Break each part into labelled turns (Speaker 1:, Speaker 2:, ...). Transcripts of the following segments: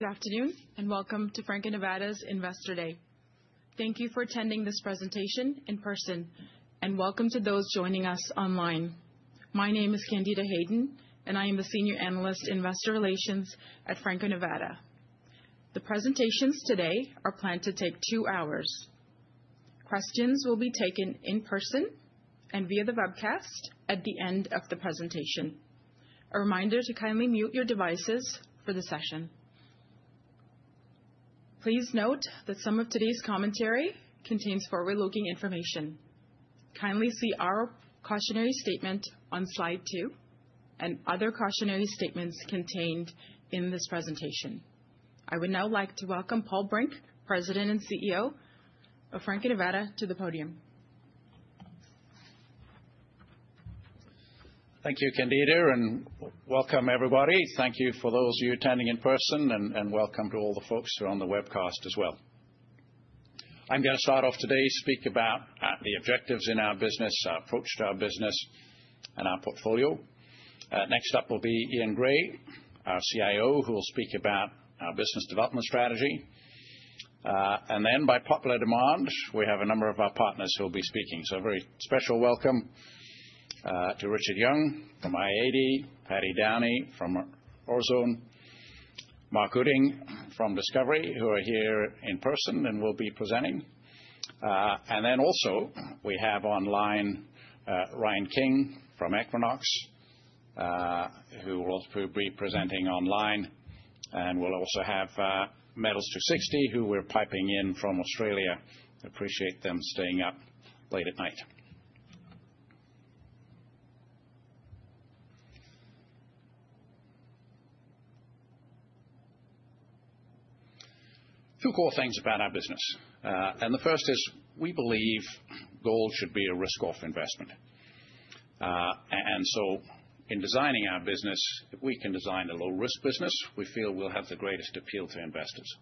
Speaker 1: Good afternoon, and welcome to Franco-Nevada's Investor Day. Thank you for attending this presentation in person, and welcome to those joining us online. My name is Candida Hayden, and I am the Senior Analyst, Investor Relations at Franco-Nevada. The presentations today are planned to take two hours. Questions will be taken in person and via the webcast at the end of the presentation. A reminder to kindly mute your devices for the session. Please note that some of today's commentary contains forward-looking information. Kindly see our cautionary statement on slide two and other cautionary statements contained in this presentation. I would now like to welcome Paul Brink, President and CEO of Franco-Nevada, to the podium.
Speaker 2: Thank you, Candida, and welcome everybody. Thank you for those of you attending in person, and welcome to all the folks who are on the webcast as well. I'm going to start off today, speak about the objectives in our business, our approach to our business, and our portfolio. Next up will be Euan Gray, our CIO, who will speak about our business development strategy. Then by popular demand, we have a number of our partners who will be speaking. So a very special welcome to Richard Young from I-80, Paddy Downey from Orezone, Mark Wooding from Discovery, who are here in person and will be presenting. Then also we have online, Ryan King from Equinox, who will also be presenting online. We'll also have Metals 260, who we are piping in from Australia. Appreciate them staying up late at night. Two core things about our business, and the first is we believe gold should be a risk-off investment. In designing our business, if we can design a low risk business, we feel we'll have the greatest appeal to investors.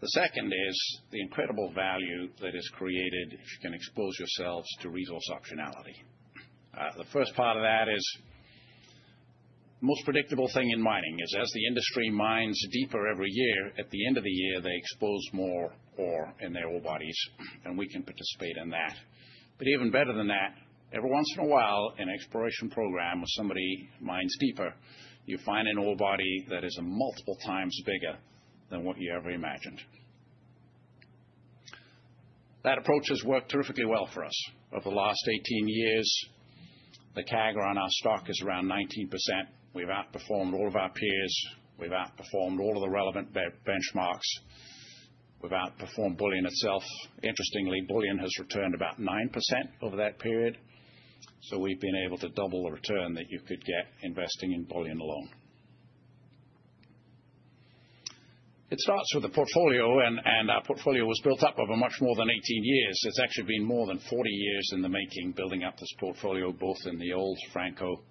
Speaker 2: The second is the incredible value that is created if you can expose yourselves to resource optionality. The first part of that is most predictable thing in mining is as the industry mines deeper every year, at the end of the year, they expose more ore in their ore bodies, and we can participate in that. Even better than that, every once in a while, an exploration program or somebody mines deeper, you find an ore body that is multiple times bigger than what you ever imagined. That approach has worked terrifically well for us. Over the last 18 years, the CAGR on our stock is around 19%. We've outperformed all of our peers. We've outperformed all of the relevant benchmarks. We've outperformed bullion itself. Interestingly, bullion has returned about 9% over that period. We've been able to double the return that you could get investing in bullion alone. It starts with the portfolio, and our portfolio was built up over much more than 18 years. It's actually been more than 40 years in the making, building up this portfolio, both in the old Franco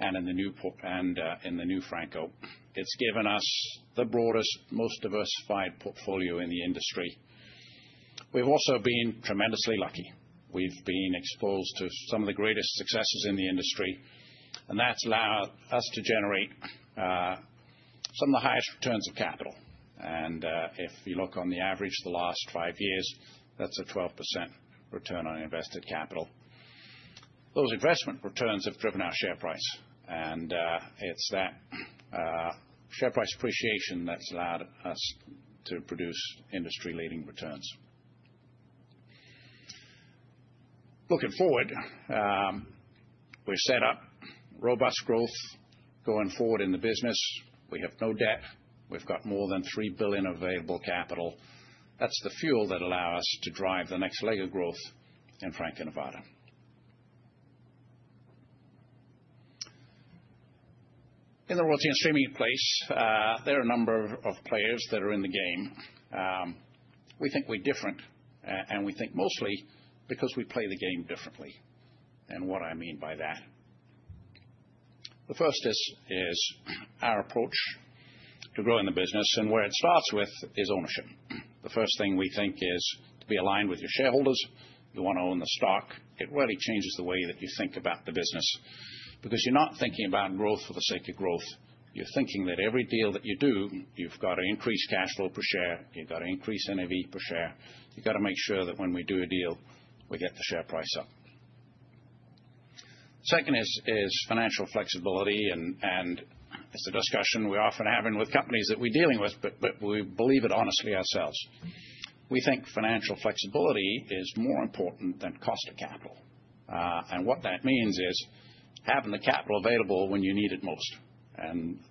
Speaker 2: and in the new Franco. It's given us the broadest, most diversified portfolio in the industry. We've also been tremendously lucky. We've been exposed to some of the greatest successes in the industry, and that's allowed us to generate some of the highest returns of capital. If you look on the average, the last five years, that's a 12% return on invested capital. Those investment returns have driven our share price, and it's that share price appreciation that's allowed us to produce industry-leading returns. Looking forward, we're set up for robust growth going forward in the business. We have no debt. We've got more than $3 billion available capital. That's the fuel that allow us to drive the next leg of growth in Franco-Nevada. In the royalty and streaming place, there are a number of players that are in the game. We think we're different, and we think mostly because we play the game differently. What I mean by that, the first is our approach to growing the business and where it starts with is ownership. The first thing we think is to be aligned with your shareholders. You want to own the stock. It really changes the way that you think about the business because you're not thinking about growth for the sake of growth. You're thinking that every deal that you do, you've got to increase cash flow per share, you've got to increase NAV per share. You've got to make sure that when we do a deal, we get the share price up. Second is financial flexibility, and it's a discussion we're often having with companies that we're dealing with, but we believe it honestly ourselves. We think financial flexibility is more important than cost of capital. What that means is having the capital available when you need it most.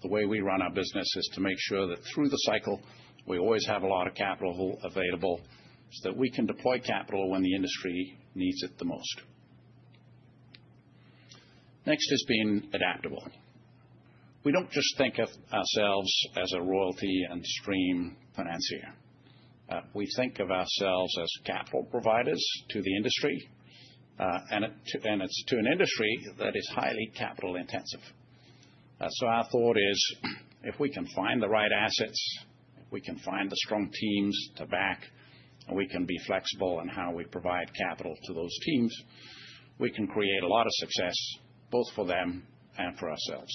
Speaker 2: The way we run our business is to make sure that through the cycle, we always have a lot of capital available so that we can deploy capital when the industry needs it the most. Next is being adaptable. We don't just think of ourselves as a royalty and stream financier. We think of ourselves as capital providers to the industry, and it's to an industry that is highly capital intensive. Our thought is, if we can find the right assets. We can find the strong teams to back, and we can be flexible in how we provide capital to those teams. We can create a lot of success, both for them and for ourselves.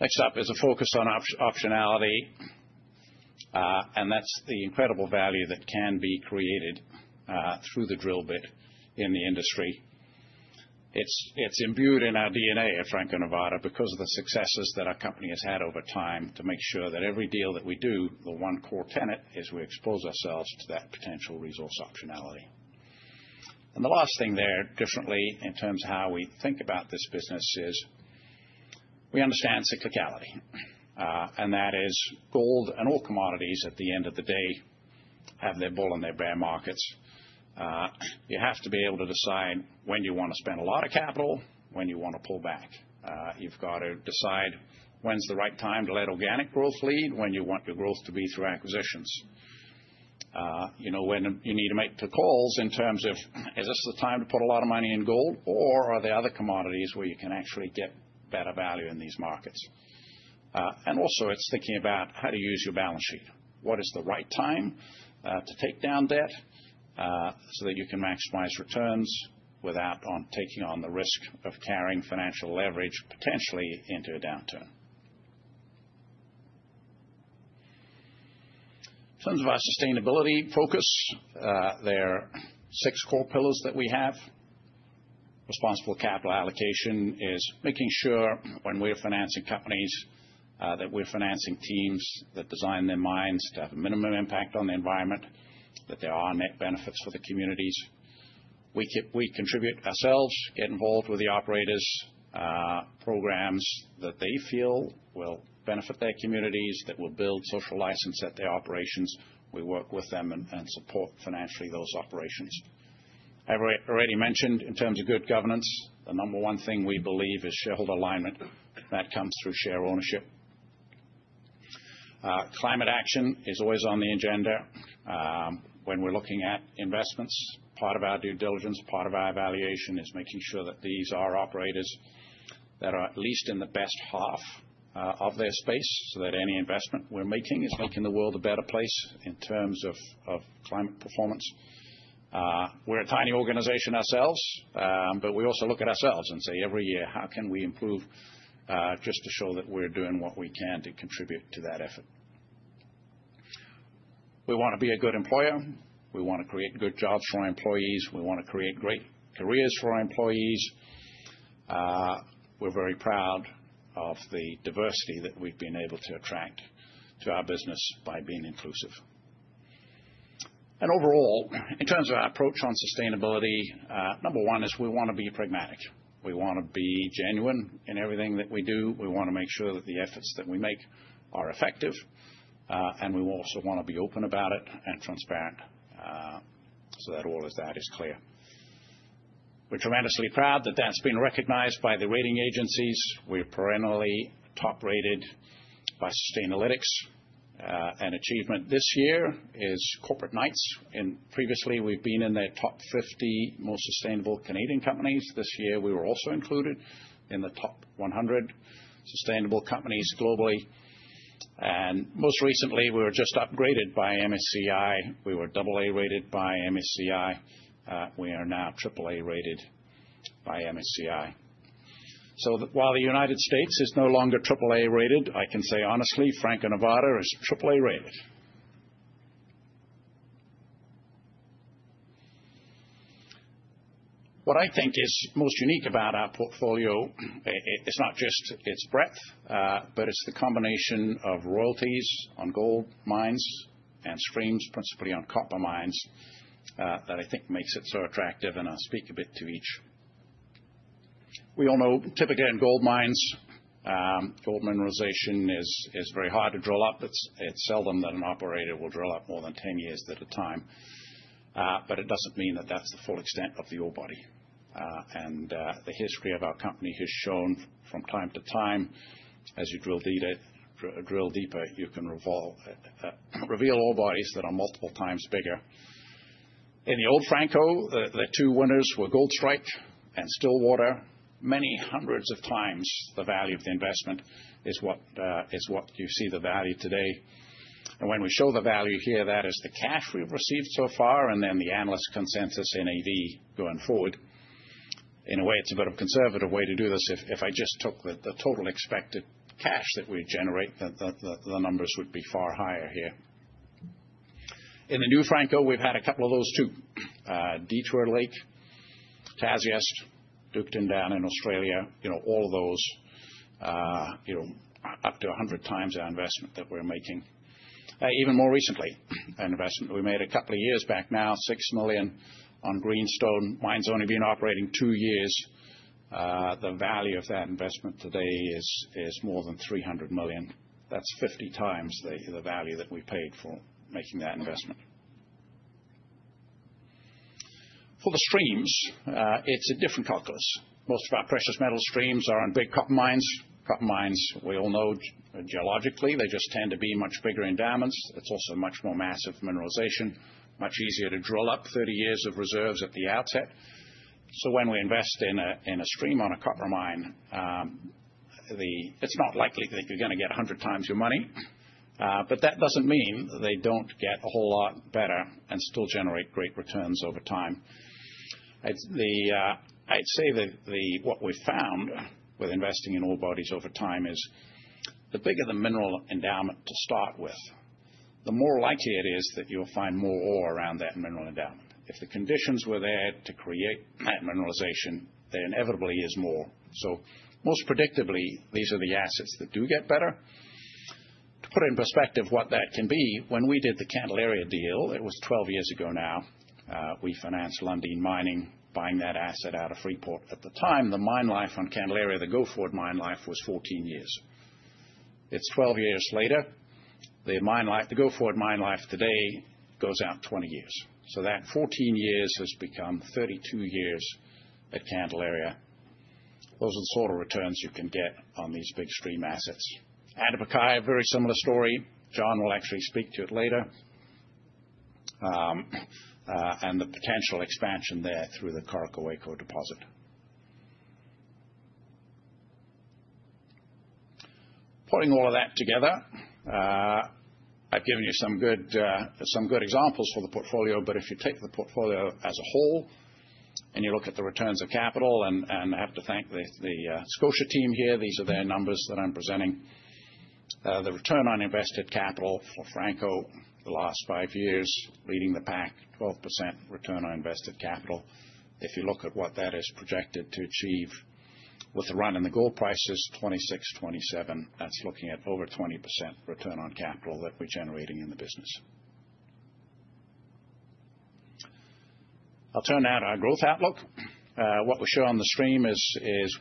Speaker 2: Next up is a focus on optionality, and that's the incredible value that can be created through the drill bit in the industry. It's imbued in our DNA at Franco-Nevada because of the successes that our company has had over time to make sure that every deal that we do, the one core tenet is we expose ourselves to that potential resource optionality. The last thing there, differently in terms of how we think about this business is we understand cyclicality. That is gold and all commodities, at the end of the day, have their bull and their bear markets. You have to be able to decide when you want to spend a lot of capital, when you want to pull back. You've got to decide when's the right time to let organic growth lead, when you want your growth to be through acquisitions. When you need to make the calls in terms of, is this the time to put a lot of money in gold, or are there other commodities where you can actually get better value in these markets? Also it's thinking about how to use your balance sheet. What is the right time to take down debt, so that you can maximize returns without taking on the risk of carrying financial leverage potentially into a downturn? In terms of our sustainability focus, there are six core pillars that we have. Responsible capital allocation is making sure when we're financing companies, that we're financing teams that design their mines to have a minimum impact on the environment, that there are net benefits for the communities. We contribute ourselves, get involved with the operators, programs that they feel will benefit their communities, that will build social license at their operations. We work with them and support financially those operations. I already mentioned in terms of good governance, the number one thing we believe is shareholder alignment. That comes through share ownership. Climate action is always on the agenda. When we're looking at investments, part of our due diligence, part of our evaluation is making sure that these are operators that are at least in the best half of their space, so that any investment we're making is making the world a better place in terms of climate performance. We're a tiny organization ourselves, but we also look at ourselves and say every year, how can we improve, just to show that we're doing what we can to contribute to that effort. We want to be a good employer. We want to create good jobs for our employees. We want to create great careers for our employees. We're very proud of the diversity that we've been able to attract to our business by being inclusive. Overall, in terms of our approach on sustainability, number one is we want to be pragmatic. We want to be genuine in everything that we do. We want to make sure that the efforts that we make are effective. We also want to be open about it and transparent, so that all of that is clear. We're tremendously proud that that's been recognized by the rating agencies. We're perennially top-rated by Sustainalytics. An achievement this year is Corporate Knights. Previously, we've been in their top 50 most sustainable Canadian companies. This year, we were also included in the top 100 sustainable companies globally. Most recently, we were just upgraded by MSCI. We were AA-rated by MSCI. We are now AAA-rated by MSCI. While the United States is no longer AAA-rated, I can say honestly, Franco-Nevada is AAA-rated. What I think is most unique about our portfolio, it's not just its breadth, but it's the combination of royalties on gold mines and streams, principally on copper mines, that I think makes it so attractive, and I'll speak a bit to each. We all know typically in gold mines, gold mineralization is very hard to drill up. It's seldom that an operator will drill up more than 10 years at a time. It doesn't mean that that's the full extent of the ore body. The history of our company has shown from time to time, as you drill deeper, you can reveal ore bodies that are multiple times bigger. In the old Franco-Nevada, the two winners were Goldstrike and Stillwater. Many hundreds of times the value of the investment is what you see the value today. When we show the value here, that is the cash we've received so far, and then the analyst consensus NAV going forward. In a way, it's a bit of a conservative way to do this. If I just took the total expected cash that we generate, the numbers would be far higher here. In the new Franco-Nevada, we've had a couple of those, too. Detour Lake, Tasiast, Ukon down in Australia, all of those up to 100x our investment that we're making. Even more recently, an investment we made a couple of years back now, $6 million on Greenstone. The mine has only been operating two years. The value of that investment today is more than $300 million. That's 50x the value that we paid for making that investment. For the streams, it's a different calculus. Most of our precious metal streams are on big copper mines. Copper mines, we all know geologically, they just tend to be much bigger endowments. It's also much more massive mineralization, much easier to drill up 30 years of reserves at the outset. When we invest in a stream on a copper mine. It's not likely that you're going to get 100x your money. That doesn't mean they don't get a whole lot better and still generate great returns over time. I'd say that what we've found with investing in ore bodies over time is, the bigger the mineral endowment to start with, the more likely it is that you'll find more ore around that mineral endowment. If the conditions were there to create that mineralization, there inevitably is more. Most predictably, these are the assets that do get better. To put in perspective what that can be, when we did the Candelaria deal, it was 12 years ago now, we financed Lundin Mining buying that asset out of Freeport. At the time, the mine life on Candelaria, the go-forward mine life was 14 years. It's 12 years later, the go-forward mine life today goes out 20 years. That 14 years has become 32 years at Candelaria. Those are the sort of returns you can get on these big stream assets. Antapaccay, a very similar story. John will actually speak to it later. The potential expansion there through the Coroccohuayco deposit. Putting all of that together, I've given you some good examples for the portfolio, but if you take the portfolio as a whole and you look at the returns of capital, and I have to thank the Scotia team here, these are their numbers that I'm presenting. The return on invested capital for Franco-Nevada, the last five years, leading the pack, 12% return on invested capital. If you look at what that is projected to achieve with the run in the gold prices, 2026 and 2027, that's looking at over 20% return on capital that we're generating in the business. I'll turn now to our growth outlook. What we show on the slide is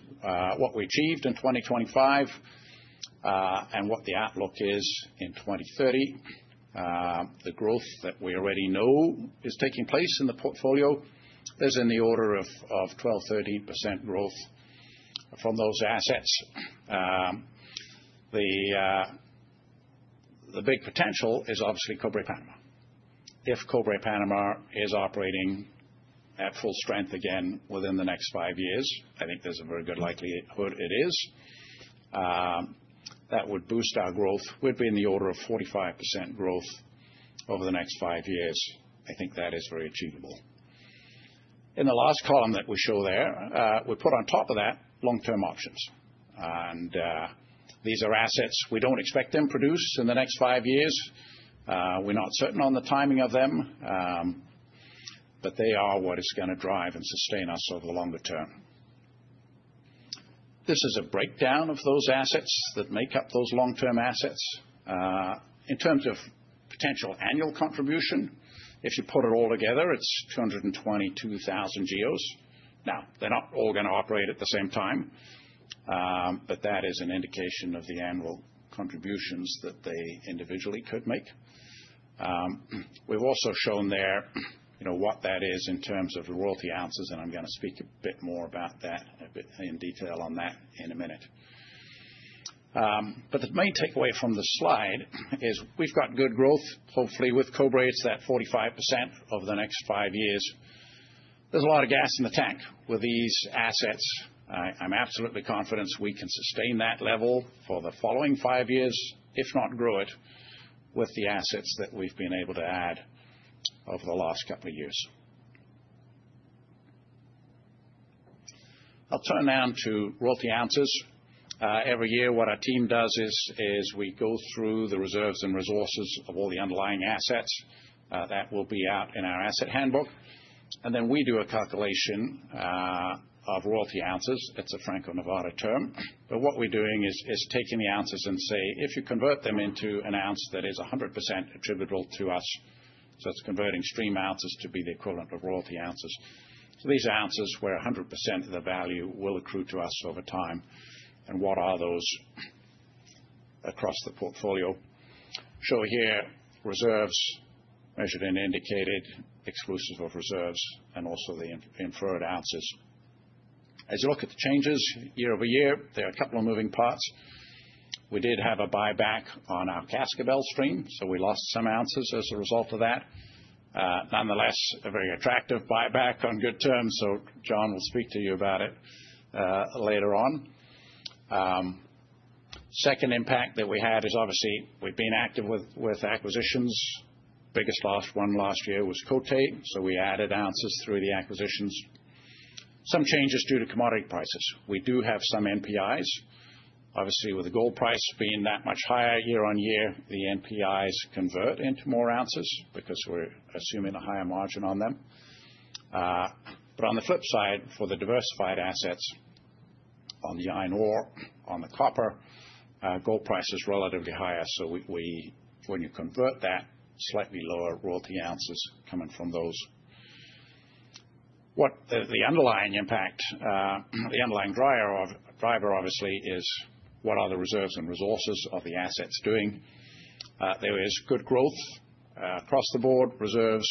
Speaker 2: what we achieved in 2025, and what the outlook is in 2030. The growth that we already know is taking place in the portfolio is in the order of 12%-13% growth from those assets. The big potential is obviously Cobre Panamá. If Cobre Panamá is operating at full strength again within the next five years, I think there's a very good likelihood it is, that would boost our growth, would be in the order of 45% growth over the next five years. I think that is very achievable. In the last column that we show there, we put on top of that long-term options. These are assets we don't expect them produced in the next five years. We're not certain on the timing of them, but they are what is going to drive and sustain us over the longer term. This is a breakdown of those assets that make up those long-term assets. In terms of potential annual contribution, if you put it all together, it's 222,000 GEOs. Now, they're not all going to operate at the same time, but that is an indication of the annual contributions that they individually could make. We've also shown there what that is in terms of royalty ounces, and I'm going to speak a bit more about that in detail on that in a minute. The main takeaway from the slide is we've got good growth, hopefully with Cobre, it's that 45% over the next five years. There's a lot of gas in the tank with these assets. I'm absolutely confident we can sustain that level for the following five years, if not grow it, with the assets that we've been able to add over the last couple of years. I'll turn now to royalty ounces. Every year, what our team does is we go through the reserves and resources of all the underlying assets, that will be out in our asset handbook. Then we do a calculation of royalty ounces. It's a Franco-Nevada term. What we're doing is taking the ounces and say, if you convert them into an ounce that is 100% attributable to us, so it's converting stream ounces to be the equivalent of royalty ounces. These are ounces where 100% of the value will accrue to us over time, and what are those across the portfolio. Shown here, reserves, Measured and Indicated, exclusive of reserves, and also the inferred ounces. As you look at the changes year-over-year, there are a couple of moving parts. We did have a buyback on our Cascabel stream, so we lost some ounces as a result of that. Nonetheless, a very attractive buyback on good terms, so John will speak to you about it later on. Second impact that we had is obviously we've been active with acquisitions. Biggest one last year was Côté, so we added ounces through the acquisitions. Some changes due to commodity prices. We do have some NPIs. Obviously, with the gold price being that much higher year on year, the NPIs convert into more ounces because we're assuming a higher margin on them. On the flip side, for the diversified assets on the iron ore, and the copper, gold price is relatively higher. When you convert that, slightly lower royalty ounces coming from those. What's the underlying impact, the underlying driver obviously is what are the reserves and resources of the assets doing. There is good growth across the board, reserves,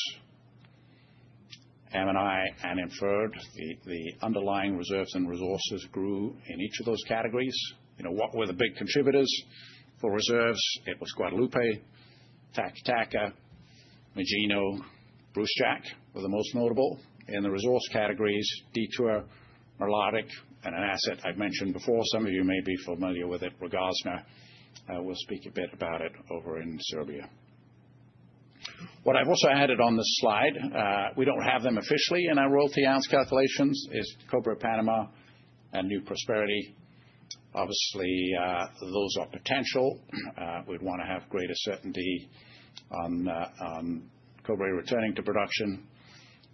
Speaker 2: M&I, and inferred. The underlying reserves and resources grew in each of those categories. What were the big contributors for reserves? It was Guadalupe, Taca Taca, Magino, Brucejack were the most notable. In the resource categories, Detour, Malartic, and an asset I've mentioned before, some of you may be familiar with it, Rogozna. We'll speak a bit about it over in Serbia. What I've also added on this slide, we don't have them officially in our royalty ounce calculations, is Cobre Panamá and New Prosperity. Obviously, those are potential. We'd want to have greater certainty on Cobre returning to production,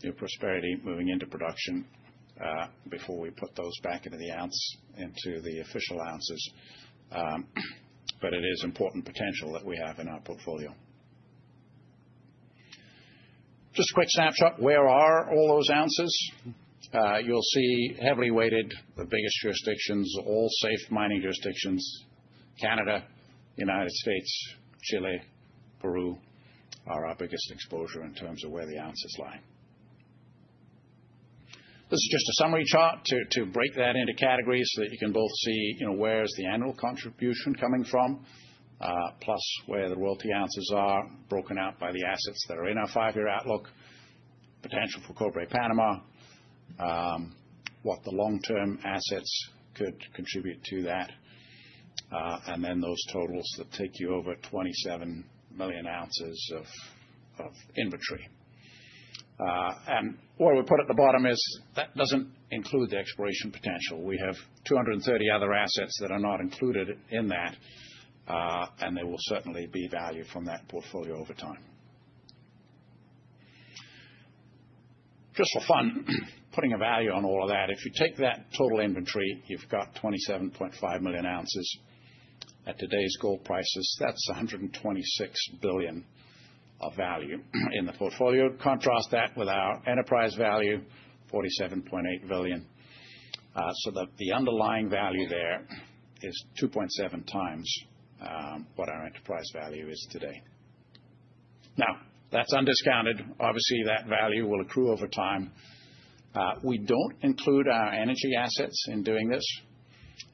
Speaker 2: New Prosperity moving into production, before we put those back into the official ounces. It is important potential that we have in our portfolio. Just a quick snapshot. Where are all those ounces? You'll see heavily weighted, the biggest jurisdictions, all safe mining jurisdictions, Canada, the United States, Chile, Peru are our biggest exposure in terms of where the ounces lie. This is just a summary chart to break that into categories so that you can both see where is the annual contribution coming from, plus where the royalty ounces are broken out by the assets that are in our five-year outlook, potential for Cobre Panamá, what the long-term assets could contribute to that, and then those totals that take you over 27 million ounces of inventory. Where we put at the bottom is that doesn't include the exploration potential. We have 230 other assets that are not included in that, and there will certainly be value from that portfolio over time. Just for fun, putting a value on all of that. If you take that total inventory, you've got 27.5 million ounces. At today's gold prices, that's $126 billion of value in the portfolio. Contrast that with our enterprise value, $47.8 billion. The underlying value there is 2.7x what our enterprise value is today. Now, that's undiscounted. Obviously, that value will accrue over time. We don't include our energy assets in doing this.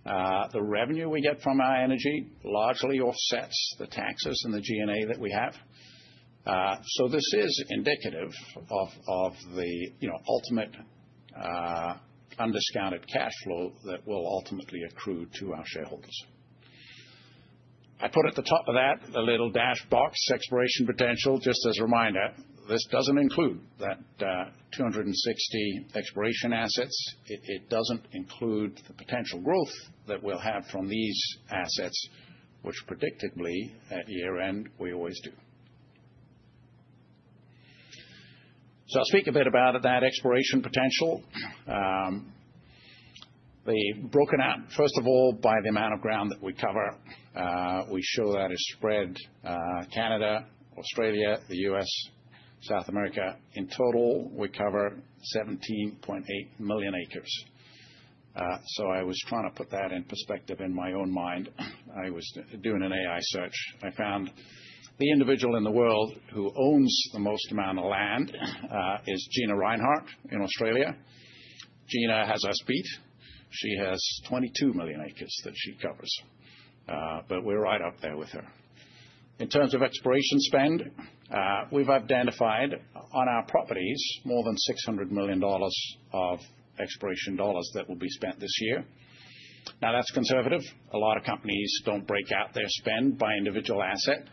Speaker 2: The revenue we get from our energy largely offsets the taxes and the G&A that we have. This is indicative of the ultimate undiscounted cash flow that will ultimately accrue to our shareholders. I put at the top of that a little dashed box, exploration potential, just as a reminder. This doesn't include Minerals 260 exploration assets. It doesn't include the potential growth that we'll have from these assets, which predictably, at year-end, we always do. I'll speak a bit about that exploration potential. They're broken out, first of all, by the amount of ground that we cover. We show that it is spread Canada, Australia, the U.S., South America. In total, we cover 17.8 million acres. I was trying to put that in perspective in my own mind. I was doing an AI search. I found the individual in the world who owns the most amount of land is Gina Rinehart in Australia. Gina has us beat. She has 22 million acres that she covers. We're right up there with her. In terms of exploration spend, we've identified on our properties more than $600 million of exploration dollars that will be spent this year. Now, that's conservative. A lot of companies don't break out their spend by individual asset.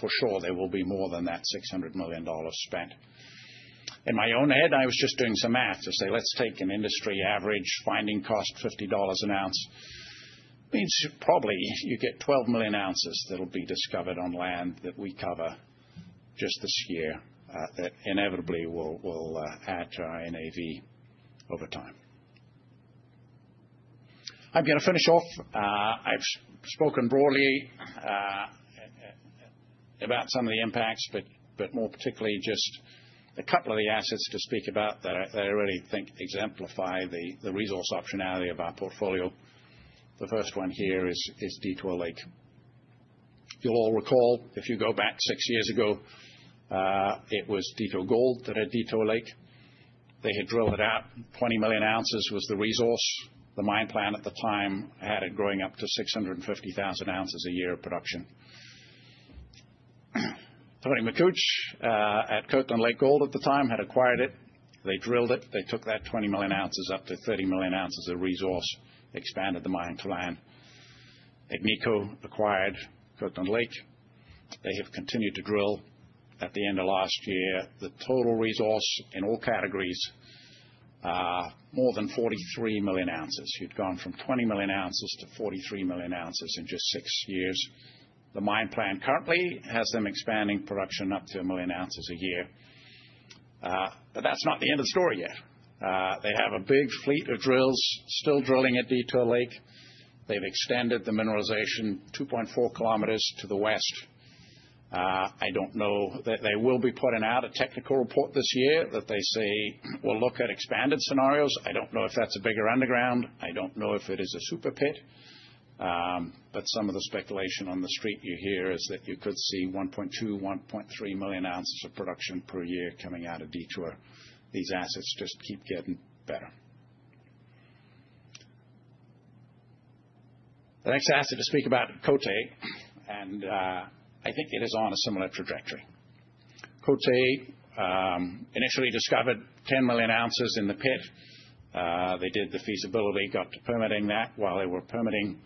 Speaker 2: For sure, there will be more than that $600 million spent. In my own head, I was just doing some math to say, let's take an industry average finding cost $50 an ounce. means probably you get 12 million ounces that'll be discovered on land that we cover just this year, that inevitably will add to our NAV over time. I'm going to finish off. I've spoken broadly about some of the impacts, but more particularly just a couple of the assets to speak about that I really think exemplify the resource optionality of our portfolio. The first one here is Detour Lake. You'll all recall, if you go back 6 years ago, it was Detour Gold that had Detour Lake. They had drilled it out, 20 million ounces was the resource. The mine plan at the time had it growing up to 650,000 ounces a year of production. Tony Makuch at Kirkland Lake Gold at the time had acquired it. They drilled it. They took that 20 million ounces up to 30 million ounces of resource, expanded the mining plan. Agnico Eagle acquired Kirkland Lake. They have continued to drill. At the end of last year, the total resource in all categories, more than 43 million ounces. You've gone from 20 million ounces to 43 million ounces in just six years. The mine plan currently has them expanding production up to 1 million ounces a year. That's not the end of story yet. They have a big fleet of drills still drilling at Detour Lake. They've extended the mineralization by 2.4 kilometers to the west. I don't know that they will be putting out a technical report this year that they say will look at expanded scenarios. I don't know if that's a bigger underground. I don't know if it is a super pit. Some of the speculation on the Street you hear is that you could see 1.2–1.3 million ounces of production per annum coming out of Detour. These assets just keep getting better. The next asset to speak about, Côté, and I think it is on a similar trajectory. Côté initially discovered 10 million ounces in the pit. They did the feasibility, got to permitting that. While they were permitting,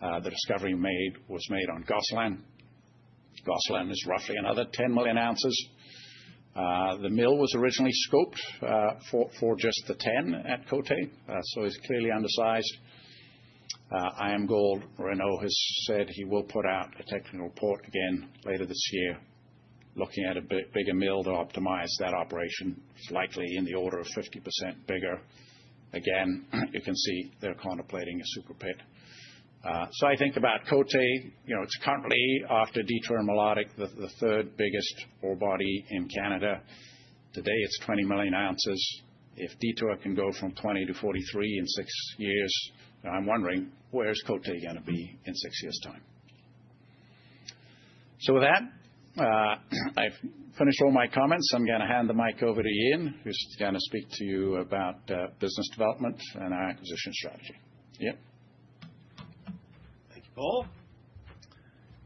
Speaker 2: the discovery was made on Gosselin. Gosselin is roughly another 10 million ounces. The mill was originally scoped for just the 10 at Côté, so it's clearly undersized. IAMGOLD, Renaud Adams has said he will put out a technical report again later this year, looking at a bigger mill to optimize that operation, likely in the order of 50% bigger. Again, you can see they're contemplating a super pit. I think about Côté, it's currently after Detour and Malartic, the third-biggest ore body in Canada. Today it's 20 million ounces. If Detour can go from 20 to 43 in six years, I'm wondering where's Côté going to be in six years' time. With that, I've finished all my comments. I'm going to hand the mic over to Euan, who's going to speak to you about business development and our acquisition strategy. Euan?
Speaker 3: Thank you, Paul.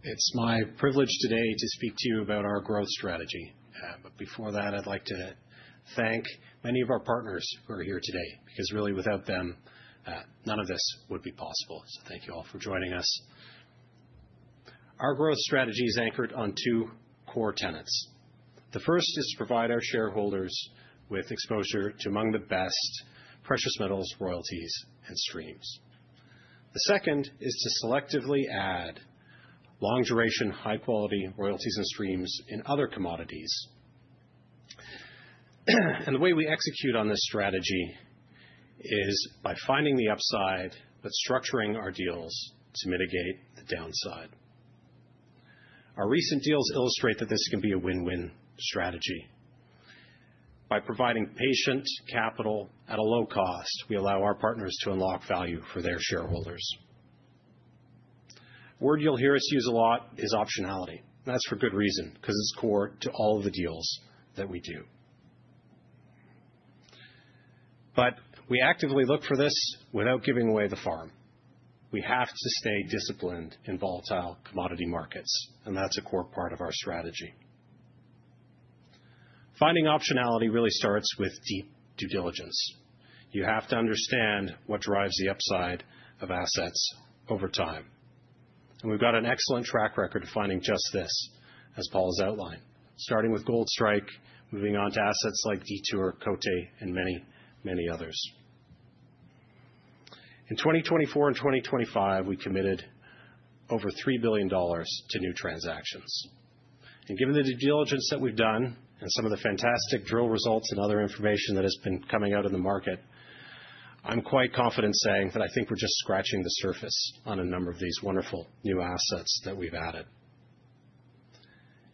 Speaker 3: It's my privilege today to speak to you about our growth strategy. Before that, I'd like to thank many of our partners who are here today, because really without them none of this would be possible. Thank you all for joining us. Our growth strategy is anchored on two core tenets. The first is to provide our shareholders with exposure to among the best precious metals royalties and streams. The second is to selectively add long duration, high quality royalties and streams in other commodities. The way we execute on this strategy is by finding the upside, but structuring our deals to mitigate the downside. Our recent deals illustrate that this can be a win-win strategy. By providing patient capital at a low cost, we allow our partners to unlock value for their shareholders. A word you'll hear us use a lot is optionality, and that's for good reason, because it's core to all of the deals that we do. We actively look for this without giving away the farm. We have to stay disciplined in volatile commodity markets, and that's a core part of our strategy. Finding optionality really starts with deep due diligence. You have to understand what drives the upside of assets over time. We've got an excellent track record of finding just this, as Paul has outlined, starting with Gold Strike, moving on to assets like Detour, Côté and many, many others. In 2024 and 2025, we committed over $3 billion to new transactions. Given the due diligence that we've done and some of the fantastic drill results and other information that has been coming out of the market, I'm quite confident saying that I think we're just scratching the surface on a number of these wonderful new assets that we've added.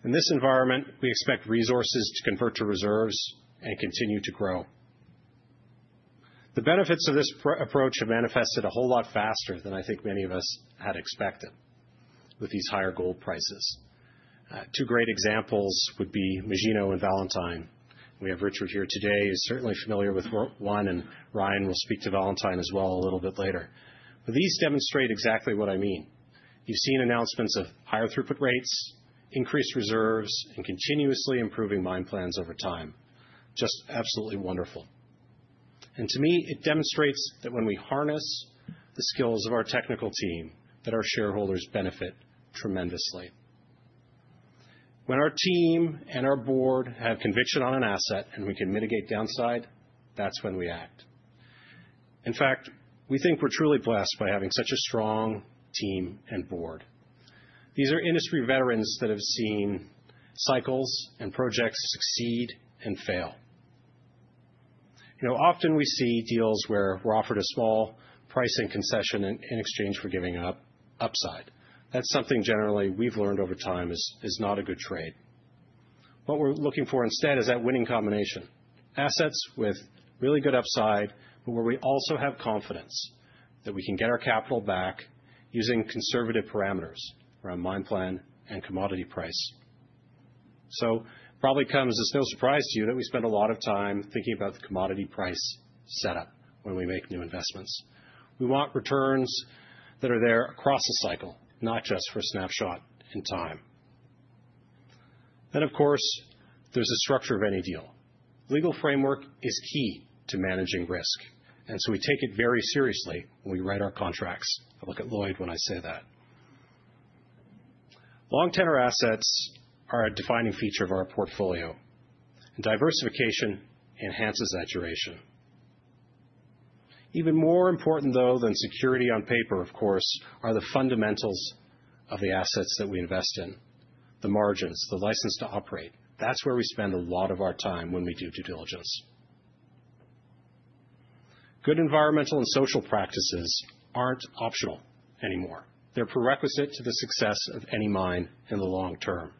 Speaker 3: In this environment, we expect resources to convert to reserves and continue to grow. The benefits of this approach have manifested a whole lot faster than I think many of us had expected with these higher gold prices. Two great examples would be Magino and Valentine. We have Richard here today, who's certainly familiar with one, and Ryan will speak to Valentine as well a little bit later. These demonstrate exactly what I mean. You've seen announcements of higher throughput rates, increased reserves and continuously improving mine plans over time. Just absolutely wonderful. To me, it demonstrates that when we harness the skills of our technical team, that our shareholders benefit tremendously. When our team and our board have conviction on an asset and we can mitigate downside, that's when we act. In fact, we think we're truly blessed by having such a strong team and board. These are industry veterans that have seen cycles and projects succeed and fail. Often we see deals where we're offered a small pricing concession in exchange for giving up upside. That's something generally we've learned over time is not a good trade. What we're looking for instead is that winning combination, assets with really good upside, but where we also have confidence that we can get our capital back using conservative parameters around mine plan and commodity price. Probably comes as no surprise to you that we spend a lot of time thinking about the commodity price setup when we make new investments. We want returns that are there across the cycle, not just for a snapshot in time. Of course, there's the structure of any deal. Legal framework is key to managing risk, and so we take it very seriously when we write our contracts. I look at Lloyd when I say that. Long tenor assets are a defining feature of our portfolio, and diversification enhances that duration. Even more important, though, than security on paper, of course, are the fundamentals of the assets that we invest in, the margins, the license to operate. That's where we spend a lot of our time when we do due diligence. Good environmental and social practices aren't optional anymore. They're prerequisite to the success of any mine in the long term.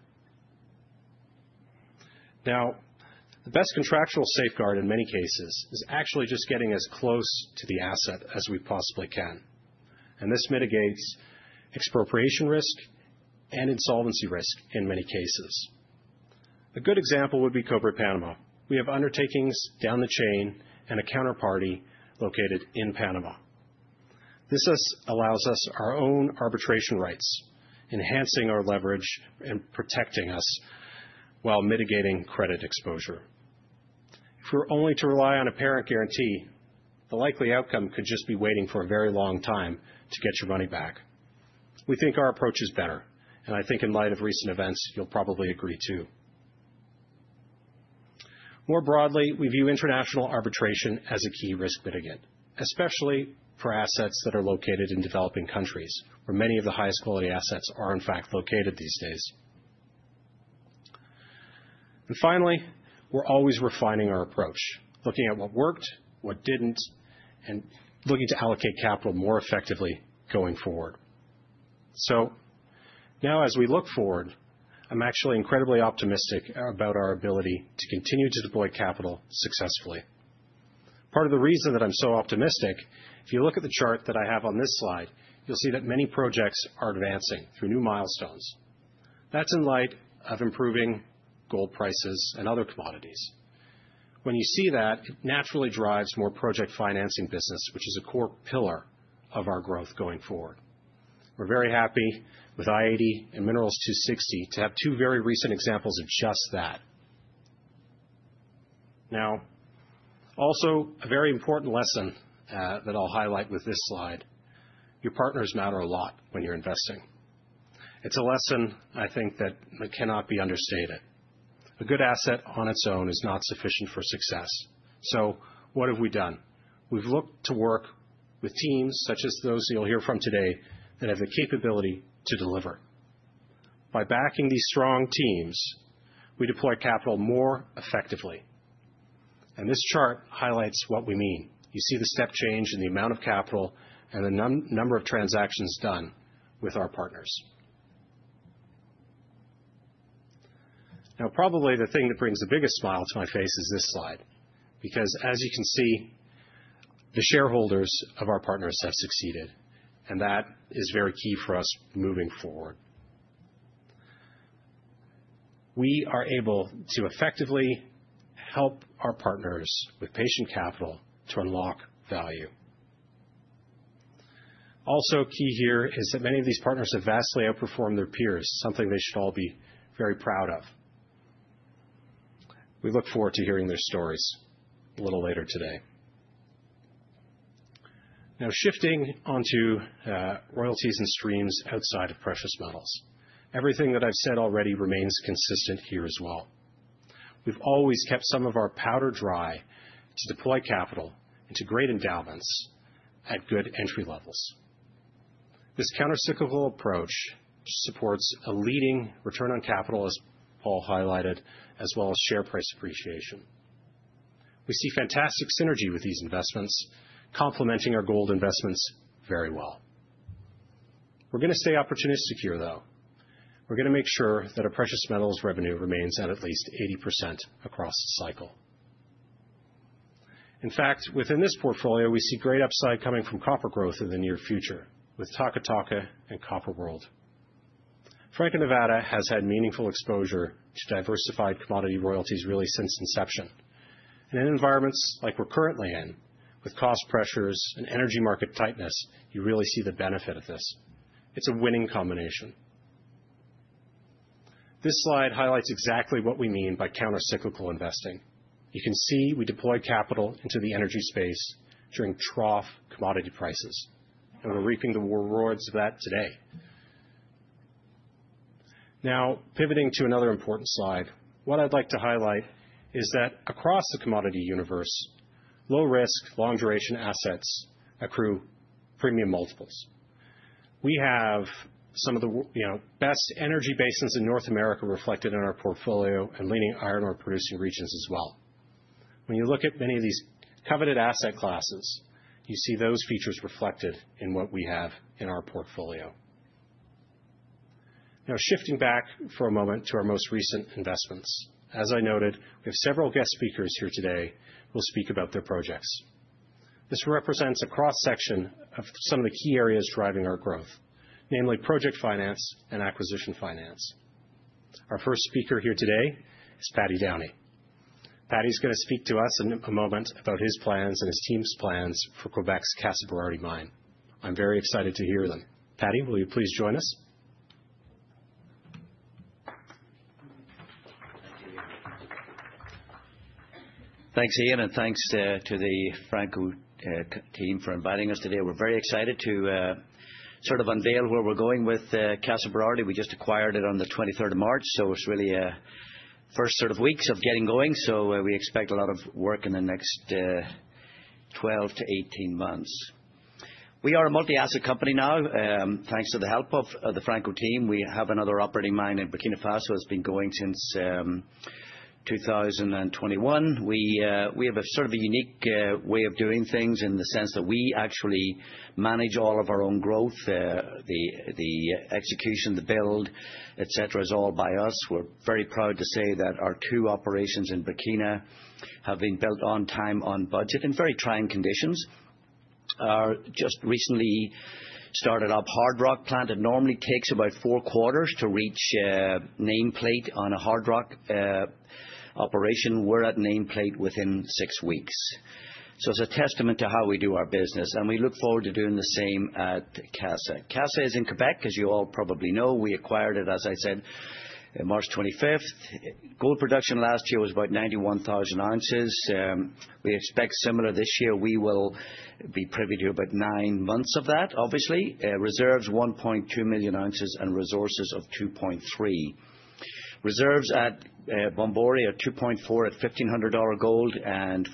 Speaker 3: Now, the best contractual safeguard in many cases is actually just getting as close to the asset as we possibly can, and this mitigates expropriation risk and insolvency risk in many cases. A good example would be Cobre Panamá. We have undertakings down the chain and a counterparty located in Panamá. This allows us our own arbitration rights, enhancing our leverage and protecting us while mitigating credit exposure. If we're only to rely on a parent guarantee, the likely outcome could just be waiting for a very long time to get your money back. We think our approach is better, and I think in light of recent events, you'll probably agree too. More broadly, we view international arbitration as a key risk mitigant, especially for assets that are located in developing countries, where many of the highest quality assets are in fact located these days. Finally, we're always refining our approach, looking at what worked, what didn't, and looking to allocate capital more effectively going forward. Now as we look forward, I'm actually incredibly optimistic about our ability to continue to deploy capital successfully. Part of the reason that I'm so optimistic, if you look at the chart that I have on this slide, you'll see that many projects are advancing through new milestones. That's in light of improving gold prices and other commodities. When you see that, it naturally drives more project financing business, which is a core pillar of our growth going forward. We're very happy with I-80 and Minerals 260 to have two very recent examples of just that. Now, also a very important lesson that I'll highlight with this slide. Your partners matter a lot when you're investing. It's a lesson I think that cannot be understated. A good asset on its own is not sufficient for success. What have we done? We've looked to work with teams such as those you'll hear from today that have the capability to deliver. By backing these strong teams, we deploy capital more effectively. This chart highlights what we mean. You see the step change in the amount of capital and the number of transactions done with our partners. Now probably the thing that brings the biggest smile to my face is this slide, because as you can see, the shareholders of our partners have succeeded, and that is very key for us moving forward. We are able to effectively help our partners with patient capital to unlock value. Also key here is that many of these partners have vastly outperformed their peers, something they should all be very proud of. We look forward to hearing their stories a little later today. Now shifting onto royalties and streams outside of precious metals. Everything that I've said already remains consistent here as well. We've always kept some of our powder dry to deploy capital into great endowments at good entry levels. This counter-cyclical approach supports a leading return on capital, as Paul highlighted, as well as share price appreciation. We see fantastic synergy with these investments, complementing our gold investments very well. We're going to stay opportunistic here, though. We're going to make sure that our precious metals revenue remains at least 80% across the cycle. In fact, within this portfolio, we see great upside coming from copper growth in the near future with Taca Taca and Copper World. Franco-Nevada has had meaningful exposure to diversified commodity royalties really since inception. In environments like we're currently in, with cost pressures and energy market tightness, you really see the benefit of this. It's a winning combination. This slide highlights exactly what we mean by counter-cyclical investing. You can see we deployed capital into the energy space during trough commodity prices, and we're reaping the rewards of that today. Now pivoting to another important slide. What I'd like to highlight is that across the commodity universe, low risk, long duration assets accrue premium multiples. We have some of the best energy basins in North America reflected in our portfolio and leading iron ore producing regions as well. When you look at many of these coveted asset classes, you see those features reflected in what we have in our portfolio. Now, shifting back for a moment to our most recent investments. As I noted, we have several guest speakers here today who will speak about their projects. This represents a cross-section of some of the key areas driving our growth, namely project finance and acquisition finance. Our first speaker here today is Paddy Downey. Paddy is going to speak to us in a moment about his plans and his team's plans for Quebec's Casa Berardi mine. I'm very excited to hear them. Paddy, will you please join us?
Speaker 4: Thanks, Euan, and thanks to the Franco team for inviting us today. We're very excited to sort of unveil where we're going with Casa Berardi. We just acquired it on the March 23, so it's really first sort of weeks of getting going. We expect a lot of work in the next 12-18 months. We are a multi-asset company now, thanks to the help of the Franco team. We have another operating mine in Burkina Faso that's been going since 2021. We have a sort of a unique way of doing things in the sense that we actually manage all of our own growth. The execution, the build, et cetera, is all by us. We're very proud to say that our two operations in Burkina have been built on time, on budget, in very trying conditions. Our just recently started up hard rock plant. It normally takes about four quarters to reach nameplate on a hard rock operation. We're at nameplate within six weeks. It's a testament to how we do our business, and we look forward to doing the same at Casa. Casa is in Quebec, as you all probably know. We acquired it, as I said, March 25. Gold production last year was about 91,000 ounces. We expect similar this year. We will have about nine months of that, obviously. Reserves, 1.2 million ounces, and resources of 2.3 million ounces. Reserves at Bomboré are 2.4 million ounces at $1,500 gold and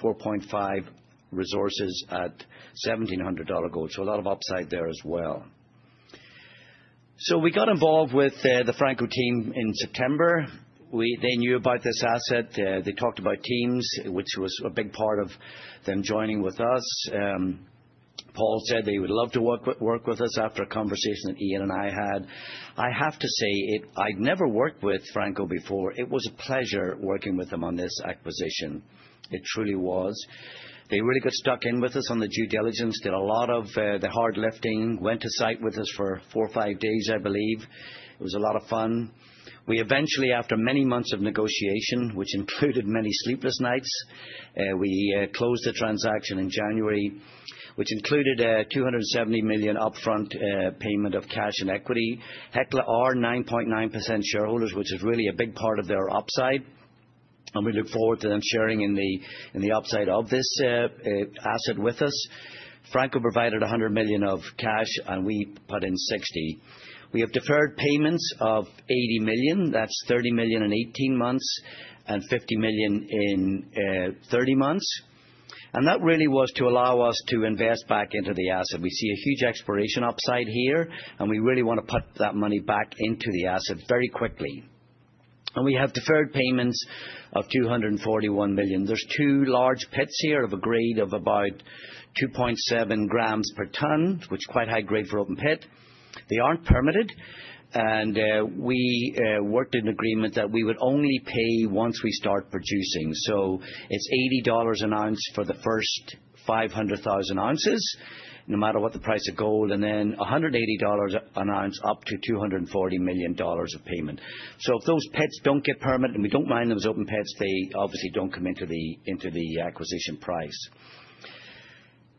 Speaker 4: resources are 4.5 million ounces at $1,700 gold. A lot of upside there as well. We got involved with the Franco team in September. They knew about this asset. They talked about teams, which was a big part of them joining with us. Paul said they would love to work with us after a conversation that Euan and I had. I have to say, I'd never worked with Franco-Nevada before. It was a pleasure working with them on this acquisition. It truly was. They really got stuck in with us on the due diligence, did a lot of the heavy lifting, went to site with us for four or five days, I believe. It was a lot of fun. We eventually, after many months of negotiation, which included many sleepless nights, we closed the transaction in January, which included a $270 million upfront payment of cash and equity. Hecla are 9.9% shareholders, which is really a big part of their upside, and we look forward to them sharing in the upside of this asset with us. Franco-Nevada provided $100 million of cash and we put in $60 million. We have deferred payments of $80 million. That's $30 million in 18 months and $50 million in 30 months. That really is to allow us to invest back into the asset. We see a huge exploration upside here, and we really want to put that money back into the asset very quickly. We have deferred payments of $241 million. There's two large pits here of a grade of about 2.7 grams per tonne, which is quite high grade for open pit. They aren't permitted, and we worked an agreement that we would only pay once we start producing. It's $80 an ounce for the first 500,000 ounces, no matter what the price of gold, and then $180 an ounce up to $240 million of payment. If those pits don't get permit, and we don't mine those open pits, they obviously don't come into the acquisition price.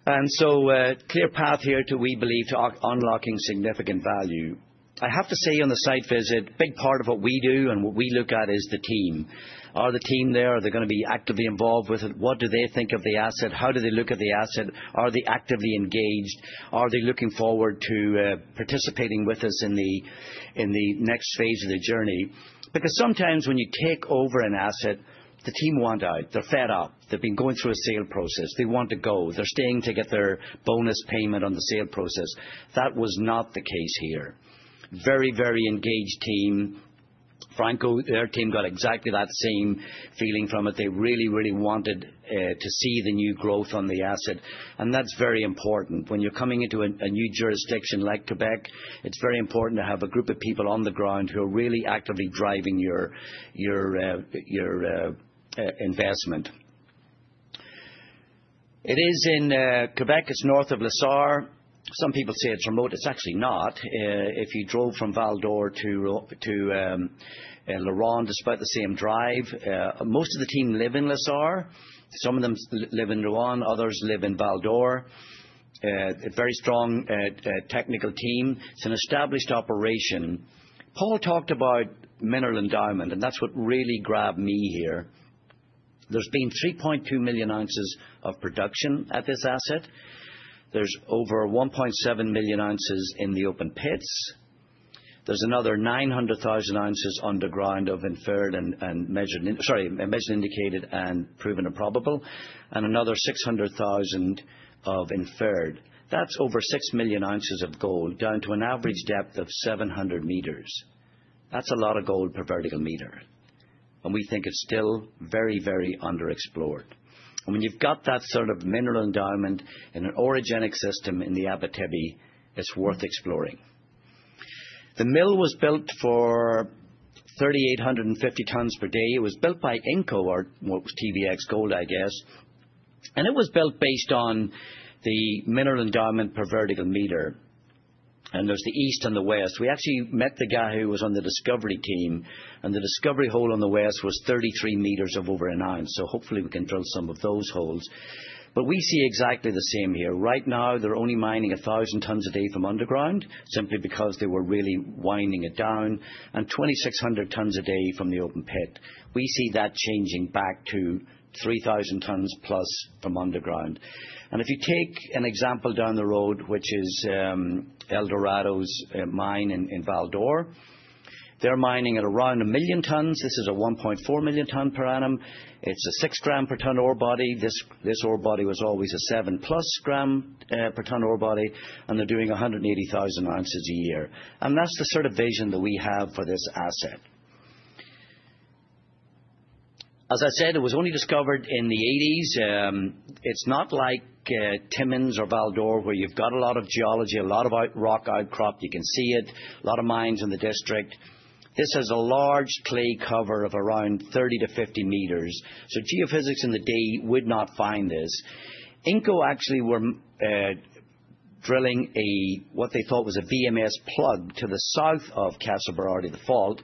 Speaker 4: A clear path here to, we believe, to unlocking significant value. I have to say on the site visit, big part of what we do and what we look at is the team. Are the team there? Are they going to be actively involved with it? What do they think of the asset? How do they look at the asset? Are they actively engaged? Are they looking forward to participating with us in the next phase of the journey? Because sometimes when you take over an asset, the team want out. They're fed up. They've been going through a sale process. They want to go. They're staying to get their bonus payment on the sale process. That was not the case here. Very engaged team. Franco, their team got exactly that same feeling from it. They really, really wanted to see the new growth on the asset, and that's very important. When you're coming into a new jurisdiction like Quebec, it's very important to have a group of people on the ground who are really actively driving your investment. It is in Quebec. It's north of La Sarre. Some people say it's remote. It's actually not. If you drove from Val-d'Or to La Sarre, it's about the same drive. Most of the team live in La Sarre. Some of them live in La Sarre, others live in Val-d'Or. A very strong technical team. It's an established operation. Paul has talked about mineral endowment, and that's what really grabbed me here. There's been 3.2 million ounces of production at this asset. There's over 1.7 million ounces in the open pits. There's another 900,000 ounces underground of inferred and measured indicated and proven and probable, and another 600,000 inferred ounces. That's over 6 million ounces of gold down to an average depth of 700 meters. That's a lot of gold per vertical meter. We think it's still very underexplored. When you've got that sort of mineral endowment in an orogenic system in the Abitibi, it's worth exploring. The mill was built for 3,850 tonnes per day. It was built by Inco or what was TVX Gold, I guess. It was built based on the mineral endowment per vertical meter. There's the east and the west. We actually met the guy who was on the discovery team, and the discovery hole on the west was 33 meters of over an ounce. Hopefully we can drill some of those holes. We see exactly the same here. Right now, they're only mining 1,000 tonnes a day from underground, simply because they were really winding it down, and 2,600 tonnes per day from the open pit. We see that changing back to 3,000 tonnes-plus from underground. If you take an example down the road, which is Eldorado's mine in Val-d'Or, they're mining at around 1 million tonnes. This is a 1.4 million tonnes per annum. It's a 6-gram-per-tonne ore body. This ore body was always a 7+ gram-per tonne ore body, and they're doing 180,000 ounces a year. That's the sort of vision that we have for this asset. As I said, it was only discovered in the 1980s. It's not like Timmins or Val-d'Or, where you've got a lot of geology, a lot of rock outcrop. You can see it. A lot of mines in the district. This has a large clay cover of around 30-50 meters. Geophysics in the day would not find this. Inco actually were drilling what they thought was a VMS plug to the south of Casa Berardi, the fault.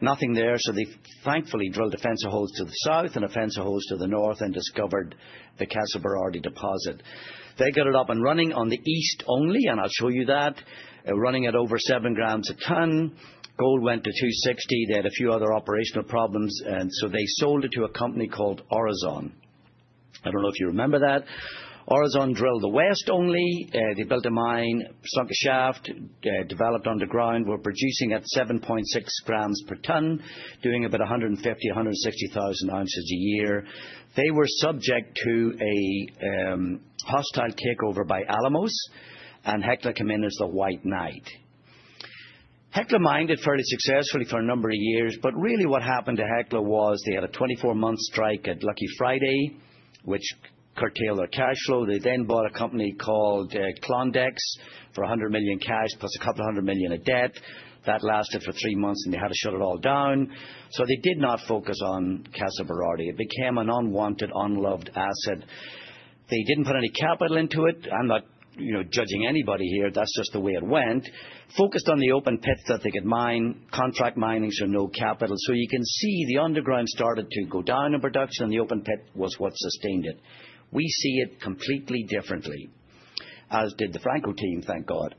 Speaker 4: Nothing there, so they thankfully drilled a fence of holes to the south and a fence of holes to the north and discovered the Casa Berardi deposit. They got it up and running on the east only, and I'll show you that. Running at over 7 grams per tonne. Gold went to $260. They had a few other operational problems, so they sold it to a company called Orezone. I don't know if you remember that. Orezone drilled the west only. They built a mine, sunk a shaft, developed underground, were producing at 7.6 grams per tonne, doing about 150,000–160,000 ounces a year. They were subject to a hostile takeover by Alamos, and Hecla came in as the white knight. Hecla mined it fairly successfully for a number of years. Really what happened to Hecla was they had a 24-month strike at Lucky Friday, which curtailed their cash flow. They then bought a company called Klondex for $100 million cash plus $200 million of debt. That lasted for three months, and they had to shut it all down. They did not focus on Casa Berardi. It became an unwanted, unloved asset. They didn't put any capital into it. I'm not judging anybody here. That's just the way it went. They focused on the open pits that they could mine, contract mining, so no capital. You can see the underground started to go down in production. The open pit was what sustained it. We see it completely differently, as did the Franco team, thank God.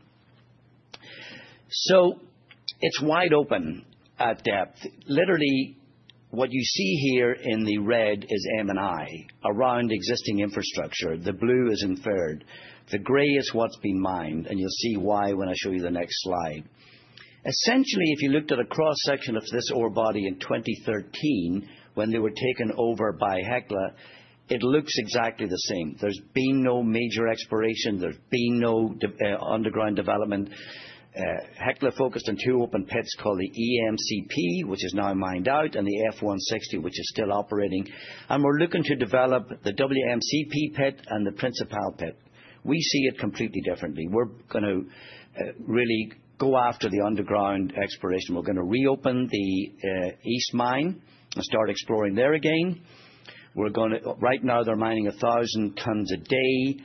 Speaker 4: It's wide open at depth. Literally what you see here in the red is M&I around existing infrastructure. The blue is inferred. The gray is what's been mined, and you'll see why when I show you the next slide. Essentially, if you looked at a cross-section of this ore body in 2013, when they were taken over by Hecla, it looks exactly the same. There's been no major exploration. There's been no underground development. Hecla focused on two open pits called the EMCP, which is now mined out, and the F160, which is still operating. We're looking to develop the West Mine Complex (WMCP) pit and the Principal pit. We see it completely differently. We're going to really go after the underground exploration. We're going to reopen the east mine and start exploring there again. Right now, they're mining 1,000 tonnes a day,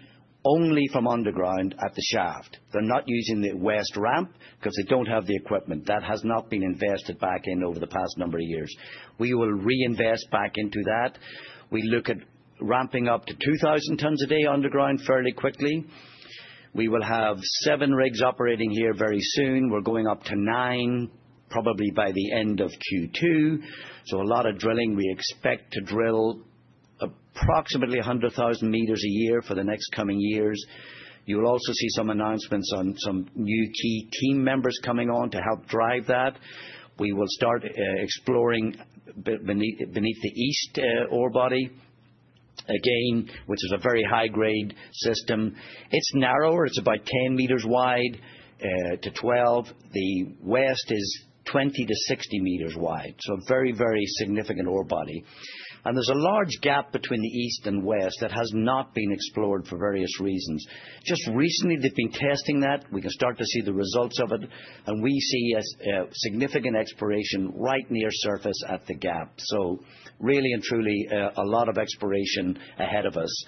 Speaker 4: only from underground at the shaft. They're not using the west ramp because they don't have the equipment. That has not been invested back in over the past number of years. We will reinvest back into that. We look at ramping up to 2,000 tonnes a day underground fairly quickly. We will have seven rigs operating here very soon. We're going up to nine, probably by the end of Q2. A lot of drilling. We expect to drill approximately 100,000 meters a year for the next coming years. You'll also see some announcements on some new key team members coming on to help drive that. We will start exploring beneath the east ore body again, which is a very high-grade system. It's narrower. It's about 10–12 meters wide. The west is 20–60 meters wide. A very significant ore body. There's a large gap between the east and west that has not been explored for various reasons. Just recently, they've been testing that. We can start to see the results of it, and we see a significant exploration right near surface at the gap. Really and truly a lot of exploration ahead of us.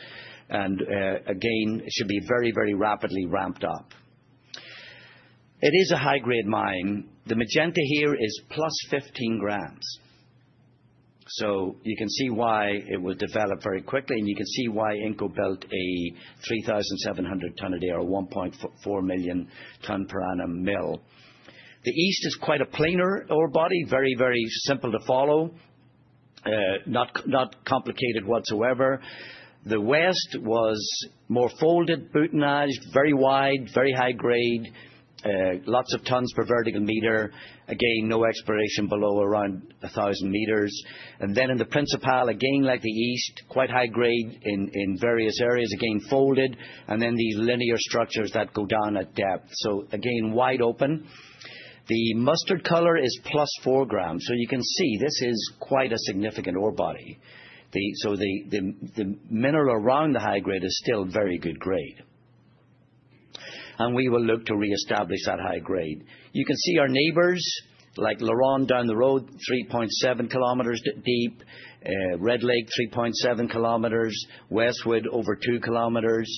Speaker 4: Again, it should be very rapidly ramped up. It is a high-grade mine. The magenta here is +15 grams. You can see why it will develop very quickly, and you can see why Inco built a 3,700 tonnes-per day or 1.4 million tonnes- per- annum mill. The east is quite a planar ore body. Very simple to follow. Not complicated whatsoever. The west was more folded, boudinaged, very wide, very high grade, lots of tonnes per vertical meter. Again, no exploration below around 1,000 meters. Then in the Principal, again like the east, quite high grade in various areas. Again folded, and then these linear structures that go down at depth. Again, wide open. The mustard color is +4 grams. You can see this is quite a significant ore body. The mineralization around the high grade is still very good grade. We will look to reestablish that high grade. You can see our neighbors, like LaRonde down the road, at 3.7 kilometers deep. Red Lake, at 3.7 kilometers. Westwood, over at two kilometers.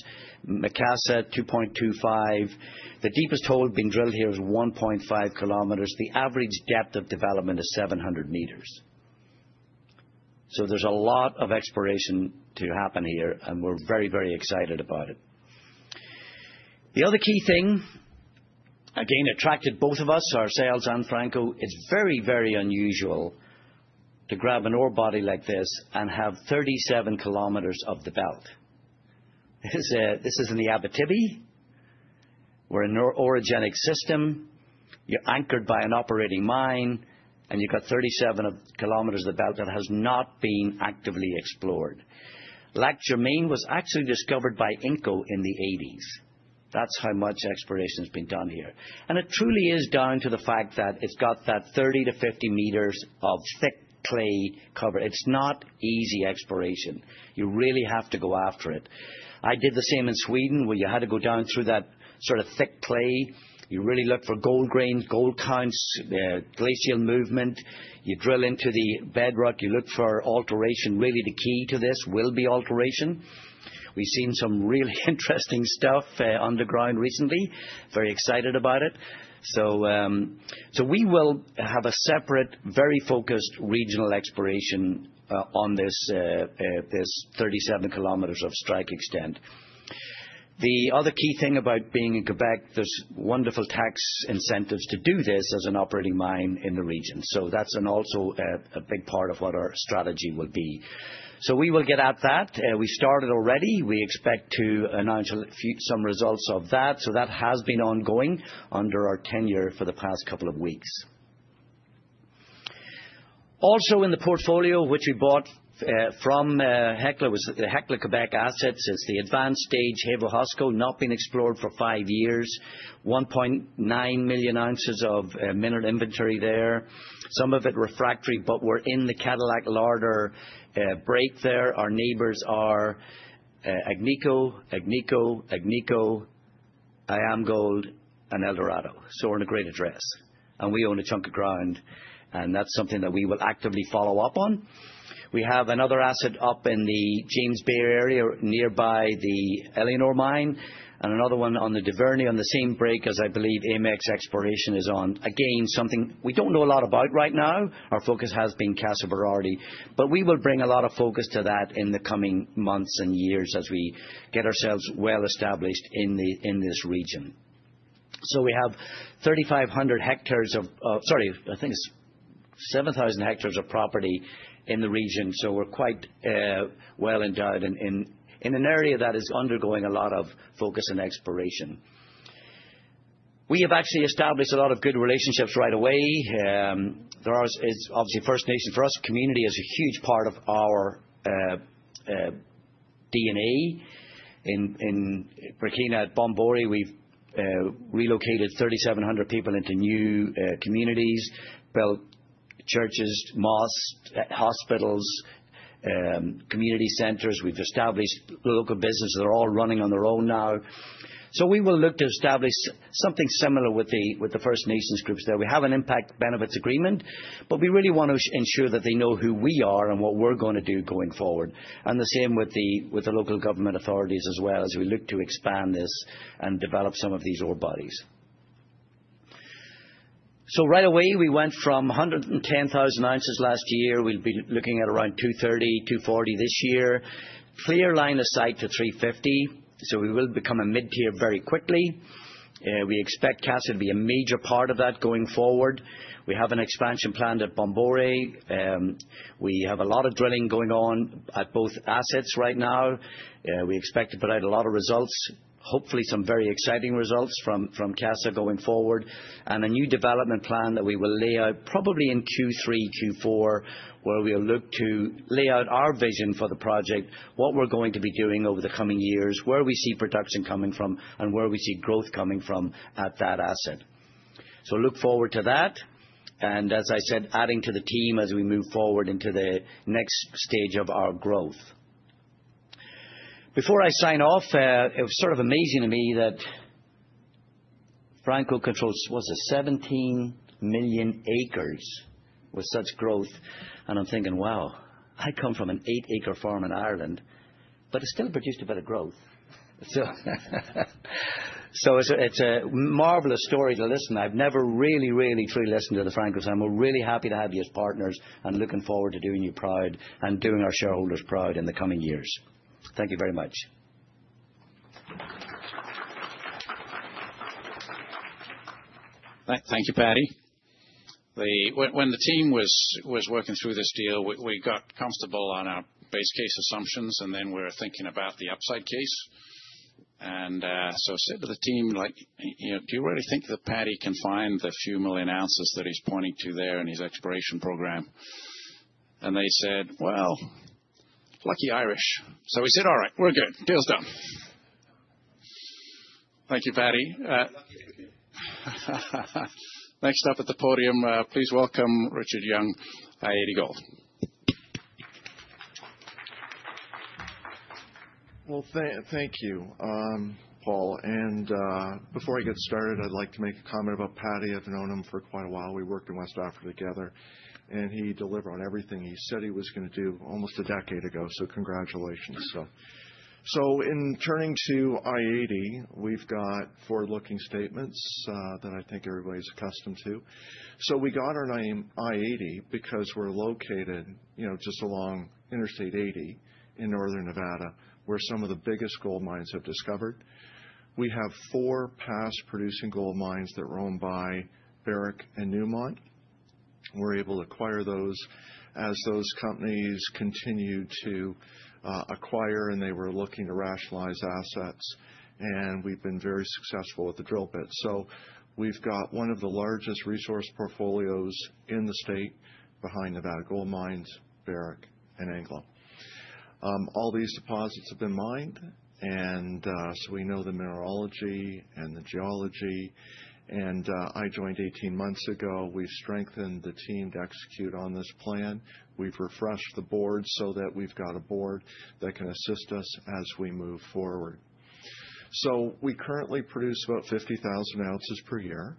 Speaker 4: Macassa, at 2.25 kilometers. The deepest hole being drilled here is 1.5 kilometers. The average depth of development is 700 meters. There's a lot of exploration to happen here, and we're very excited about it. The other key thing, again, attracted both of us, ourselves and Franco. It's very unusual to grab an ore body like this and have 37 kilometers of the belt. This is in the Abitibi. We're an orogenic system. You're anchored by an operating mine, and you've got 37 kilometers of the belt that has not been actively explored. Lac Germain was actually discovered by Inco in the 1980s. That's how much exploration's been done here. It truly is down to the fact that it's got that 30–50 meters of thick clay cover. It's not easy exploration. You really have to go after it. I did the same in Sweden, where you had to go down through that sort of thick clay. You really look for gold grains, gold counts, glacial movement. You drill into the bedrock, you look for alteration. Really, the key to this will be alteration. We've seen some really interesting stuff underground recently. Very excited about it. We will have a separate, very focused regional exploration on this 37 kilometers of strike extent. The other key thing about being in Quebec, there's wonderful tax incentives to do this as an operating mine in the region. That's also a big part of what our strategy will be. We will get at that. We started already. We expect to announce a few, some results of that, so that has been ongoing under our tenure for the past couple of weeks. Also in the portfolio, which we bought from Hecla, was the Hecla Quebec assets. It's the advanced-stage Heva-Hosco, not been explored for five years, 1.9 million ounces of mined inventory there, some of it refractory, but we're in the Cadillac-Larder Lake Break there. Our neighbors are Agnico, IAMGOLD and Eldorado, so we're in a great address, and we own a chunk of ground, and that's something that we will actively follow up on. We have another asset up in the James Bay area nearby the Éléonore Mine, and another one on the Duvernay on the same break as I believe Amex Exploration is on. Again, something we don't know a lot about right now. Our focus has been Casa Berardi, but we will bring a lot of focus to that in the coming months and years as we get ourselves well established in this region. We have 7,000 hectares of property in the region, so we're quite well endowed and in an area that is undergoing a lot of focus and exploration. We have actually established a lot of good relationships right away. There is, obviously, First Nations. For us, community is a huge part of our DNA. In Burkina, at Bomboré, we've relocated 3,700 people into new communities, built churches, mosques, hospitals, community centers. We've established local businesses. They're all running on their own now. We will look to establish something similar with the First Nations groups there. We have an impact benefits agreement, but we really want to ensure that they know who we are and what we're going to do going forward, and the same with the local government authorities as well as we look to expand this and develop some of these ore bodies. Right away, we went from 110,000 ounces last year, we'll be looking at around 230,000 to 240,000 this year. Clear line of sight to 350,000. We will become a mid-tier very quickly. We expect Casa to be a major part of that going forward. We have an expansion planned at Bomboré, and we have a lot of drilling going on at both assets right now. We expect to put out a lot of results, hopefully some very exciting results, from Casa going forward. A new development plan that we will lay out probably in Q3 and Q4, where we'll look to lay out our vision for the project, what we're going to be doing over the coming years, where we see production coming from, and where we see growth coming from at that asset. Look forward to that, and as I said, adding to the team as we move forward into the next stage of our growth. Before I sign off, it was sort of amazing to me that Franco controls, what's it, 17 million acres with such growth, and I'm thinking, "Wow, I come from an 8-acre farm in Ireland, but it still produced a bit of growth." It's a marvelous story to listen. I've never really truly listened to the Francos, and we're really happy to have you as partners and looking forward to doing you proud and doing our shareholders proud in the coming years. Thank you very much.
Speaker 2: Thank you, Paddy. When the team was working through this deal, we got comfortable on our base case assumptions, and then we're thinking about the upside case. I said to the team, "Do you really think that Paddy can find the few million ounces that he's pointing to there in his exploration program?" They said, "Well, lucky Irish." We said, "All right. We're good. Deal's done." Thank you, Paddy.
Speaker 4: You're lucky every day.
Speaker 2: Next up at the podium, please welcome Richard Young, I-80 Gold.
Speaker 5: Well, thank you, Paul. Before I get started, I'd like to make a comment about Paddy. I've known him for quite a while. We worked in West Africa together, and he delivered on everything he said he was going to do almost a decade ago. Congratulations. In turning to I-80 Gold, we've got forward-looking statements that I think everybody's accustomed to. We got our name I-80 Gold because we're located just along Interstate 80 in northern Nevada, where some of the biggest gold mines have discovered. We have four past producing gold mines that were owned by Barrick and Newmont. We're able to acquire those as those companies continued to acquire and they were looking to rationalize assets, and we've been very successful with the drill bits. We've got one of the largest resource portfolios in the state behind Nevada Gold Mines, Barrick and Anglo. All these deposits have been mined, and so we know the mineralogy and the geology. I joined 18 months ago. We've strengthened the team to execute on this plan. We've refreshed the board so that we've got a board that can assist us as we move forward. We currently produce about 50,000 ounces per year.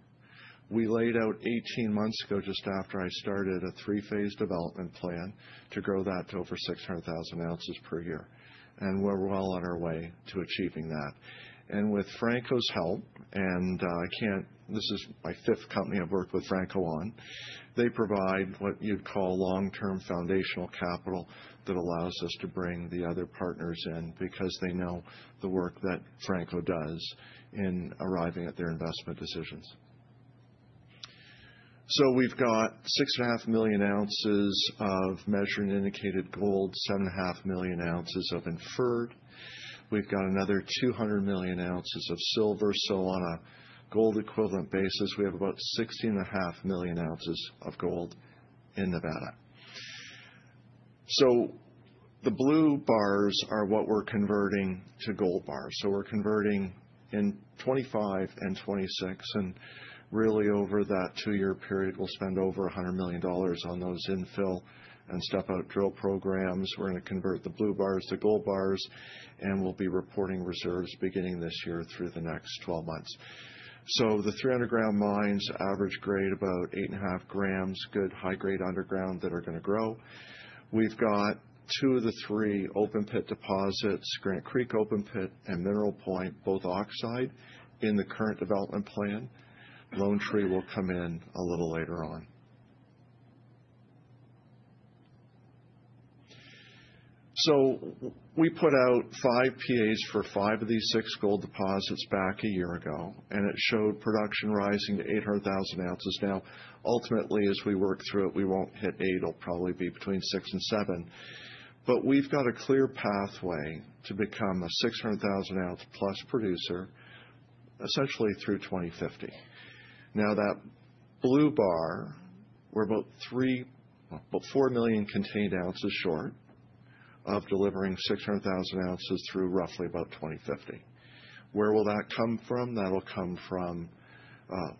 Speaker 5: We laid out 18 months ago, just after I started, a three-phase development plan to grow that to over 600,000 ounces per year, and we're well on our way to achieving that. With Franco's help, and this is my fifth company I've worked with Franco on, they provide what you'd call long-term foundational capital that allows us to bring the other partners in because they know the work that Franco does in arriving at their investment decisions. We've got 6.5 million ounces of measured and indicated gold, 7.5 million ounces of inferred. We've got another 200 million ounces of silver. On a gold equivalent basis, we have about 16.5 million ounces of gold in Nevada. The blue bars are what we're converting to gold bars. We're converting in 2025 and 2026, and really over that two-year period, we'll spend over $100 million on those infill and step-out drill programs. We're going to convert the blue bars to gold bars, and we'll be reporting reserves beginning this year through the next 12 months. The three underground mines average grade about 8.5 grams, good high grade underground that are going to grow. We've got two of the three open pit deposits, Grant Creek open pit and Mineral Point, both oxide, in the current development plan. Lone Tree will come in a little later on. We put out five PAs for five of these six gold deposits back a year ago, and it showed production rising to 800,000 ounces. Ultimately, as we work through it, we won't hit 800,000. It'll probably be between 600,000 and 700,000. We've got a clear pathway to become a 600,000+ ounce producer, essentially through 2050. Now, that blue bar, we're about 4 million contained ounces short of delivering 600,000 ounces through roughly about 2050. Where will that come from? That'll come from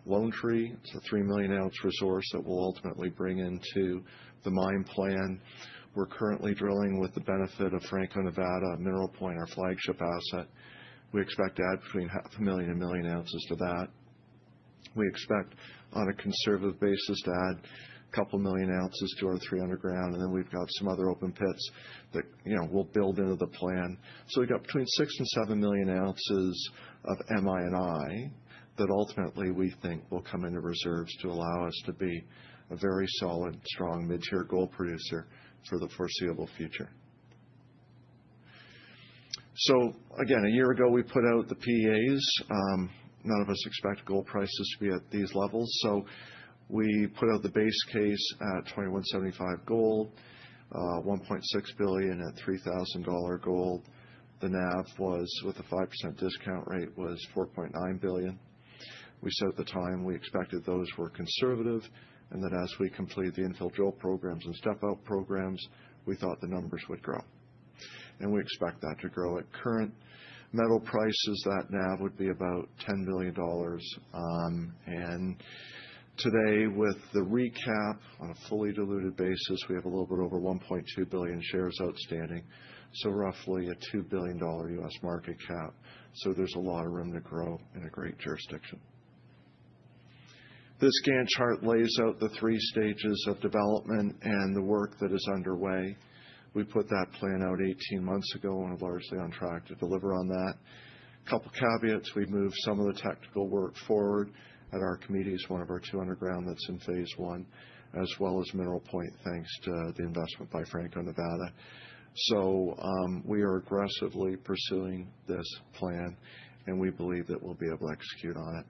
Speaker 5: Lone Tree. It's a 3 million ounce resource that we'll ultimately bring into the mine plan. We're currently drilling with the benefit of Franco-Nevada, Mineral Point, our flagship asset. We expect to add between one million and two million ounces to that. We expect, on a conservative basis, to add a couple million ounces to our three underground, and then we've got some other open pits that we'll build into the plan. We got between 6 and 7 million ounces of M&I that ultimately we think will come into reserves to allow us to be a very solid, strong mid-tier gold producer for the foreseeable future. Again, a year ago, we put out the PEAs. None of us expect gold prices to be at these levels. We put out the base case at $2,175 gold and $1.6 billion at $3,000 gold. The NAV was, with a 5% discount rate, $4.9 billion. We said at the time we expected those were conservative, and that as we complete the infill drill programs and step-out programs, we thought the numbers would grow. We expect that to grow. At current metal prices, that NAV would be about $10 billion. Today, with the recap, on a fully diluted basis, we have a little bit over 1.2 billion shares outstanding. Roughly a $2 billion U.S. market cap. There's a lot of room to grow in a great jurisdiction. This Gantt chart lays out the three stages of development and the work that is underway. We put that plan out 18 months ago and are largely on track to deliver on that. A couple of caveats. We've moved some of the technical work forward at Archimedes, one of our two underground that's in phase one, as well as Mineral Point, thanks to the investment by Franco-Nevada. We are aggressively pursuing this plan, and we believe that we'll be able to execute on it.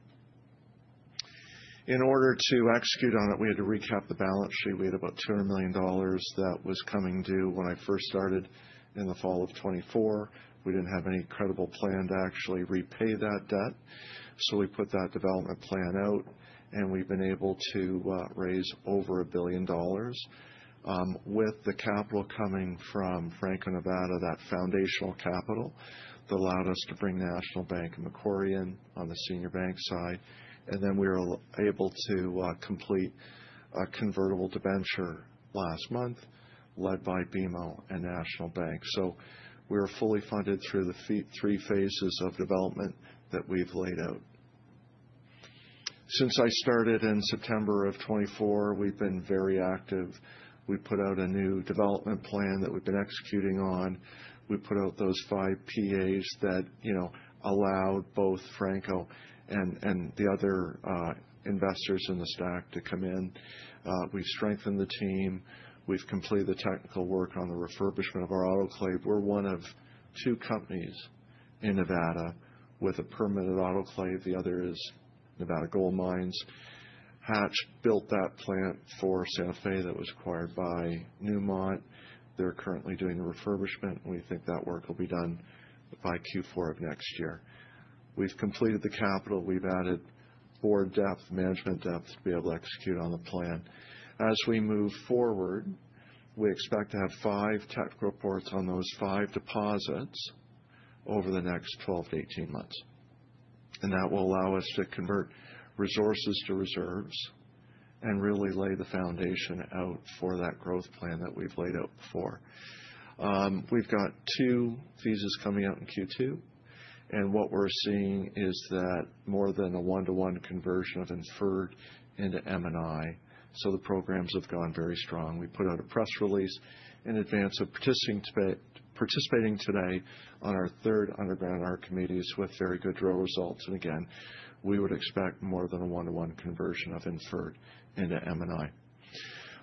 Speaker 5: In order to execute on it, we had to recap the balance sheet. We had about $200 million that was coming due when I first started in the fall of 2024. We didn't have any credible plan to actually repay that debt. We put that development plan out, and we've been able to raise over $1 billion with the capital coming from Franco-Nevada, that foundational capital, that allowed us to bring National Bank and Macquarie in on the senior bank side. We were able to complete a convertible debenture last month led by BMO and National Bank. We're fully funded through the three-phases of development that we've laid out. Since I started in September 2024, we've been very active. We put out a new development plan that we've been executing on. We put out those five PAs that allowed both Franco and the other investors in the stack to come in. We've strengthened the team. We've completed the technical work on the refurbishment of our autoclave. We're one of two companies in Nevada with a permitted autoclave. The other is Nevada Gold Mines. Hatch built that plant for Santa Fe that was acquired by Newmont. They're currently doing refurbishment. We think that work will be done by Q4 of next year. We've completed the capital. We've added board depth, management depth to be able to execute on the plan. As we move forward, we expect to have five technical reports on those five deposits over the next 12–18 months. That will allow us to convert resources to reserves and really lay the foundation out for that growth plan that we've laid out before. We've got two visas coming out in Q2, and what we're seeing is that more than a 1:1 conversion of Inferred into M&I. The programs have gone very strong. We put out a press release in advance of participating today on our third underground, Archimedes, with very good drill results. Again, we would expect more than a 1:1 conversion of Inferred into M&I.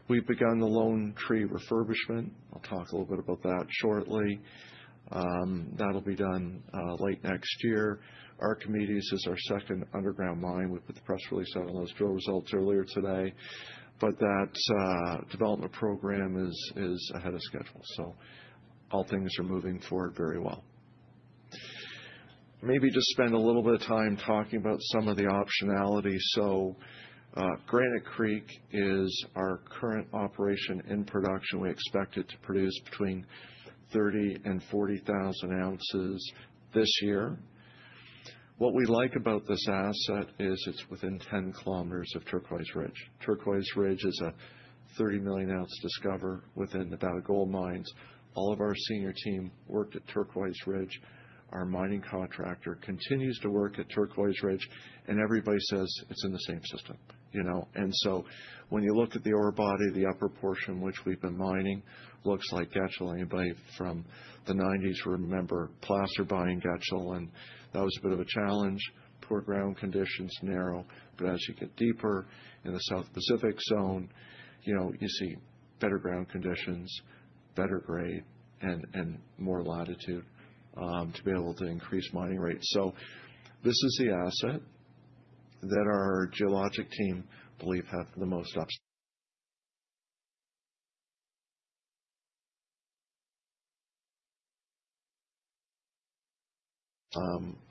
Speaker 5: We've begun the Lone Tree refurbishment. I'll talk a little bit about that shortly. That'll be done late next year. Archimedes is our second underground mine. We put the press release out on those drill results earlier today, but that development program is ahead of schedule, so all things are moving forward very well. Maybe just spend a little bit of time talking about some of the optionality. Granite Creek is our current operation in production. We expect it to produce between 30,000–40,000 ounces this year. What we like about this asset is it's within 10 kilometers of Turquoise Ridge. Turquoise Ridge is a 30 million-ounce discovery within Nevada Gold Mines. All of our senior team worked at Turquoise Ridge. Our mining contractor continues to work at Turquoise Ridge, and everybody says it's in the same system. When you look at the ore body, the upper portion, which we've been mining, looks like Getchell. Anybody from the 1990s will remember Placer buying Getchell, and that was a bit of a challenge. Poor ground conditions, narrow, but as you get deeper in the South Pacific Zone, you see better ground conditions, better grade, and more latitude to be able to increase mining rates. This is the asset that our geologic team believe have the most option.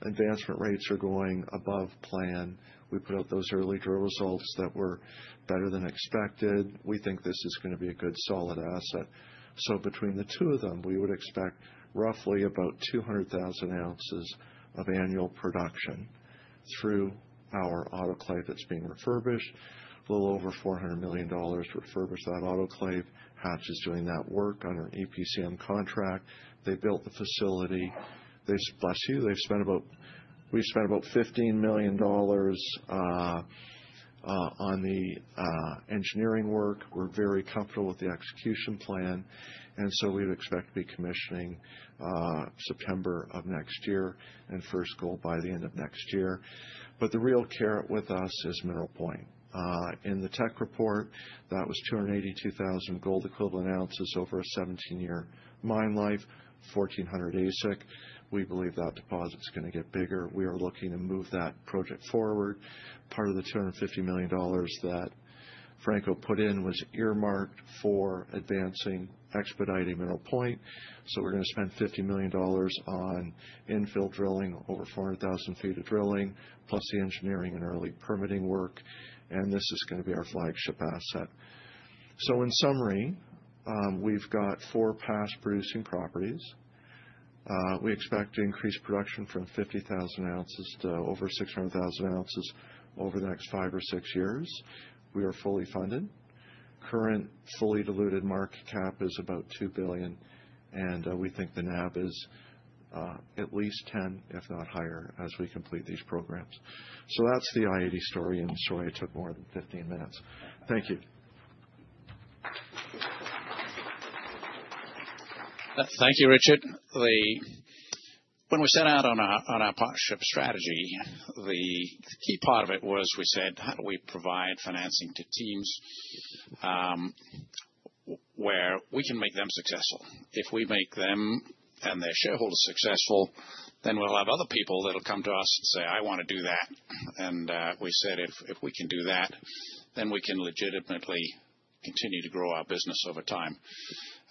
Speaker 5: Advancement rates are going above plan. We put out those early drill results that were better than expected. We think this is going to be a good, solid asset. Between the two of them, we would expect roughly about 200,000 ounces of annual production through our autoclave that's being refurbished. A little over $400 million to refurbish that autoclave. Hatch is doing that work under an EPCM contract. They built the facility. We've spent about $15 million on the engineering work. We're very comfortable with the execution plan, and so we'd expect to be commissioning in September of next year, and first gold by the end of next year. The real carrot with us is Mineral Point. In the tech report, that was 282,000 gold equivalent ounces over a 17-year mine life, $1,400 AISC. We believe that deposit's going to get bigger. We are looking to move that project forward. Part of the $250 million that Franco put in was earmarked for advancing, expediting Mineral Point. We're going to spend $50 million on infill drilling, over 400,000 feet of drilling, plus the engineering and early permitting work, and this is going to be our flagship asset. In summary, we've got four past- producing properties. We expect to increase production from 50,000 ounces to over 600,000 ounces over the next five or six years. We are fully funded. Current fully diluted market cap is about $2 billion, and we think the NAV is at least 10x, if not higher, as we complete these programs. That's the I-80 Gold story, and sorry it took more than 15 minutes. Thank you.
Speaker 2: Thank you, Richard. When we set out on our partnership strategy, the key part of it was we said, how do we provide financing to teams, where we can make them successful? If we make them and their shareholders successful, then we'll have other people that'll come to us and say, "I want to do that." We said, if we can do that, then we can legitimately continue to grow our business over time.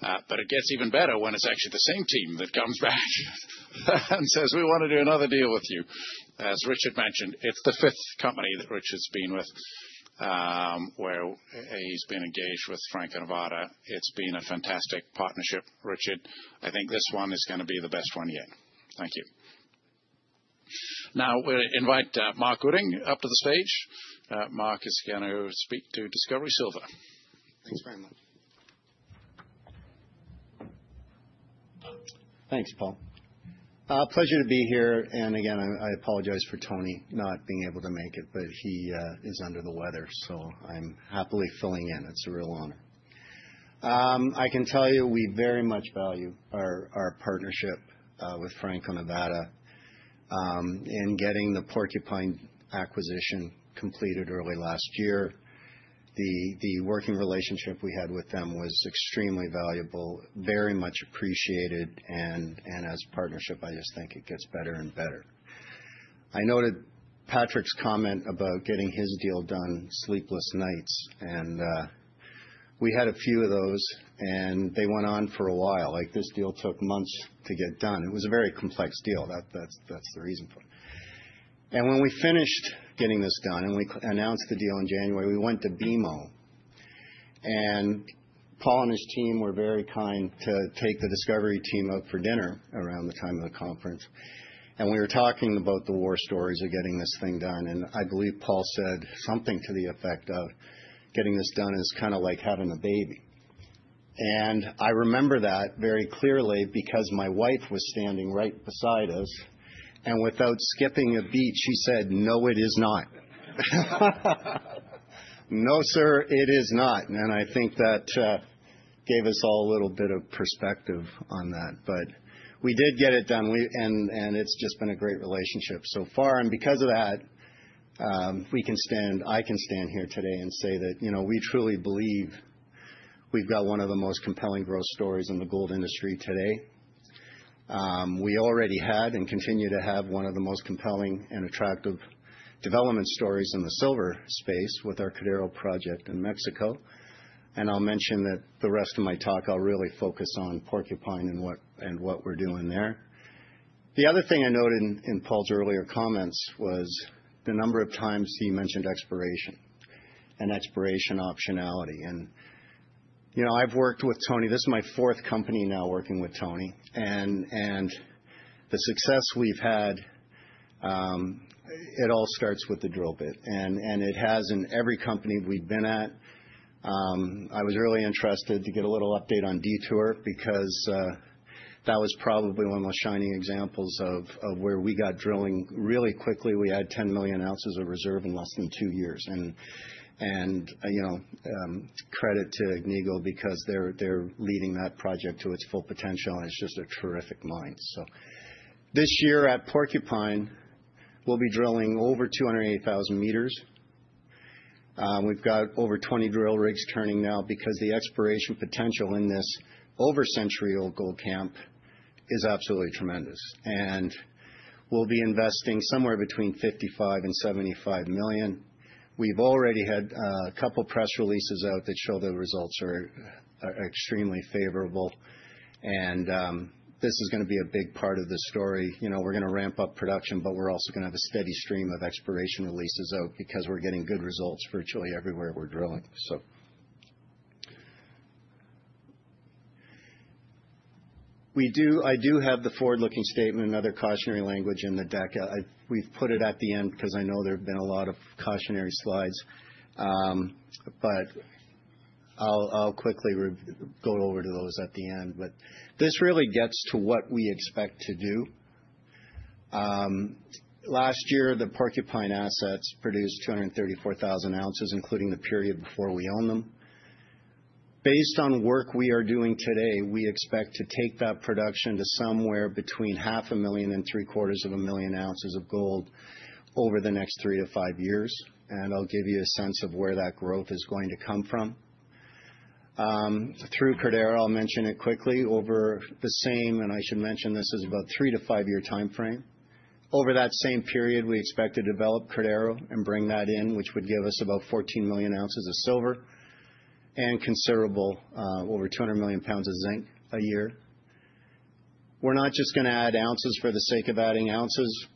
Speaker 2: It gets even better when it's actually the same team that comes back and says, "We want to do another deal with you." As Richard mentioned, it's the fifth company that Richard's been with, where he's been engaged with Franco-Nevada. It's been a fantastic partnership, Richard. I think this one is going to be the best one yet. Thank you. Now we invite Mark Wooding up to the stage. Mark is going to speak to Discovery Silver.
Speaker 6: Thanks very much. Thanks, Paul. A pleasure to be here. Again, I apologize for Tony not being able to make it, but he is under the weather, so I'm happily filling in. It's a real honor. I can tell you we very much value our partnership with Franco-Nevada. In getting the Porcupine acquisition completed early last year, the working relationship we had with them was extremely valuable, very much appreciated, and as a partnership, I just think it gets better and better. I noted Patrick's comment about getting his deal done, sleepless nights, and we had a few of those, and they went on for a while. This deal took months to get done. It was a very complex deal, that's the reason for it. When we finished getting this done and we announced the deal in January, we went to BMO. Paul and his team were very kind to take the Discovery team out for dinner around the time of the conference. We were talking about the war stories of getting this thing done, and I believe Paul said something to the effect of, "Getting this done is kind of like having a baby." I remember that very clearly because my wife was standing right beside us, and without skipping a beat, she said, "No, it is not." No, sir, it is not. I think that gave us all a little bit of perspective on that. We did get it done, and it's just been a great relationship so far. Because of that, I can stand here today and say that we truly believe we've got one of the most compelling growth stories in the gold industry today. We already had and continue to have one of the most compelling and attractive development stories in the silver space with our Cordero project in Mexico. I'll mention that the rest of my talk, I'll really focus on Porcupine and what we're doing there. The other thing I noted in Paul's earlier comments was the number of times he mentioned exploration and exploration optionality. I've worked with Tony. This is my fourth company now, working with Tony. The success we've had, it all starts with the drill bit. It has in every company we've been at. I was really interested to get a little update on Detour because that was probably one of the most shining examples of where we got drilling really quickly. We had 10 million ounces of reserve in less than two years. Credit to Agnico because they're leading that project to its full potential, and it's just a terrific mine. This year at Porcupine, we'll be drilling over 208,000 meters. We've got over 20 drill rigs turning now because the exploration potential in this over century-old gold camp is absolutely tremendous. We'll be investing somewhere between $55 million and $75 million. We've already had a couple of press releases out that show the results are extremely favorable. This is going to be a big part of the story. We're going to ramp up production, but we're also going to have a steady stream of exploration releases out because we're getting good results virtually everywhere we're drilling. We have the forward-looking statement and other cautionary language in the deck. We've put it at the end because I know there have been a lot of cautionary slides. I'll quickly go over to those at the end. This really gets to what we expect to do. Last year, the Porcupine assets produced 234,000 ounces, including the period before we owned them. Based on work we are doing today, we expect to take that production to somewhere between half a million and three-quarters of a million ounces of gold over the next three to five years. I'll give you a sense of where that growth is going to come from. Through Cordero, I'll mention it quickly, over the same, and I should mention this is about three to five years timeframe. Over that same period, we expect to develop Cordero and bring that in, which would give us about 14 million ounces of silver and considerable, over 200 million pounds of zinc a year. We're not just going to add ounces for the sake of adding ounces.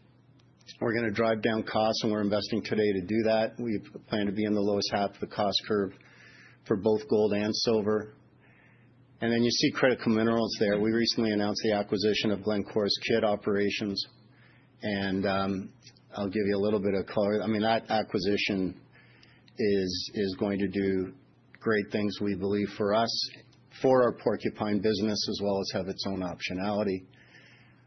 Speaker 6: We're going to drive down costs, and we're investing today to do that. We plan to be in the lowest half of the cost curve for both gold and silver. Then you see critical minerals there. We recently announced the acquisition of Glencore's Kidd operations, and I'll give you a little bit of color. That acquisition is going to do great things, we believe, for us, for our Porcupine business, as well as have its own optionality.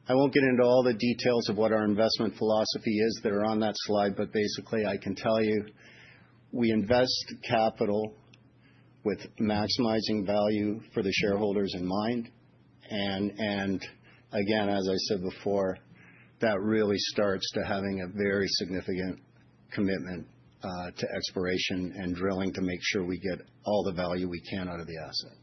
Speaker 6: I won't get into all the details of what our investment philosophy is that are on that slide, but basically, I can tell you we invest capital with maximizing value for the shareholders in mind. Again, as I said before, that really starts to having a very significant commitment to exploration and drilling to make sure we get all the value we can out of the asset.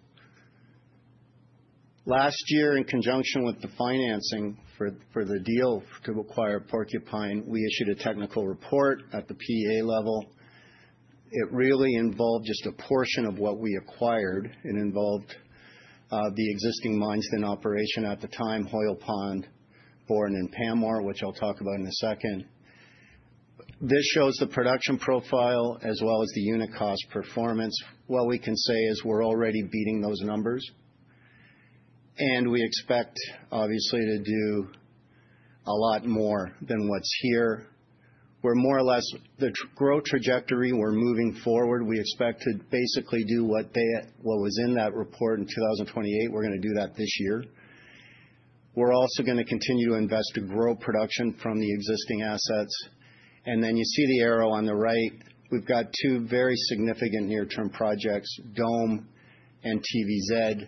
Speaker 6: Last year, in conjunction with the financing for the deal to acquire Porcupine, we issued a technical report at the PEA level. It really involved just a portion of what we acquired. It involved the existing mines in operation at the time, Hoyle Pond, Borden and Pamour, which I'll talk about in a second. This shows the production profile as well as the unit cost performance. What we can say is we're already beating those numbers, and we expect, obviously, to do a lot more than what's here, where more or less the growth trajectory we're moving forward, we expect to basically do what was in that report in 2028, we're going to do that this year. We're also going to continue to invest to grow production from the existing assets. Then you see the arrow on the right. We've got two very significant near-term projects, Dome and TVZ,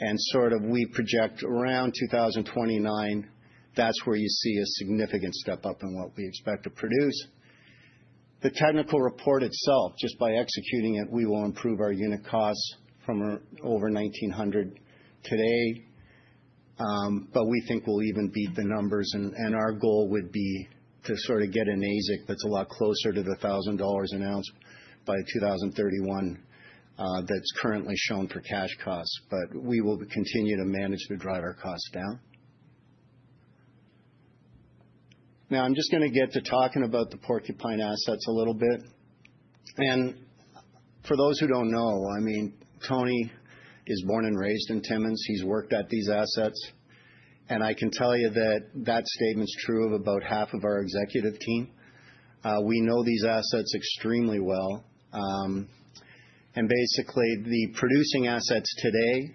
Speaker 6: and we project around 2029. That's where you see a significant step up in what we expect to produce. The technical report itself, just by executing it, we will improve our unit costs from over $1,900 today. We think we'll even beat the numbers, and our goal would be to get an AISC that's a lot closer to the $1,000 an ounce by 2031, that's currently shown for cash costs. We will continue to manage to drive our costs down. Now I'm just going to get to talking about the Porcupine assets a little bit. For those who don't know, Tony is born and raised in Timmins. He's worked at these assets. I can tell you that statement's true of about half of our executive team. We know these assets extremely well. Basically, the producing assets today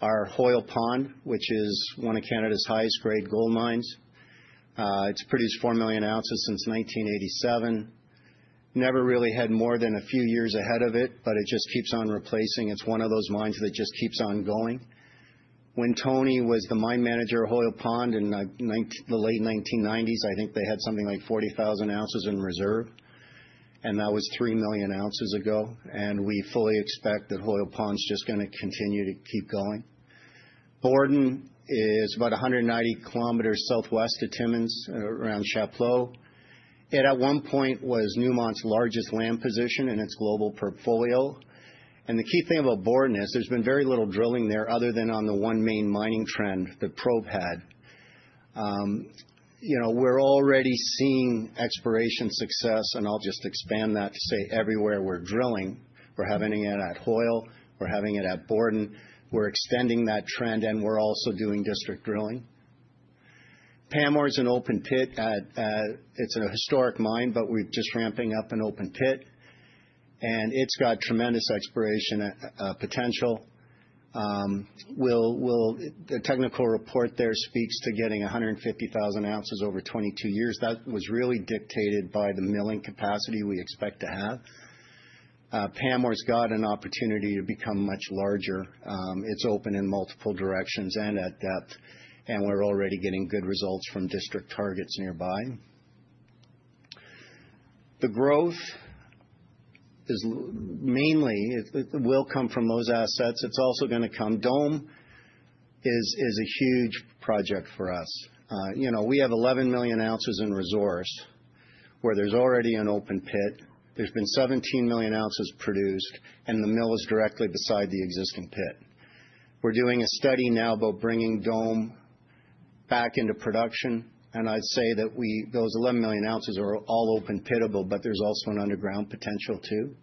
Speaker 6: are Hoyle Pond, which is one of Canada's highest grade gold mines. It's produced 4 million ounces since 1987. Never really had more than a few years ahead of it, but it just keeps on replacing. It's one of those mines that just keeps on going. When Tony was the mine manager at Hoyle Pond in the late 1990s, I think they had something like 40,000 ounces in reserve, and that was 3 million ounces ago, and we fully expect that Hoyle Pond's just going to continue to keep going. Borden is about 190 km southwest of Timmins around Chapleau. It, at one point, was Newmont's largest land position in its global portfolio. The key thing about Borden is there's been very little drilling there other than on the one main mining trend that Probe had. We're already seeing exploration success, and I'll just expand that to say everywhere we're drilling. We're having it at Hoyle, we're having it at Borden. We're extending that trend, and we're also doing district drilling. Pamour is an open pit at, it's an historic mine, but we're just ramping up an open pit. It's got tremendous exploration potential. The technical report there speaks to getting 150,000 ounces over 22 years. That was really dictated by the milling capacity we expect to have. Pamour's got an opportunity to become much larger. It's open in multiple directions and at depth, and we're already getting good results from district targets nearby. The growth mainly will come from those assets. It's also going to come. Dome is a huge project for us. We have 11 million ounces in resource where there's already an open pit. There's been 17 million ounces produced, and the mill is directly beside the existing pit. We're doing a study now about bringing Dome back into production, and I'd say that those 11 million ounces are all open-pittable, but there's also an underground potential, too.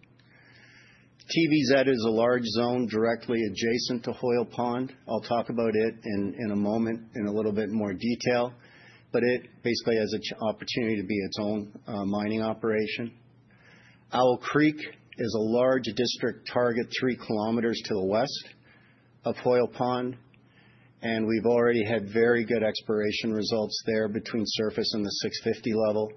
Speaker 6: TVZ is a large zone directly adjacent to Hoyle Pond. I'll talk about it in a moment in a little bit more detail, but it basically has an opportunity to be its own mining operation. Owl Creek is a large district target, 3 kilometers to the west of Hoyle Pond, and we've already had very good exploration results there between surface and the 650 level.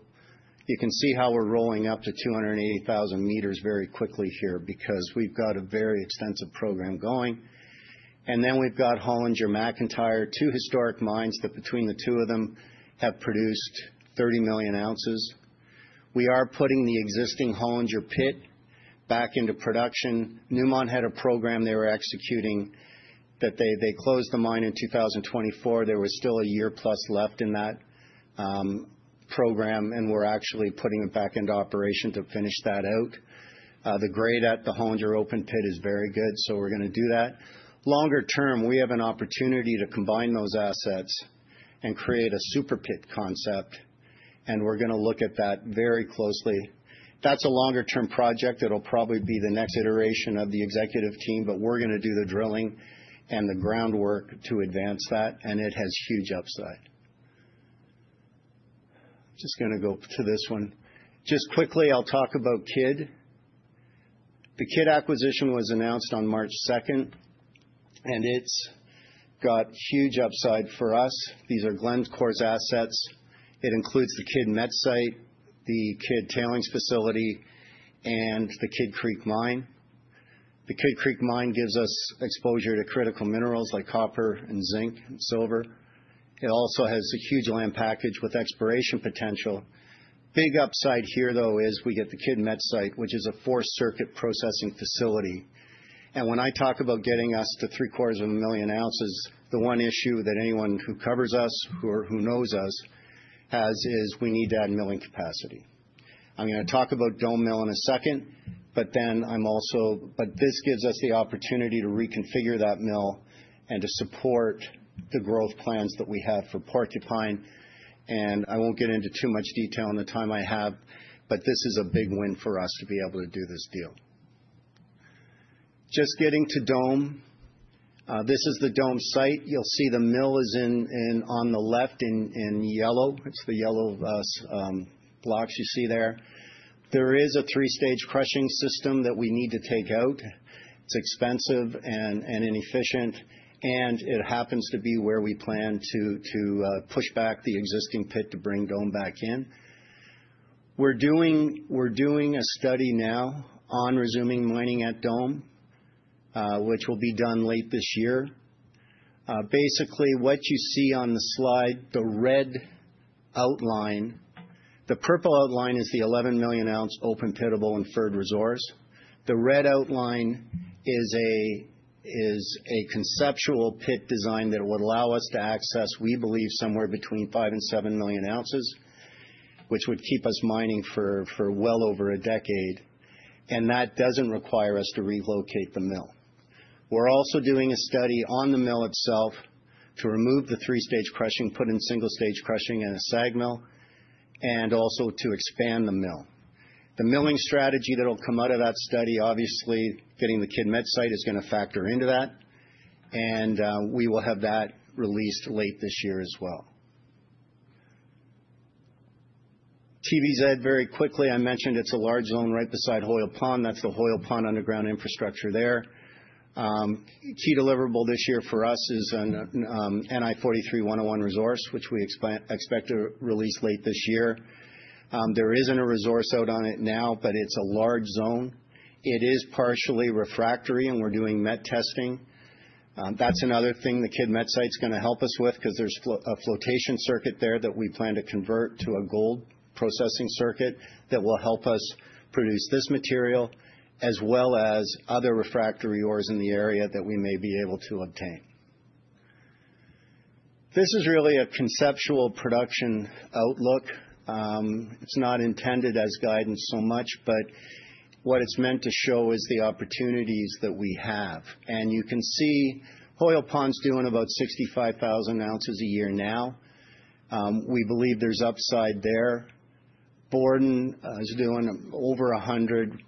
Speaker 6: You can see how we're rolling up to 280,000 meters very quickly here because we've got a very extensive program going. We've got Hollinger-McIntyre, two historic mines that between the two of them have produced 30 million ounces. We are putting the existing Hollinger pit back into production. Newmont had a program they were executing that they closed the mine in 2024. There was still a year plus left in that program, and we're actually putting it back into operation to finish that out. The grade at the Hollinger open pit is very good, so we're going to do that. Longer term, we have an opportunity to combine those assets and create a super pit concept, and we're going to look at that very closely. That's a longer-term project. It'll probably be the next iteration of the executive team, but we're going to do the drilling and the groundwork to advance that, and it has huge upside. Just going to go to this one. Just quickly, I'll talk about Kidd. The Kidd acquisition was announced on March 2, and it's got huge upside for us. These are Glencore's assets. It includes the Kidd Met site, the Kidd tailings facility, and the Kidd Creek Mine. The Kidd Creek Mine gives us exposure to critical minerals like copper and zinc and silver. It also has a huge land package with exploration potential. Big upside here, though, is we get the Kidd Met site, which is a four-circuit processing facility. When I talk about getting us to three-quarters of a million ounces, the one issue that anyone who covers us or who knows us has is we need to add milling capacity. I'm going to talk about Dome Mine in a second, but this gives us the opportunity to reconfigure that mill and to support the growth plans that we have for Porcupine. I won't get into too much detail in the time I have, but this is a big win for us to be able to do this deal. Just getting to Dome. This is the Dome site. You'll see the mill is on the left in yellow. It's the yellow blocks you see there. There is a three-stage crushing system that we need to take out. It's expensive and inefficient, and it happens to be where we plan to push back the existing pit to bring Dome back in. We're doing a study now on resuming mining at Dome, which will be done late this year. Basically, what you see on the slide, the red outline. The purple outline is the 11 million-ounce open-pittable inferred resource. The red outline is a conceptual pit design that would allow us to access, we believe, somewhere between 5 and 7 million ounces, which would keep us mining for well over a decade, and that doesn't require us to relocate the mill. We're also doing a study on the mill itself to remove the three-stage crushing, put in single-stage crushing and a SAG mill, and also to expand the mill. The milling strategy that'll come out of that study, obviously getting the Kidd Mine site is going to factor into that, and we will have that released late this year as well. TVZ, very quickly, I mentioned it's a large zone right beside Hoyle Pond. That's the Hoyle Pond underground infrastructure there. Key deliverable this year for us is an NI 43-101 resource which we expect to release late this year. There isn't a resource out on it now, but it's a large zone. It is partially refractory, and we're doing metallurgical testing. That's another thing the Kidd Mine site's going to help us with because there's a flotation circuit there that we plan to convert to a gold processing circuit that will help us produce this material, as well as other refractory ores in the area that we may be able to obtain. This is really a conceptual production outlook. It's not intended as guidance so much, but what it's meant to show is the opportunities that we have. You can see Hoyle Pond's doing about 65,000 ounces a year now. We believe there's upside there. Borden is doing over 100,000 ounces,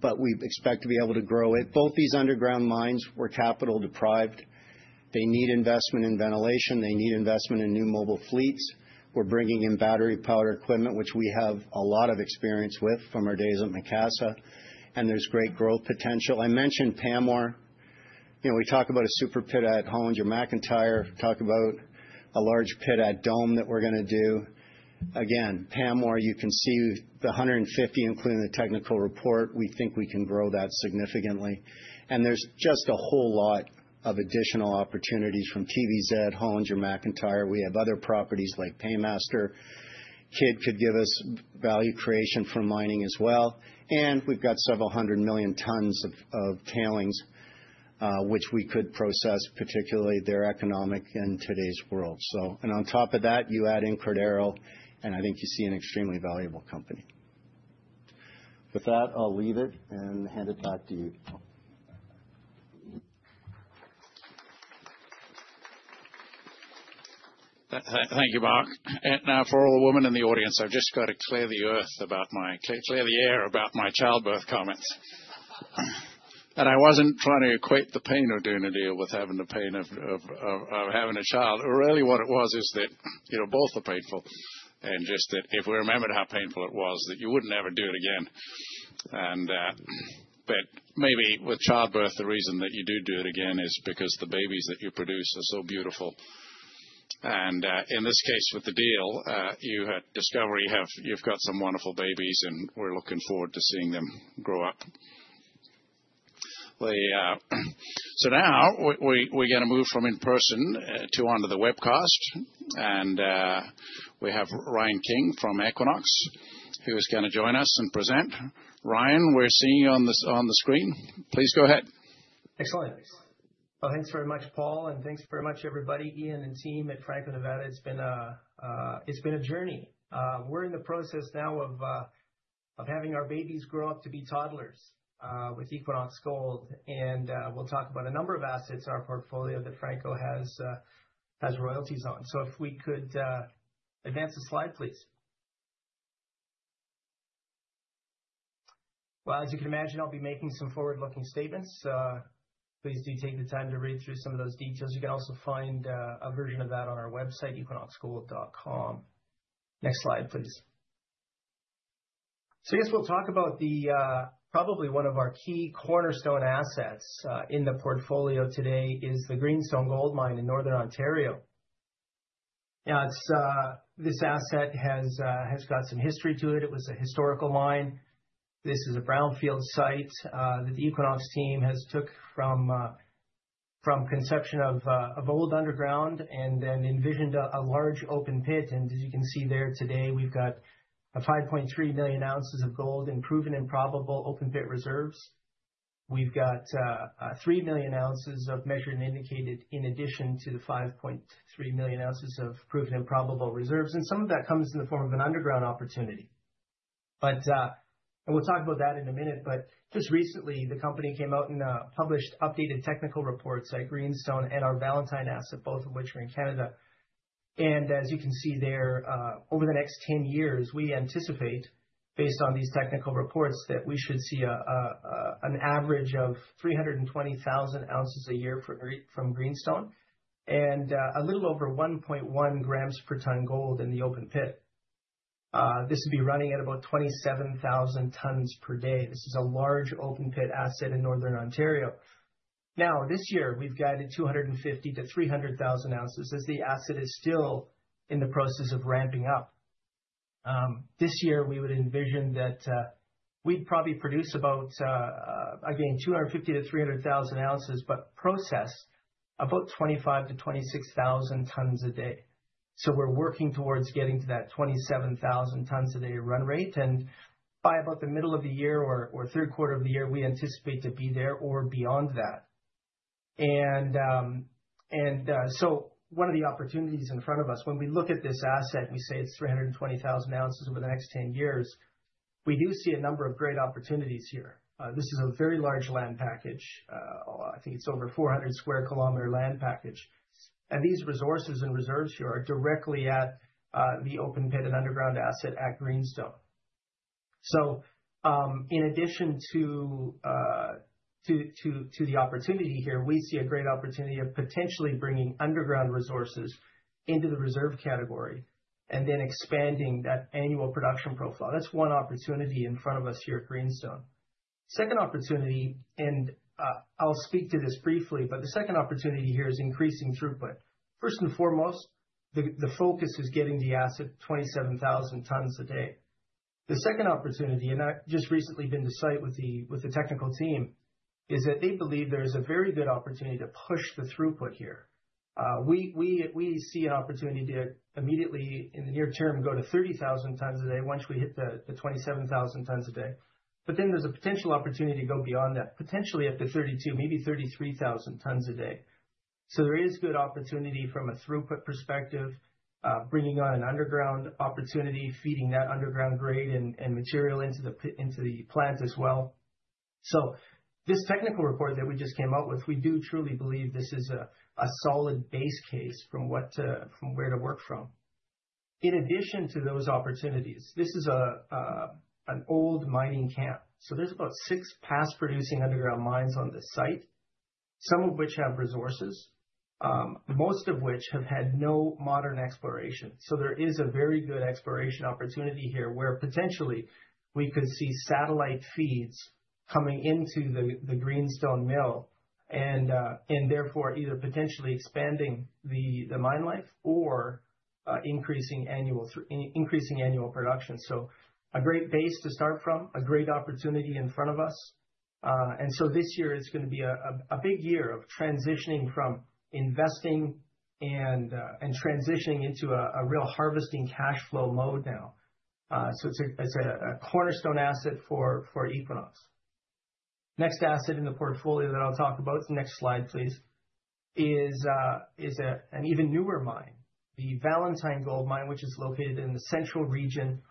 Speaker 6: but we expect to be able to grow it. Both these underground mines were capital-deprived. They need investment in ventilation. They need investment in new mobile fleets. We're bringing in battery-powered equipment, which we have a lot of experience with from our days at Macassa, and there's great growth potential. I mentioned Pamour. We talk about a super pit at Hollinger-McIntyre, talk about a large pit at Dome that we're going to do. Again, Pamour, you can see the 150 including the technical report. We think we can grow that significantly. There's just a whole lot of additional opportunities from TVZ, Hollinger-McIntyre. We have other properties like Paymaster. Kidd could give us value creation from mining as well, and we've got several hundred million tonnes of tailings, which we could process, particularly they're economic in today's world. On top of that, you add in Cordero, and I think you see an extremely valuable company. With that, I'll leave it and hand it back to you, Paul.
Speaker 2: Thank you, Mark. Now for all the women in the audience, I've just got to clear the air about my childbirth comments. That I wasn't trying to equate the pain of doing a deal with having the pain of having a child. Really what it was is that both are painful and just that if we remembered how painful it was, that you would never do it again. Maybe with childbirth, the reason that you do do it again is because the babies that you produce are so beautiful. In this case, with the deal, you at Discovery, you've got some wonderful babies, and we're looking forward to seeing them grow up. Now we're going to move from in-person to onto the webcast. We have Ryan King from Equinox, who is going to join us and present. Ryan, we're seeing you on the screen. Please go ahead.
Speaker 7: Excellent. Well, thanks very much, Paul, and thanks very much, everybody, Ian and team at Franco-Nevada. It's been a journey. We're in the process now of having our babies grow up to be toddlers with Equinox Gold, and we'll talk about a number of assets in our portfolio that Franco has royalties on. If we could advance the slide, please. Well, as you can imagine, I'll be making some forward-looking statements. Please do take the time to read through some of those details. You can also find a version of that on our website, equinoxgold.com. Next slide, please. I guess we'll talk about probably one of our key cornerstone assets in the portfolio today is the Greenstone gold mine in northern Ontario. This asset has got some history to it. It was a historical mine. This is a brownfield site that the Equinox team has took from conception of old underground and then envisioned a large open pit. As you can see there today, we've got 5.3 million ounces of gold in proven and probable open pit reserves. We've got 3 million ounces of measured and indicated in addition to the 5.3 million ounces of proven and probable reserves, and some of that comes in the form of an underground opportunity. We'll talk about that in a minute. Just recently, the company came out and published updated technical reports at Greenstone and our Valentine asset, both of which are in Canada. As you can see there, over the next 10 years, we anticipate, based on these technical reports, that we should see an average of 320,000 ounces a year from Greenstone and a little over 1.1 grams per tonne gold in the open pit. This would be running at about 27,000 tonnes per day. This is a large open-pit asset in northern Ontario. Now, this year we've guided 250,000–300,000 ounces as the asset is still in the process of ramping up. This year, we would envision that we'd probably produce about, again, 250,000–300,000 ounces, but process about 25,000–26,000 tonnes a day. We're working towards getting to that 27,000 tonnes-a-day run rate. By about the middle of the year or third quarter of the year, we anticipate to be there or beyond that. One of the opportunities in front of us when we look at this asset, we say it's 320,000 ounces over the next 10 years, we do see a number of great opportunities here. This is a very large land package. I think it's over a 400 square kilometer land package. These resources and reserves here are directly at the open pit and underground asset at Greenstone. In addition to the opportunity here, we see a great opportunity of potentially bringing underground resources into the reserve category and then expanding that annual production profile. That's one opportunity in front of us here at Greenstone. Second opportunity, and I'll speak to this briefly, but the second opportunity here is increasing throughput. First and foremost, the focus is getting the asset 27,000 tonnes a day. The second opportunity, and I've just recently been to site with the technical team, is that they believe there is a very good opportunity to push the throughput here. We see an opportunity to immediately, in the near term, go to 30,000 tonnes a day once we hit the 27,000 tonnes a day. There's a potential opportunity to go beyond that, potentially up to 32,000, maybe 33,000 tonnes a day. There is good opportunity from a throughput perspective, bringing on an underground opportunity, feeding that underground grade and material into the plant as well. This technical report that we just came out with, we do truly believe this is a solid base case from where to work from. In addition to those opportunities, this is an old mining camp. There's about six past producing underground mines on this site, some of which have resources, most of which have had no modern exploration. There is a very good exploration opportunity here where potentially we could see satellite feeds coming into the Greenstone mill, and therefore either potentially expanding the mine life or increasing annual production. A great base to start from, a great opportunity in front of us. This year is going to be a big year of transitioning from investing and transitioning into a real harvesting cash flow mode now. It's a cornerstone asset for Equinox. Next asset in the portfolio that I'll talk about, the next slide, please, is an even newer mine, the Valentine Gold Mine, which is located in the central region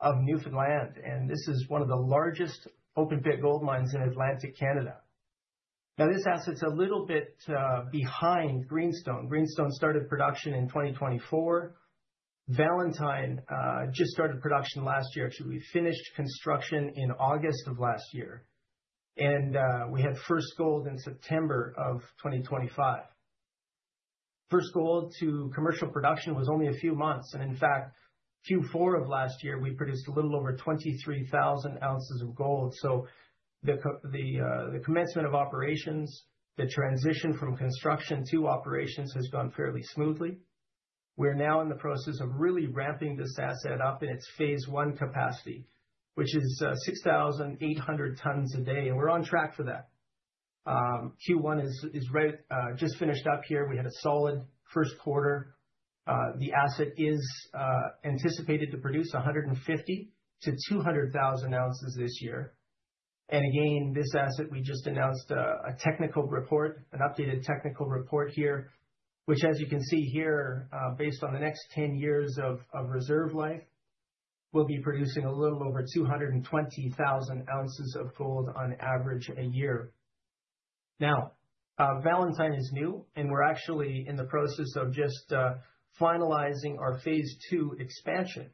Speaker 7: of Newfoundland. This is one of the largest open pit gold mines in Atlantic Canada. This asset's a little bit behind Greenstone. Greenstone started production in 2024. Valentine just started production last year. Actually, we finished construction in August of last year. We had first gold in September of 2025. First gold to commercial production was only a few months, and in fact, Q4 of last year, we produced a little over 23,000 ounces of gold. The commencement of operations, the transition from construction to operations has gone fairly smoothly. We're now in the process of really ramping this asset up in its phase one capacity, which is 6,800 tonnes a day. We're on track for that. Q1 is just finished up here. We had a solid first quarter. The asset is anticipated to produce 150,000 to 200,000 ounces this year. Again, this asset, we just announced a technical report, an updated technical report here, which as you can see here, based on the next 10 years of reserve life, we'll be producing a little over 220,000 ounces of gold on average a year. Now, Valentine is new and we're actually in the process of just finalizing our phase two expansion.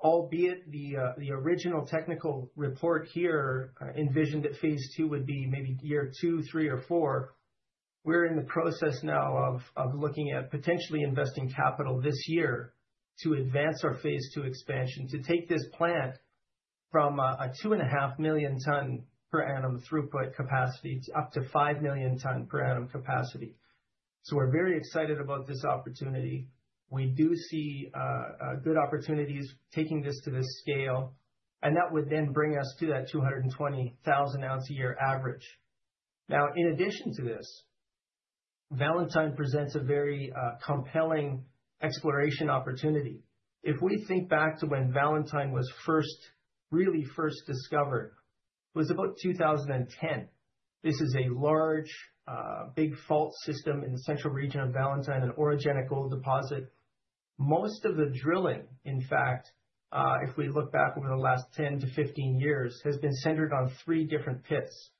Speaker 7: Albeit the original technical report here envisioned that phase two would be maybe year 2, 3, or 4. We're in the process now of looking at potentially investing capital this year to advance our phase two expansion, to take this plant from a 2.5 million tonnes- per-annum throughput capacity up to 5 million tonnes- per-annum capacity. We're very excited about this opportunity. We do see good opportunities taking this to this scale, and that would then bring us to that 220,000 ounce- a-year average. Now, in addition to this, Valentine presents a very compelling exploration opportunity. If we think back to when Valentine was really first discovered, it was about 2010. This is a large, big fault system in the central region of Valentine, an orogenic gold deposit. Most of the drilling, in fact, if we look back over the last 10-15 years, has been centered on three different pits.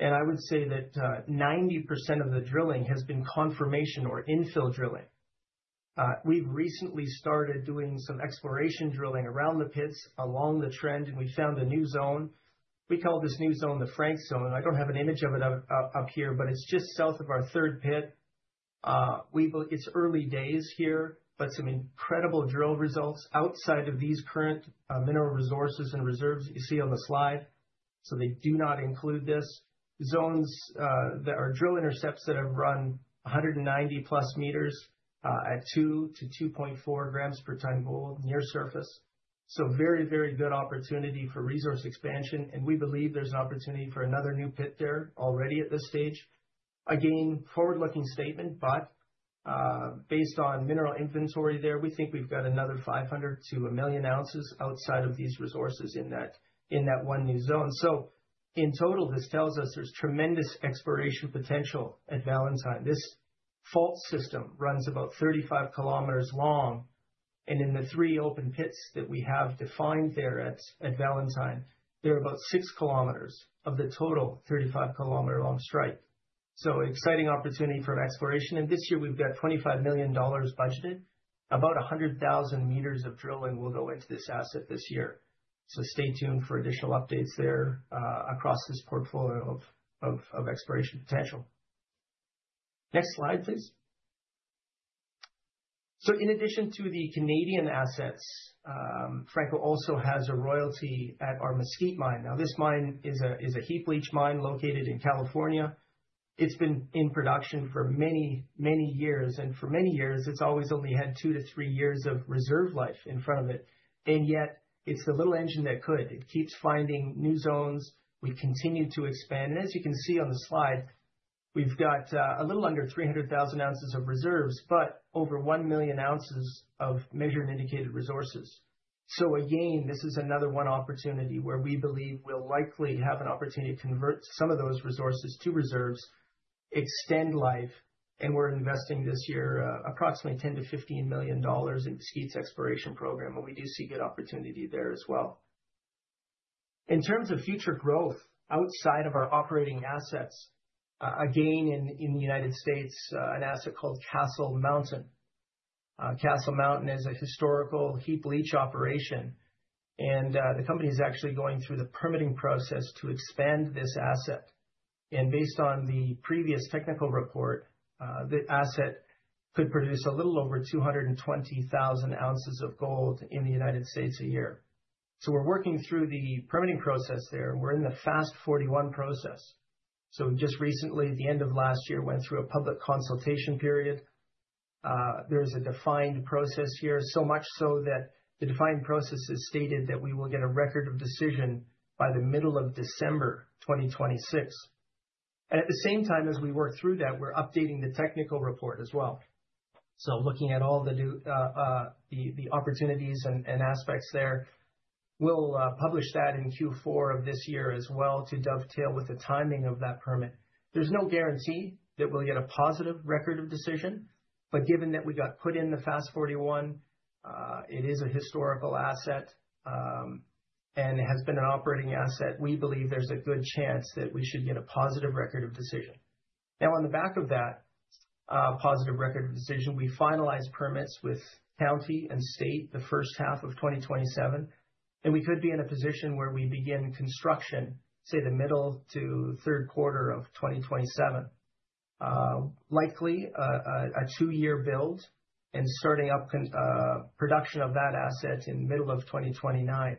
Speaker 7: I would say that 90% of the drilling has been confirmation or infill drilling. We've recently started doing some exploration drilling around the pits, along the trend, and we found a new zone. We call this new zone the Frank Zone. I don't have an image of it up here, but it's just south of our third pit. It's early days here, but some incredible drill results outside of these current mineral resources and reserves you see on the slide. They do not include this. Zones that are drill intercepts that have run 190+ meters at 2.0–2.4 grams per ton gold near surface. Very, very good opportunity for resource expansion. We believe there's an opportunity for another new pit there already at this stage. Again, forward-looking statement, but based on mineral inventory there, we think we've got another 500,000–1 million ounces outside of these resources in that one new zone. In total, this tells us there's tremendous exploration potential at Valentine. This fault system runs about 35 kilometers long, and in the three open pits that we have defined there at Valentine, they're about 6 kilometers of the total 35 kilometers strike length. Exciting opportunity for exploration. This year we've got $25 million budgeted. About 100,000 meters of drilling will go into this asset this year. Stay tuned for additional updates there, across this portfolio of exploration potential. Next slide, please. In addition to the Canadian assets, Franco also has a royalty at our Mesquite mine. Now, this mine is a heap leach mine located in California. It's been in production for many years, and for many years, it's always only had two to three years of reserve life in front of it. Yet it's the little engine that could. It keeps finding new zones. We continue to expand. As you can see on the slide, we've got a little under 300,000 ounces of reserves, but over 1 million ounces of measured and indicated resources. Again, this is another one opportunity where we believe we'll likely have an opportunity to convert some of those resources to reserves, extend life, and we're investing this year approximately $10 million to $15 million in Mesquite's exploration program. We do see good opportunity there as well. In terms of future growth outside of our operating assets, again, in the United States, an asset called Castle Mountain. Castle Mountain is a historical heap leach operation. The company is actually going through the permitting process to expand this asset. Based on the previous technical report, the asset could produce a little over 220,000 ounces of gold in the United States a year. We're working through the permitting process there, and we're in the FAST-41 process. Just recently, at the end of last year, we went through a public consultation period. There is a defined process here, so much so that the defined process has stated that we will get a record of decision by the middle of December 2026. At the same time as we work through that, we're updating the technical report as well, looking at all the opportunities and aspects there. We'll publish that in Q4 of this year as well to dovetail with the timing of that permit. There's no guarantee that we'll get a positive record of decision, but given that we got put in the FAST-41, it is a historical asset, and it has been an operating asset, we believe there's a good chance that we should get a positive record of decision. Now, on the back of that positive record of decision, we finalize permits with county and state the first half of 2027, and we could be in a position where we begin construction, say, the middle to Q3 of 2027. Likely, a two-year build and starting up production of that asset in middle of 2029,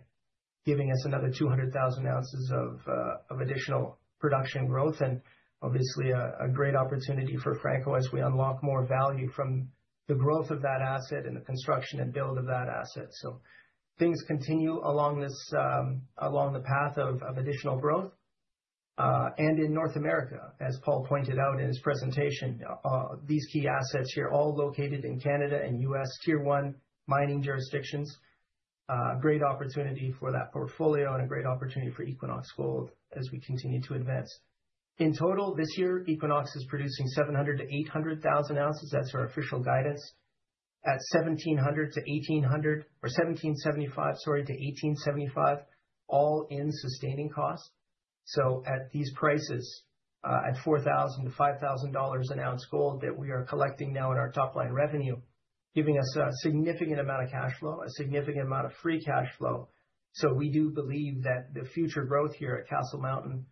Speaker 7: giving us another 200,000 ounces of additional production growth, and obviously a great opportunity for Franco as we unlock more value from the growth of that asset and the construction and build of that asset. Things continue along the path of additional growth. In North America, as Paul pointed out in his presentation, these key assets here, all located in Canada and U.S. Tier 1 mining jurisdictions, a great opportunity for that portfolio and a great opportunity for Equinox Gold as we continue to advance. In total, this year, Equinox is producing 700,000 to 800,000 ounces. That's our official guidance at $1,775-$1,875 all-in sustaining costs. At these prices, at $4,000-$5,000 an ounce gold that we are collecting now in our top-line revenue, giving us a significant amount of cash flow, a significant amount of free cash flow. We do believe that the future growth here at Castle Mountain,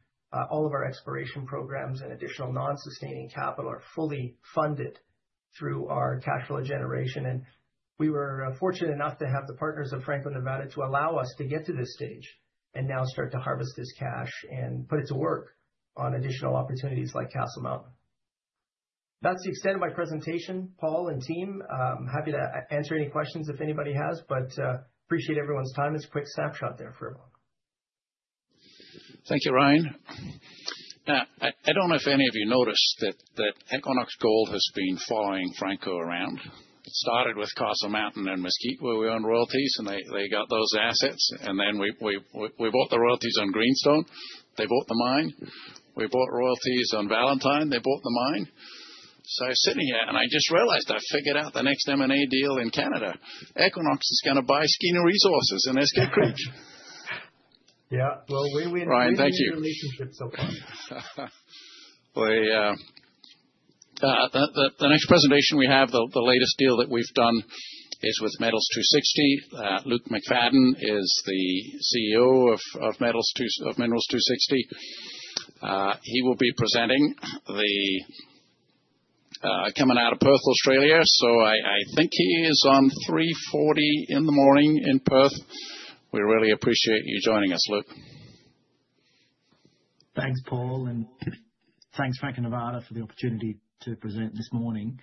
Speaker 7: all of our exploration programs and additional non-sustaining capital are fully funded through our cash flow generation. We were fortunate enough to have the partners of Franco-Nevada to allow us to get to this stage and now start to harvest this cash and put it to work on additional opportunities like Castle Mountain. That's the extent of my presentation. Paul and team, I'm happy to answer any questions if anybody has, but I appreciate everyone's time. It's a quick snapshot there for everyone.
Speaker 2: Thank you, Ryan. Now, I don't know if any of you noticed that Equinox Gold has been following Franco around. It started with Castle Mountain and Mesquite, where we own royalties, and they got those assets. We bought the royalties on Greenstone. They bought the mine. We bought royalties on Valentine. They bought the mine. Sitting here, and I just realized I figured out the next M&A deal in Canada. Equinox is going to buy Skeena Resources and Eskay Creek.
Speaker 7: Yeah. Well,
Speaker 2: Ryan, thank you.
Speaker 7: We appreciate your relationship so far.
Speaker 2: The next presentation we have, the latest deal that we've done is with Metals 260. Luke McFadden is the CEO of Minerals 260. He will be presenting, coming out of Perth, Australia. I think he is on 3:40 a.m. in Perth. We really appreciate you joining us, Luke.
Speaker 8: Thanks, Paul, and thanks Franco-Nevada for the opportunity to present this morning.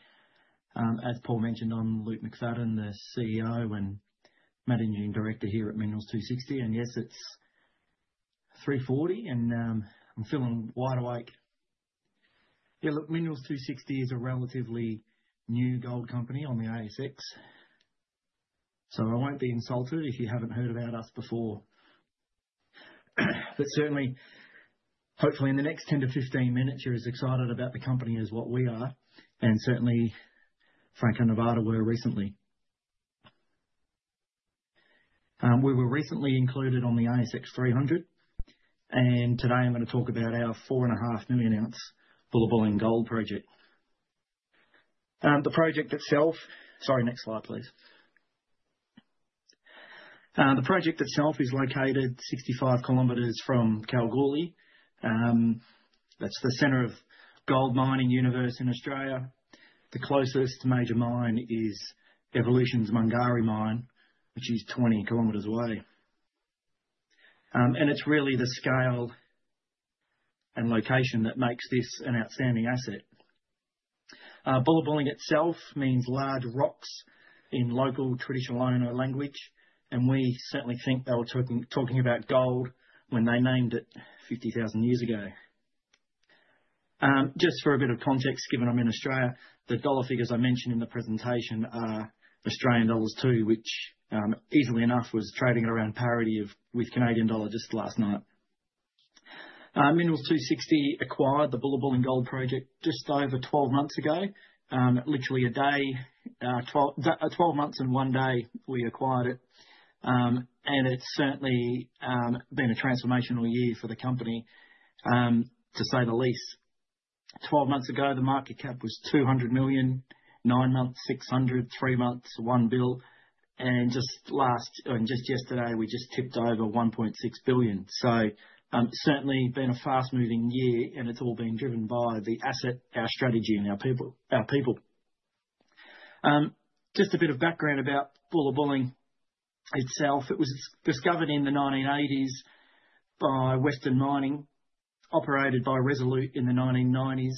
Speaker 8: As Paul mentioned, I'm Luke McFadden, the CEO and Managing Director here at Minerals 260. Yes, it's 3:40 a.m., and I'm feeling wide awake. Yeah, look, Minerals 260 is a relatively new gold company on the ASX, so I won't be insulted if you haven't heard about us before. Certainly, hopefully, in the next 10 to 15 minutes, you're as excited about the company as what we are, and certainly Franco-Nevada were recently. We were recently included on the ASX 300. Today, I'm going to talk about our 4.5 million ounce Bullabulling Gold project. Sorry, next slide, please. The project itself is located 65 kilometers from Kalgoorlie. That's the center of gold mining universe in Australia. The closest major mine is Evolution's Mungari mine, which is 20 kilometers away. It's really the scale and location that makes this an outstanding asset. Bullabulling itself means large rocks in local Traditional Owner language, and we certainly think they were talking about gold when they named it 50,000 years ago. Just for a bit of context, given I'm in Australia, the dollar figures I mention in the presentation are Australian dollars too, which easily enough was trading around parity with Canadian dollar just last night. Minerals 260 acquired the Bullabulling Gold Project just over 12 months ago. Literally, 12 months and one day, we acquired it. It's certainly been a transformational year for the company, to say the least. 12 months ago, the market cap was 200 million. Nine months, 600 million. Three months, 1 billion. Just yesterday, we just tipped over 1.6 billion. It's certainly been a fast-moving year, and it's all been driven by the asset, our strategy, and our people. Just a bit of background about Bullabulling itself. It was discovered in the 1980s by Western Mining, operated by Resolute in the 1990s.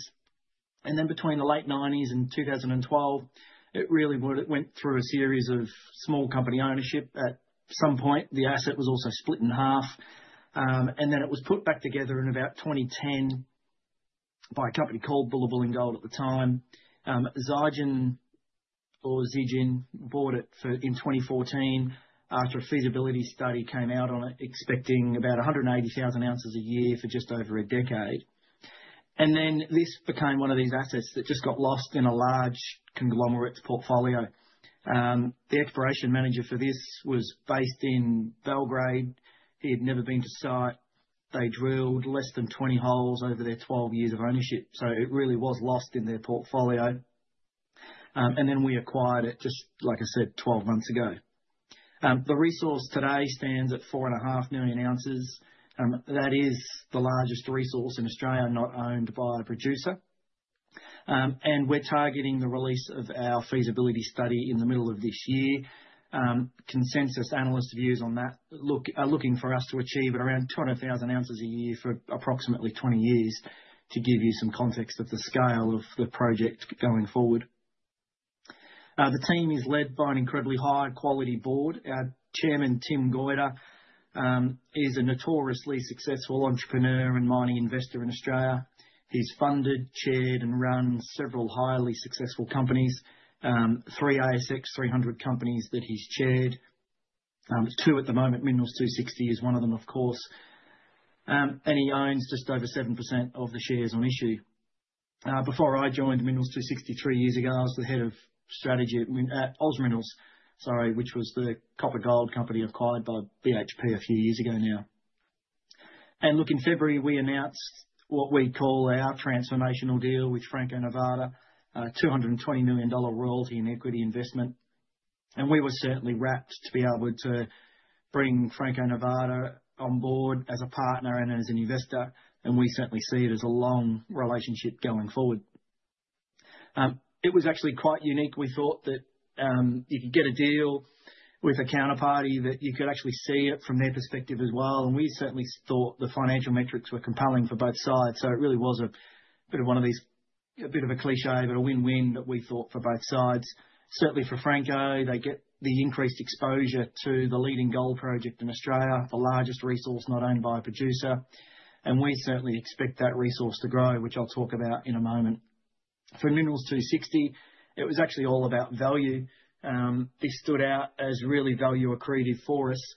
Speaker 8: Between the late 1990s and 2012, it really went through a series of small company ownership. At some point, the asset was also split in half. It was put back together in about 2010 by a company called Bullabulling Gold at the time. Zijin, or "Zijin," bought it in 2014 after a feasibility study came out on it, expecting about 180,000 ounces a year for just over a decade. This became one of these assets that just got lost in a large conglomerate's portfolio. The exploration manager for this was based in Belgrade. He had never been to site. They drilled less than 20 holes over their 12 years of ownership, so it really was lost in their portfolio. Then we acquired it, just like I said, 12 months ago. The resource today stands at 4.5 million ounces. That is the largest resource in Australia not owned by a producer. We're targeting the release of our feasibility study in the middle of this year. Consensus analyst views on that are looking for us to achieve at around 200,000 ounces a year for approximately 20 years, to give you some context of the scale of the project going forward. The team is led by an incredibly high-quality board. Our chairman, Tim Goyder, is a notoriously successful entrepreneur and mining investor in Australia. He's funded, chaired, and run several highly successful companies. Three ASX 300 companies that he's chaired. Two at the moment. Minerals 260 is one of them, of course. He owns just over 7% of the shares on issue. Before I joined Minerals 260 three years ago, I was the head of strategy at Oz Minerals. Sorry, which was the copper gold company acquired by BHP a few years ago now. Look, in February, we announced what we call our transformational deal with Franco-Nevada, a $220 million royalty and equity investment. We were certainly rapt to be able to bring Franco-Nevada on board as a partner and as an investor, and we certainly see it as a long relationship going forward. It was actually quite unique. We thought that you could get a deal with a counterparty, that you could actually see it from their perspective as well, and we certainly thought the financial metrics were compelling for both sides. It really was a bit of a cliché, but a win-win that we thought for both sides. Certainly, for Franco, they get the increased exposure to the leading gold project in Australia, the largest resource not owned by a producer. We certainly expect that resource to grow, which I'll talk about in a moment. For Minerals 260, it was actually all about value. This stood out as really value accretive for us.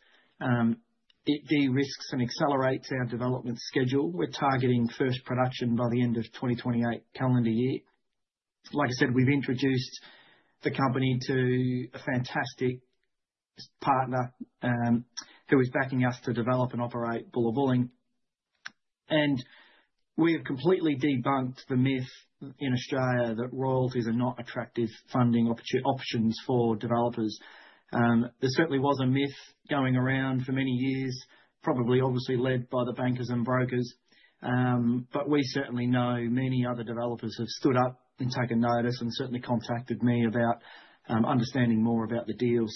Speaker 8: It de-risks and accelerates our development schedule. We're targeting first production by the end of 2028 calendar year. Like I said, we've introduced the company to a fantastic partner who is backing us to develop and operate Bullabulling. We have completely debunked the myth in Australia that royalties are not attractive funding options for developers. There certainly was a myth going around for many years, probably obviously led by the bankers and brokers. We certainly know many other developers have stood up and taken notice and certainly contacted me about understanding more about the deal.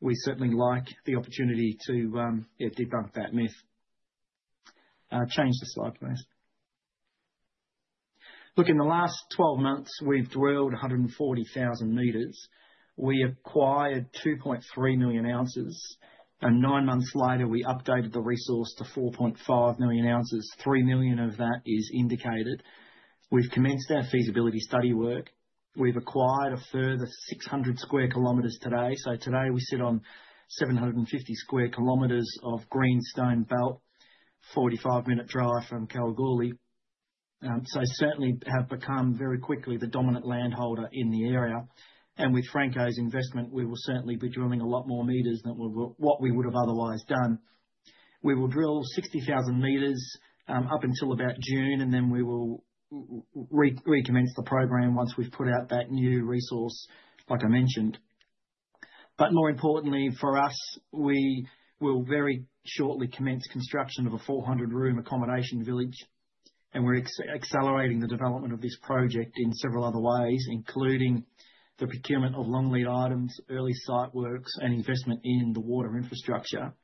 Speaker 8: We certainly like the opportunity to, yeah, debunk that myth. Change the slide, please. Look, in the last 12 months, we've drilled 140,000 meters. We acquired 2.3 million ounces, and 9 months later, we updated the resource to 4.5 million ounces. 3 million of that is indicated. We've commenced our feasibility study work. We've acquired a further 600 square kilometers today. Today we sit on 750 square kilometers of greenstone belt, 45-minute drive from Kalgoorlie. Certainly have become very quickly the dominant land holder in the area. With Franco's investment, we will certainly be drilling a lot more meters than what we would have otherwise done. We will drill 60,000 meters, up until about June, and then we will recommence the program once we've put out that new resource, like I mentioned. More importantly for us, we will very shortly commence construction of a 400-room accommodation village, and we're accelerating the development of this project in several other ways, including the procurement of long-lead items, early site works, and investment in the water infrastructure.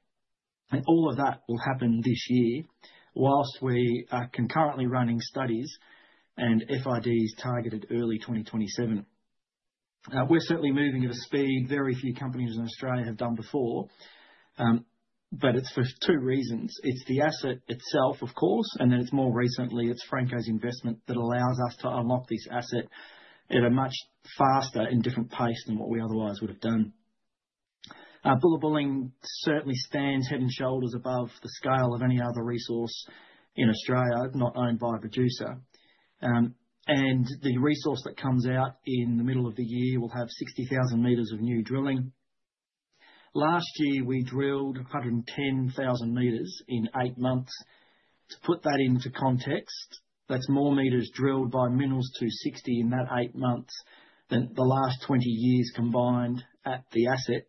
Speaker 8: All of that will happen this year, while we are concurrently running studies, and FID is targeted early 2027. We're certainly moving at a speed very few companies in Australia have done before, but it's for two reasons. It's the asset itself, of course, and then it's more recently, it's Franco's investment that allows us to unlock this asset at a much faster and different pace than what we otherwise would have done. Bullabulling certainly stands head and shoulders above the scale of any other resource in Australia not owned by a producer. The resource that comes out in the middle of the year will have 60,000 meters of new drilling. Last year, we drilled 110,000 meters in eight months. To put that into context, that's more meters drilled by Minerals 260 in that eight months than the last 20 years combined at the asset.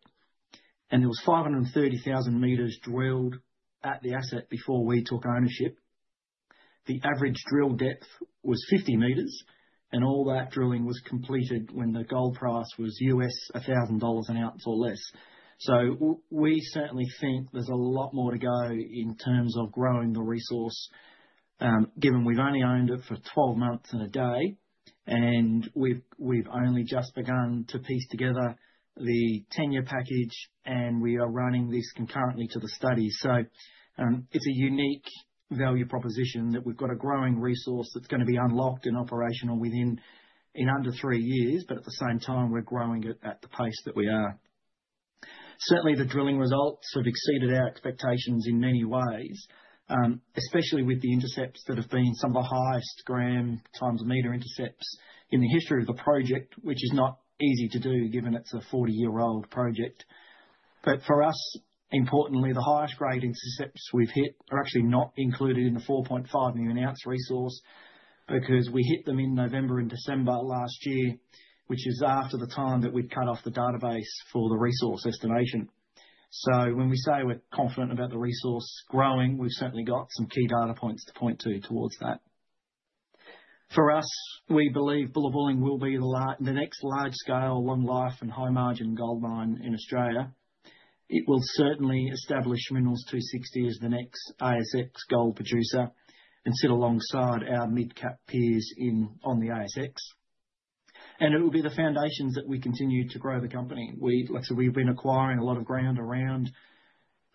Speaker 8: There was 530,000 meters drilled at the asset before we took ownership. The average drill depth was 50 meters, and all that drilling was completed when the gold price was $1,000 an ounce or less. We certainly think there's a lot more to go in terms of growing the resource, given we've only owned it for 12 months and a day, and we've only just begun to piece together the tenure package, and we are running this concurrently to the study. It's a unique value proposition that we've got a growing resource that's going to be unlocked and operational within under three years, but at the same time, we're growing it at the pace that we are. Certainly, the drilling results have exceeded our expectations in many ways, especially with the intercepts that have been some of the highest gram times meter intercepts in the history of the project, which is not easy to do given it's a 40-year-old project. For us, importantly, the highest grade intercepts we've hit are actually not included in the 4.5-million-ounce resource because we hit them in November and December last year, which is after the time that we'd cut off the database for the resource estimation. When we say we're confident about the resource growing, we've certainly got some key data points to point to towards that. For us, we believe Bullabulling will be the next large-scale, long-life, and high-margin gold mine in Australia. It will certainly establish Minerals 260 as the next ASX gold producer and sit alongside our mid-cap peers on the ASX. It'll be the foundations that we continue to grow the company. Like I said, we've been acquiring a lot of ground around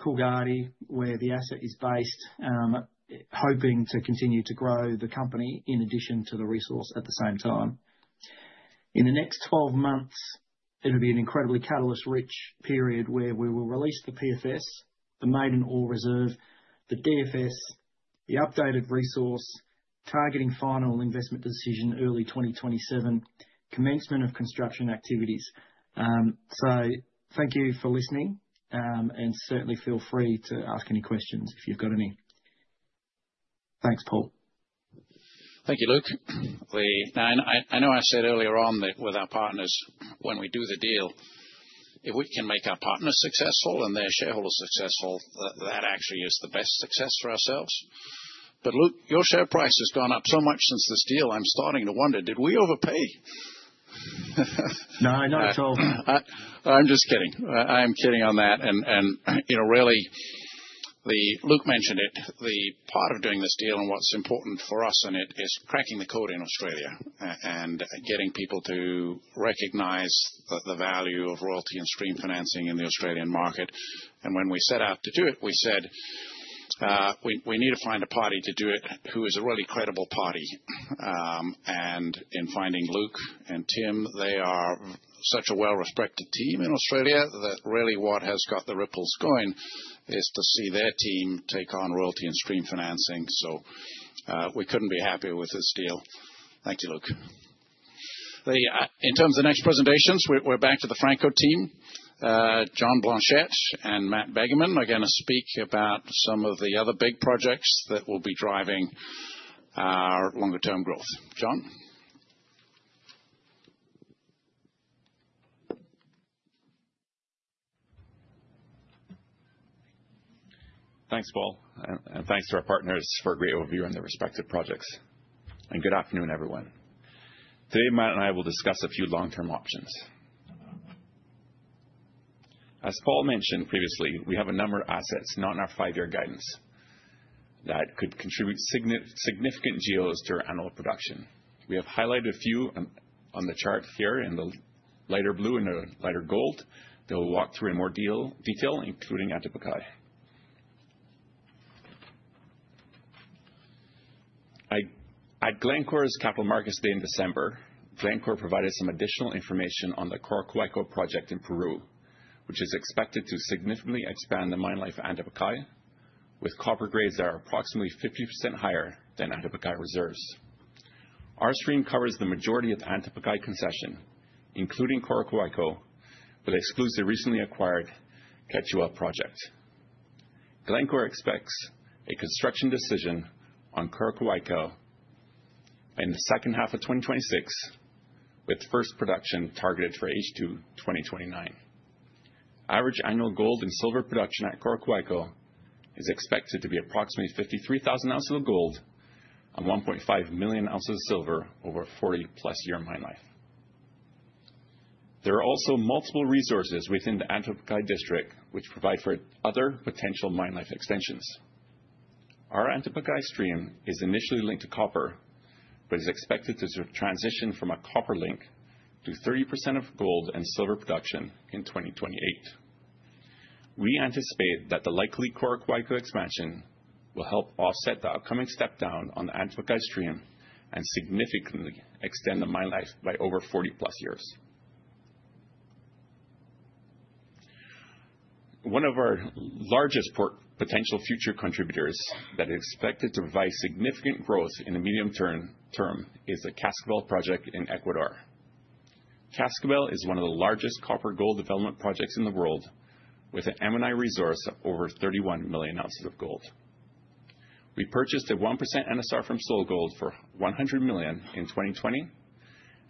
Speaker 8: Coolgardie, where the asset is based, hoping to continue to grow the company in addition to the resource at the same time. In the next 12 months, it'll be an incredibly catalyst-rich period where we will release the PFS, the maiden ore reserve, the DFS, the updated resource, targeting final investment decision early 2027, commencement of construction activities. Thank you for listening, and certainly feel free to ask any questions if you've got any. Thanks, Paul.
Speaker 2: Thank you, Luke. I know I said earlier on that with our partners when we do the deal, if we can make our partners successful and their shareholders successful, that actually is the best success for ourselves. Luke, your share price has gone up so much since this deal, I'm starting to wonder, did we overpay?
Speaker 8: No, not at all.
Speaker 2: I'm just kidding. I am kidding on that. Really, Luke mentioned it, the part of doing this deal and what's important for us in it is cracking the code in Australia and getting people to recognize the value of royalty and stream financing in the Australian market. When we set out to do it, we said, we need to find a party to do it who is a really credible party. In finding Luke and Tim, they are such a well-respected team in Australia that really what has got the ripples going is to see their team take on royalty and stream financing. We couldn't be happier with this deal. Thank you, Luke. In terms of next presentations, we're back to the Franco team. John Blanchette and Matt Baggeman are gonna speak about some of the other big projects that will be driving our longer term growth. John?
Speaker 9: Thanks, Paul, and thanks to our partners for a great overview on their respective projects. Good afternoon, everyone. Today, Matt and I will discuss a few long-term options. As Paul mentioned previously, we have a number of assets, not in our five-year guidance, that could contribute significant GEOs to our annual production. We have highlighted a few on the chart here in the lighter blue and the lighter gold that we'll walk through in more detail, including Antapaccay. At Glencore's Capital Markets Day in December, Glencore provided some additional information on the Coroccohuayco project in Peru, which is expected to significantly expand the mine life of Antapaccay, with copper grades that are approximately 50% higher than Antapaccay reserves. Our stream covers the majority of the Antapaccay concession, including Coroccohuayco, but excludes the recently acquired Quechua project. Glencore expects a construction decision on Coroccohuayco in the H2 2026, with first production targeted for H2 2029. Average annual gold and silver production at Coroccohuayco is expected to be approximately 53,000 ounces of gold and 1.5 million ounces of silver over a 40-plus year mine life. There are also multiple resources within the Antapaccay district which provide for other potential mine life extensions. Our Antapaccay stream is initially linked to copper but is expected to transition from a copper link to 30% of gold and silver production in 2028. We anticipate that the likely Coroccohuayco expansion will help offset the upcoming step down on the Antapaccay stream and significantly extend the mine life by over 40-plus years. One of our largest potential future contributors that is expected to provide significant growth in the medium term is the Cascabel project in Ecuador. Cascabel is one of the largest copper gold development projects in the world, with an M&I resource of over 31 million ounces of gold. We purchased a 1% NSR from SolGold for $100 million in 2020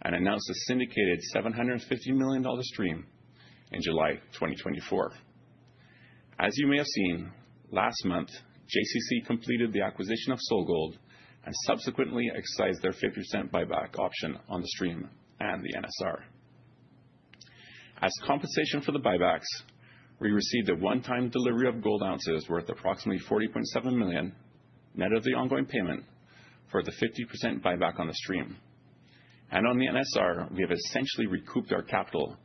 Speaker 9: and announced a syndicated $750 million stream in July 2024. As you may have seen, last month, JCC completed the acquisition of SolGold and subsequently exercised their 50% buyback option on the stream and the NSR. As compensation for the buybacks, we received a one-time delivery of gold ounces worth approximately $40.7 million, net of the ongoing payment for the 50% buyback on the stream. On the NSR, we have essentially recouped our capital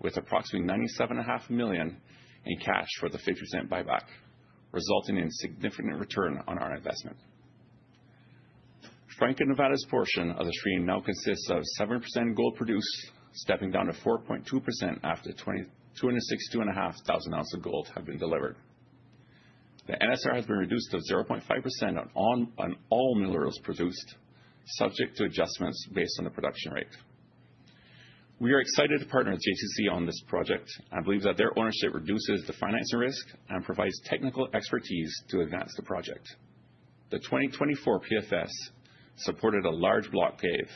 Speaker 9: with approximately $97.5 million in cash for the 50% buyback, resulting in significant return on our investment. Franco-Nevada's portion of the stream now consists of 7% of gold produced, stepping down to 4.2% after 262,500 ounces of gold have been delivered. The NSR has been reduced to 0.5% on all minerals produced, subject to adjustments based on the production rate. We are excited to partner with JCHX on this project and believe that their ownership reduces the financial risk and provides technical expertise to advance the project. The 2024 PFS supported a large block cave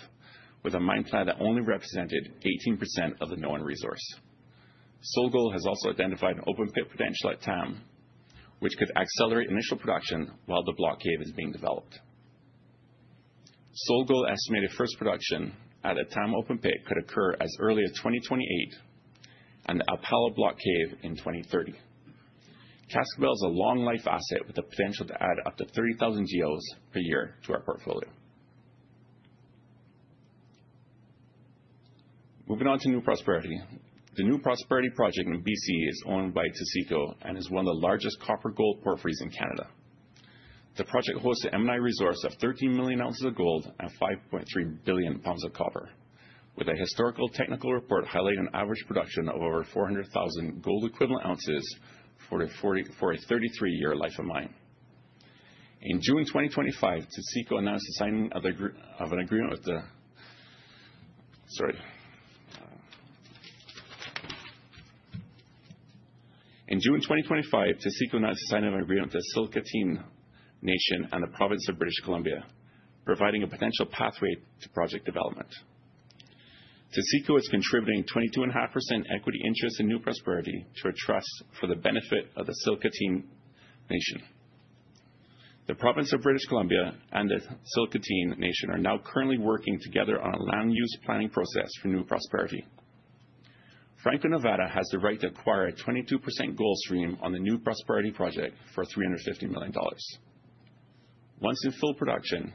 Speaker 9: with a mine plan that only represented 18% of the known resource. SolGold has also identified an open pit potential at Tandama, which could accelerate initial production while the block cave is being developed. SolGold estimated that the open pit could occur as early as 2028 and the Alpala block cave in 2030. Cascabel is a long life asset with the potential to add up to 30,000 GEOs per year to our portfolio. Moving on to New Prosperity. The New Prosperity project in BC is owned by Taseko and is one of the largest copper gold porphyries in Canada. The project hosts an M&I resource of 13 million ounces of gold and 5.3 billion pounds of copper, with a historical technical report highlighting an average production of over 400,000 gold equivalent ounces for a 33-year life of mine. In June 2025, Taseko announced the signing of an agreement with the Tsilhqot'in Nation and the province of British Columbia, providing a potential pathway to project development. Taseko is contributing 22.5% equity interest in New Prosperity to a trust for the benefit of the Tsilhqot'in Nation. The province of British Columbia and the Tsilhqot'in Nation are now currently working together on a land use planning process for New Prosperity. Franco-Nevada has the right to acquire a 22% gold stream on the New Prosperity project for $350 million. Once in full production,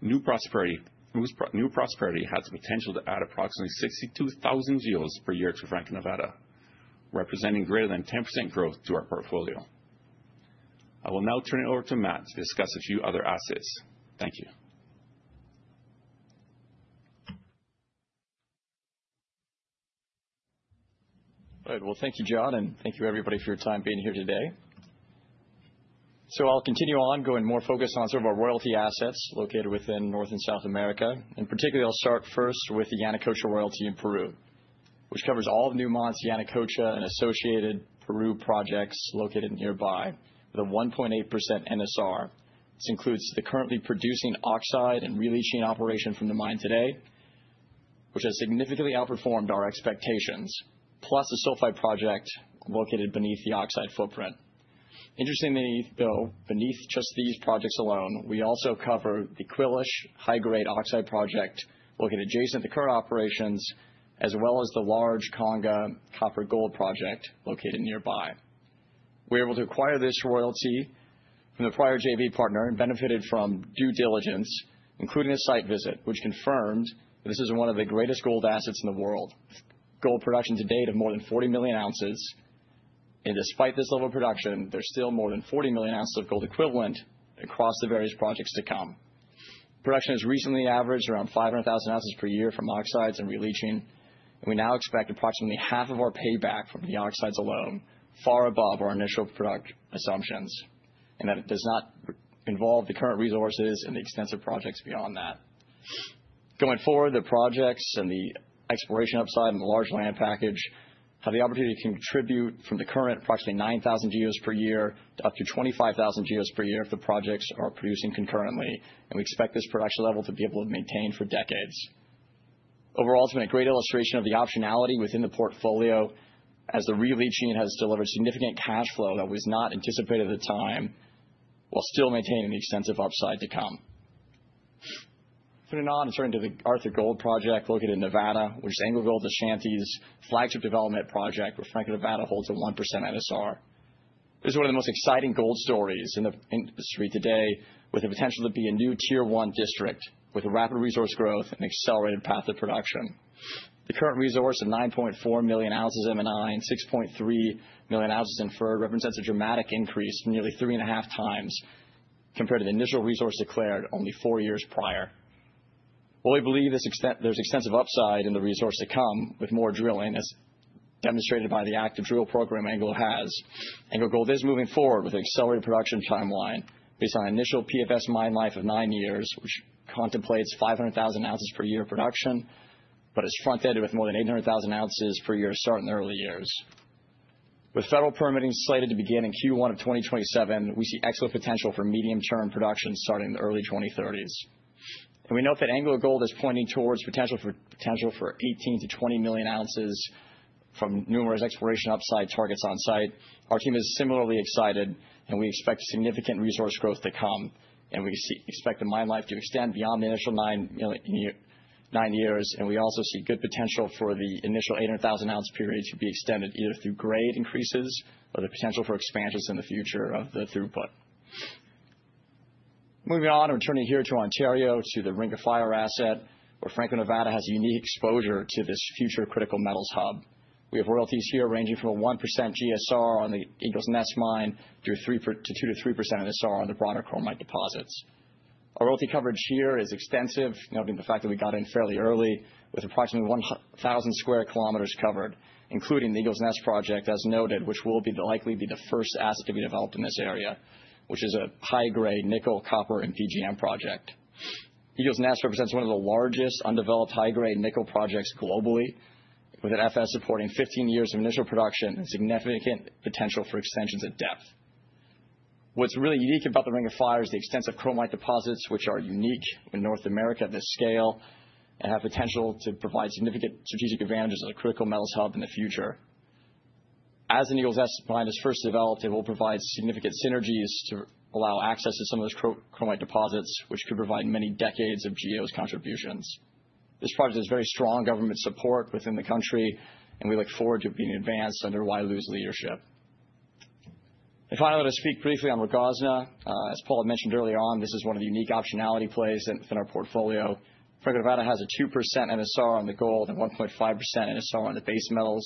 Speaker 9: New Prosperity has the potential to add approximately 62,000 GEOs per year to Franco-Nevada, representing greater than 10% growth to our portfolio. I will now turn it over to Matt to discuss a few other assets. Thank you.
Speaker 10: All right. Well, thank you, John, and thank you everybody for your time being here today. I'll continue on, going more focused on sort of our royalty assets located within North and South America. Particularly, I'll start first with the Yanacocha royalty in Peru, which covers all of Newmont's Yanacocha and associated Peru projects located nearby with a 1.8% NSR. This includes the currently producing oxide and re-leaching operation from the mine today, which has significantly outperformed our expectations, plus a sulfide project located beneath the oxide footprint. Interestingly though, beneath just these projects alone, we also cover the Quillish high-grade oxide project located adjacent to current operations, as well as the large Conga copper-gold project located nearby. We were able to acquire this royalty from the prior JV partner and benefited from due diligence, including a site visit, which confirmed that this is one of the greatest gold assets in the world. Gold production to date of more than 40 million ounces and, despite this level of production, there's still more than 40 million ounces of gold equivalent across the various projects to come. Production has recently averaged around 500,000 ounces per year from oxides and releaching, and we now expect approximately half of our payback from the oxides alone, far above our initial production assumptions, and that it does not involve the current resources and the extensive projects beyond that. Going forward, the projects and the exploration upside and the large land package have the opportunity to contribute from the current approximately 9,000 GEOs per year to up to 25,000 GEOs per year if the projects are producing concurrently, and we expect this production level to be able to maintain for decades. Overall, it's been a great illustration of the optionality within the portfolio, as the re-leaching has delivered significant cash flow that was not anticipated at the time, while still maintaining the extensive upside to come. Moving on and turning to the Arthur Gold project located in Nevada, which is AngloGold Ashanti's flagship development project, where Franco-Nevada holds a 1% NSR. This is one of the most exciting gold stories in the industry today, with the potential to be a new Tier 1 district with rapid resource growth and accelerated path to production. The current resource of 9.4 million ounces M&I and 6.3 million ounces inferred represents a dramatic increase from nearly three and a half times compared to the initial resource declared only four years prior. While we believe there's extensive upside in the resource to come with more drilling, as demonstrated by the active drill program AngloGold Ashanti has, AngloGold Ashanti is moving forward with an accelerated production timeline based on initial PFS mine life of 9 years, which contemplates 500,000 ounces per year production, but is front-ended with more than 800,000 ounces per year starting in the early years. With federal permitting slated to begin in Q1 of 2027, we see excellent potential for medium-term production starting in the early 2030s. We note that AngloGold Ashanti is pointing towards potential for 18-20 million ounces from numerous exploration upside targets on site. Our team is similarly excited, and we expect significant resource growth to come, and we expect the mine life to extend beyond the initial nine years, and we also see good potential for the initial 800,000-ounce period to be extended either through grade increases or the potential for expansions in the future of the throughput. Moving on and turning here to Ontario, to the Ring of Fire asset, where Franco-Nevada has unique exposure to this future critical metals hub. We have royalties here ranging from 1% GSR on the Eagle's Nest mine to 2%-3% NSR on the broader chromite deposits. Our royalty coverage here is extensive, noting the fact that we got in fairly early, with approximately 1,000 square kilometer covered, including the Eagle's Nest project as noted, which will likely be the first asset to be developed in this area, which is a high-grade nickel, copper and PGM project. Eagle's Nest represents one of the largest undeveloped high-grade nickel projects globally, with an FS supporting 15 years of initial production and significant potential for extensions at depth. What's really unique about the Ring of Fire is the extensive chromite deposits, which are unique in North America at this scale and have potential to provide significant strategic advantages as a critical metals hub in the future. As the Eagle's Nest mine is first developed, it will provide significant synergies to allow access to some of those chromite deposits, which could provide many decades of GEO's contributions. This project has very strong government support within the country, and we look forward to being advanced under Wyloo's leadership. Finally, I'm going to speak briefly on Rogozna. As Paul had mentioned earlier on, this is one of the unique optionality plays within our portfolio. Franco-Nevada has a 2% NSR on the gold and 1.5% NSR on the base metals.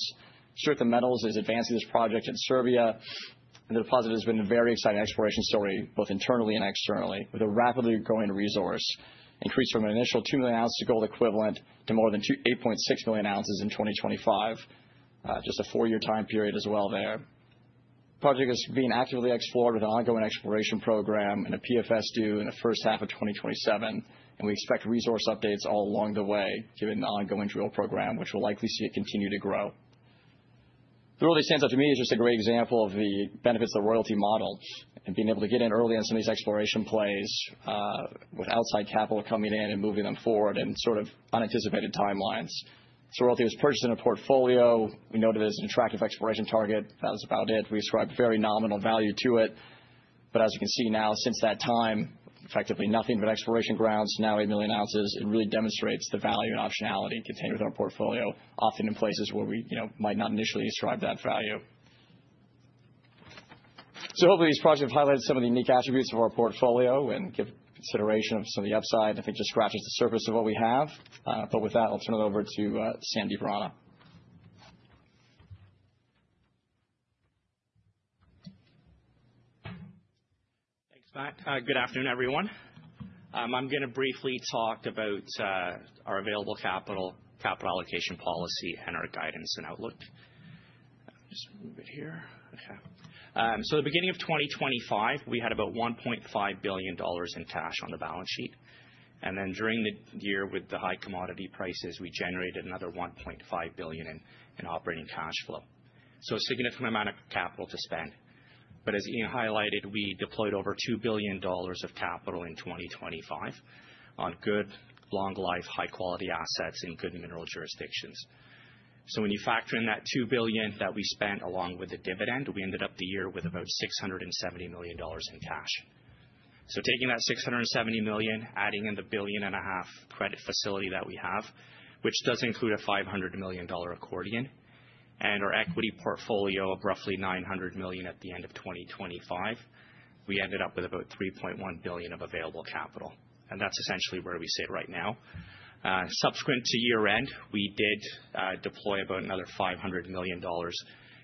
Speaker 10: Serica Metals is advancing this project in Serbia. The deposit has been a very exciting exploration story, both internally and externally, with a rapidly growing resource increased from an initial 2 million ounces of gold equivalent to more than 8.6 million ounces in 2025. Just a four-year time period as well there. Project is being actively explored with an ongoing exploration program and a PFS due in the H1 of 2027, and we expect resource updates all along the way given the ongoing drill program, which will likely see it continue to grow. The royalty stands out to me as just a great example of the benefits of the royalty model and being able to get in early on some of these exploration plays, with outside capital coming in and moving them forward in sort of unanticipated timelines. This royalty was purchased in a portfolio. We noted it as an attractive exploration target. That was about it. We ascribed very nominal value to it. As you can see now, since that time, effectively nothing but exploration grounds, now 8 million ounces. It really demonstrates the value and optionality contained within our portfolio, often in places where we might not initially ascribe that value. Hopefully these projects have highlighted some of the unique attributes of our portfolio and give consideration of some of the upside. I think it just scratches the surface of what we have. With that, I'll turn it over to Sandeep Rana.
Speaker 11: Thanks, Matt. Good afternoon, everyone. I'm going to briefly talk about our available capital allocation policy, and our guidance and outlook. Just move it here. Okay. At the beginning of 2025, we had about $1.5 billion in cash on the balance sheet. Then during the year with the high commodity prices, we generated another $1.5 billion in operating cash flow. A significant amount of capital to spend. As Ian highlighted, we deployed over $2 billion of capital in 2025 on good long life, high-quality assets in good mineral jurisdictions. When you factor in that $2 billion that we spent along with the dividend, we ended up the year with about $670 million in cash. Taking that $670 million, adding in the $1.5 billion credit facility that we have, which does include a $500 million accordion, and our equity portfolio of roughly $900 million at the end of 2025, we ended up with about $3.1 billion of available capital, and that's essentially where we sit right now. Subsequent to year-end, we did deploy about another $500 million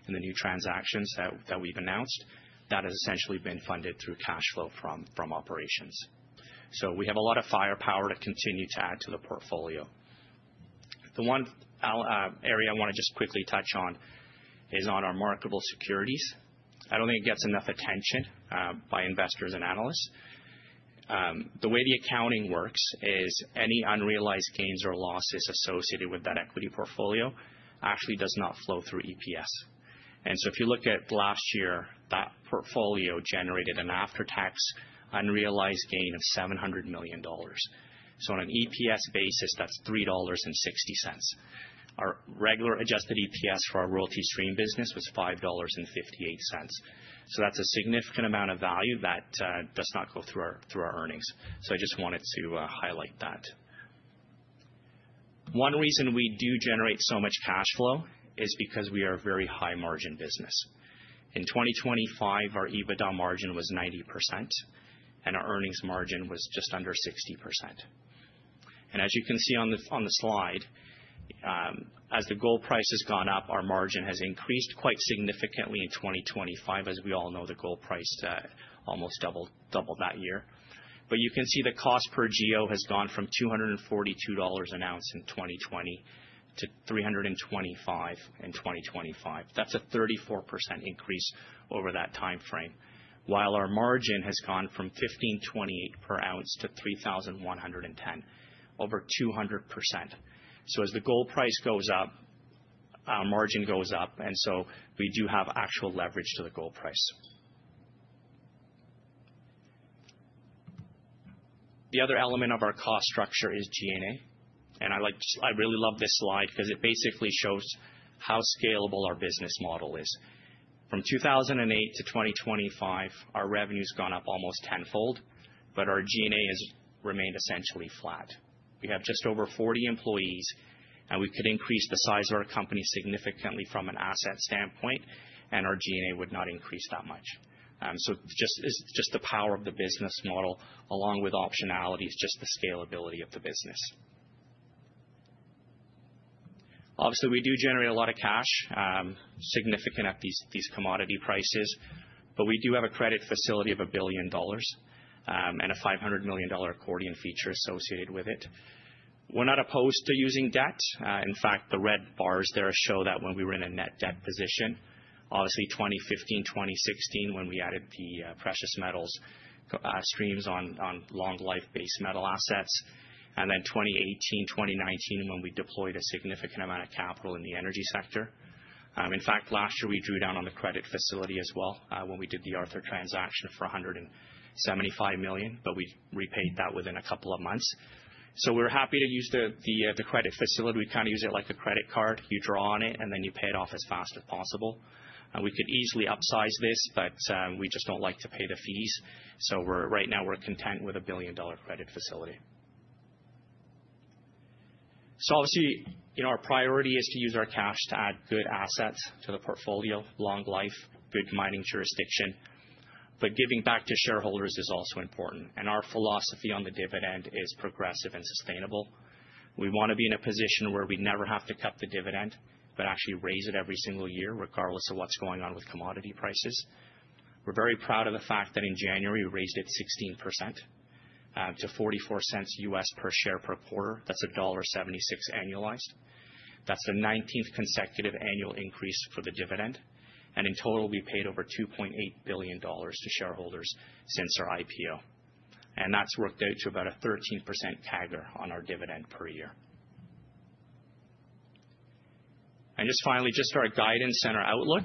Speaker 11: in the new transactions that we've announced. That has essentially been funded through cash flow from operations. We have a lot of firepower to continue to add to the portfolio. The one area I want to just quickly touch on is on our marketable securities. I don't think it gets enough attention by investors and analysts. The way the accounting works is any unrealized gains or losses associated with that equity portfolio actually does not flow through EPS. If you look at last year, that portfolio generated an after-tax unrealized gain of $700 million. On an EPS basis, that's $3.60. Our regular adjusted EPS for our royalty stream business was $5.58. That's a significant amount of value that does not go through our earnings. I just wanted to highlight that. One reason we do generate so much cash flow is because we are a very high margin business. In 2025, our EBITDA margin was 90%, and our earnings margin was just under 60%. As you can see on the slide, as the gold price has gone up, our margin has increased quite significantly in 2025. As we all know, the gold price almost doubled that year. You can see the cost per geo has gone from $242 an ounce in 2020 to $325 in 2025. That's a 34% increase over that time frame. While our margin has gone from $1,528 per ounce to $3,110, over 200%. As the gold price goes up, our margin goes up, and so we do have actual leverage to the gold price. The other element of our cost structure is G&A. I really love this slide because it basically shows how scalable our business model is. From 2008 to 2025, our revenue's gone up almost tenfold, but our G&A has remained essentially flat. We have just over 40 employees, and we could increase the size of our company significantly from an asset standpoint, and our G&A would not increase that much. It's just the power of the business model, along with optionality, is just the scalability of the business. Obviously, we do generate a lot of cash, significant at these commodity prices, but we do have a credit facility of $1 billion, and a $500 million accordion feature associated with it. We're not opposed to using debt. In fact, the red bars there show that when we were in a net debt position, obviously 2015 and 2016, when we added the precious metals streams on long life base metal assets, and then 2018 and 2019, when we deployed a significant amount of capital in the energy sector. In fact, last year, we drew down on the credit facility as well when we did the Arthur transaction for $175 million, but we repaid that within a couple of months. We're happy to use the credit facility. We kind of use it like a credit card. You draw on it and then you pay it off as fast as possible. We could easily upsize this, but we just don't like to pay the fees. Right now, we're content with a billion-dollar credit facility. Obviously, our priority is to use our cash to add good assets to the portfolio, long life, big mining jurisdiction. Giving back to shareholders is also important, and our philosophy on the dividend is progressive and sustainable. We want to be in a position where we never have to cut the dividend, but actually raise it every single year, regardless of what's going on with commodity prices. We're very proud of the fact that in January, we raised it 16% to $0.44 USD per share per quarter. That's $1.76 annualized. That's the 19th consecutive year-over-year increase for the dividend. In total, we paid over $2.8 billion to shareholders since our IPO. That's worked out to about a 13% CAGR on our dividend per year. Just finally, just our guidance and our outlook.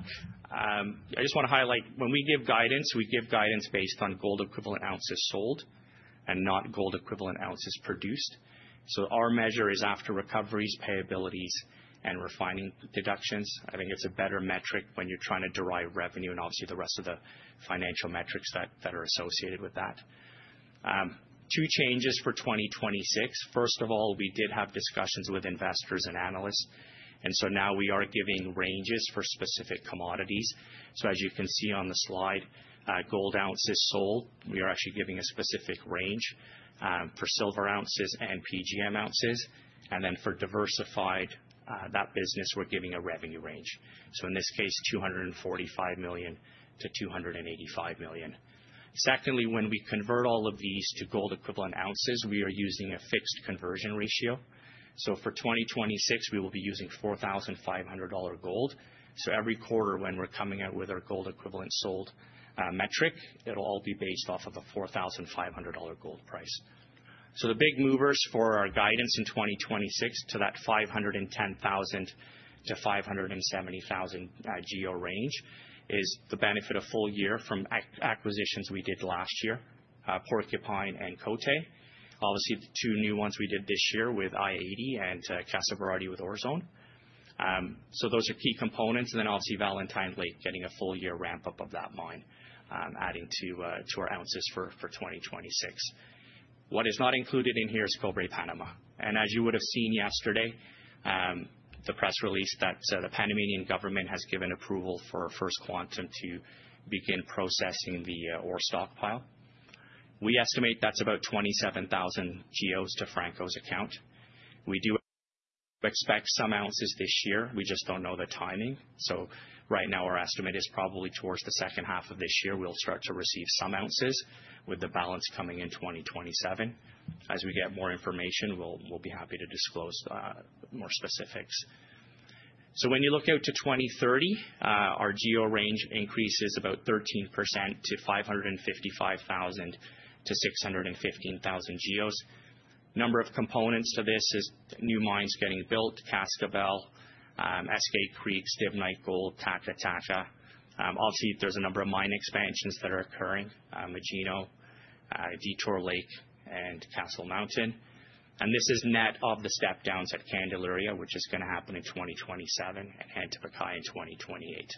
Speaker 11: I just want to highlight, when we give guidance, we give guidance based on gold equivalent ounces sold and not gold equivalent ounces produced. Our measure is after recoveries, payabilities, and refining deductions. I think it's a better metric when you're trying to derive revenue and obviously the rest of the financial metrics that are associated with that. Two changes for 2026. First of all, we did have discussions with investors and analysts, and so now we are giving ranges for specific commodities. As you can see on the slide, gold ounces sold, we are actually giving a specific range for silver ounces and PGM ounces. For diversified, that business, we're giving a revenue range. In this case, $245 million to $285 million. Secondly, when we convert all of these to gold equivalent ounces, we are using a fixed conversion ratio. For 2026, we will be using $4,500 gold. Every quarter when we're coming out with our gold equivalent sold metric, it'll all be based off of a $4,500 gold price. The big movers for our guidance in 2026 to that 510,000-570,000 GEOs range is the benefit of full year from acquisitions we did last year, Porcupine and Côté. Obviously, the two new ones we did this year with I-80 Gold and Casa Berardi with Aurzone. Those are key components. Obviously, Valentine Lake, getting a full year ramp up of that mine, adding to our ounces for 2026. What is not included in here is Cobre Panamá. As you would have seen yesterday, the press release that the Panamanian government has given approval for First Quantum to begin processing the ore stockpile. We estimate that's about 27,000 GEOs to Franco's account. We do expect some ounces this year. We just don't know the timing. Right now our estimate is probably towards the second half of this year, we'll start to receive some ounces with the balance coming in 2027. As we get more information, we'll be happy to disclose more specifics. When you look out to 2030, our geo range increases about 13% to 555,000-615,000 GEOs. Number of components to this is new mines getting built, Cascabel, Eskay Creek, Stibnite Gold, Tandama. Obviously, there's a number of mine expansions that are occurring, Magino, Detour Lake, and Castle Mountain. This is net of the step downs at Candelaria, which is going to happen in 2027 and Antamina in 2028.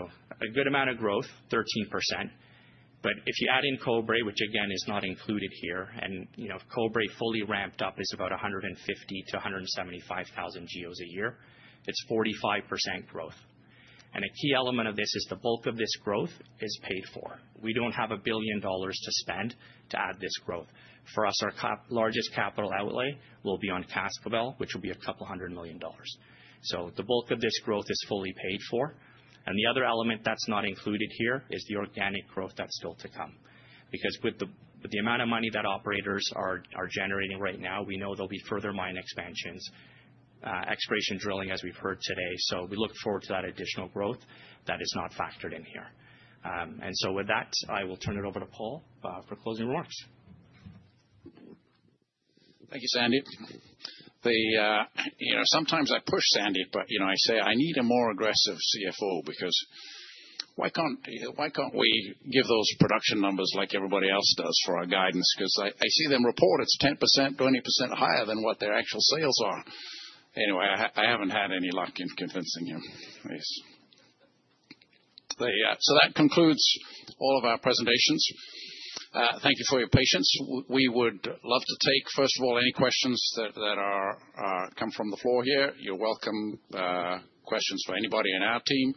Speaker 11: A good amount of growth, 13%. If you add in Cobre, which again is not included here, and Cobre fully ramped up is about 150,000-175,000 GEOs a year. It's 45% growth. A key element of this is the bulk of this growth is paid for. We don't have $1 billion to spend to add this growth. For us, our largest capital outlay will be on Cascabel, which will be a couple hundred million-dollars. The bulk of this growth is fully paid for. The other element that's not included here is the organic growth that's still to come. Because with the amount of money that operators are generating right now, we know there'll be further mine expansions, exploration drilling, as we've heard today. We look forward to that additional growth that is not factored in here. With that, I will turn it over to Paul for closing remarks.
Speaker 2: Thank you, Sandy. Sometimes I push Sandy, but I say I need a more aggressive CFO because why can't we give those production numbers like everybody else does for our guidance? Because I see them report it's 10%, 20% higher than what their actual sales are. Anyway, I haven't had any luck in convincing him, I guess. That concludes all of our presentations. Thank you for your patience. We would love to take, first of all, any questions that come from the floor here. You're welcome, questions for anybody in our team,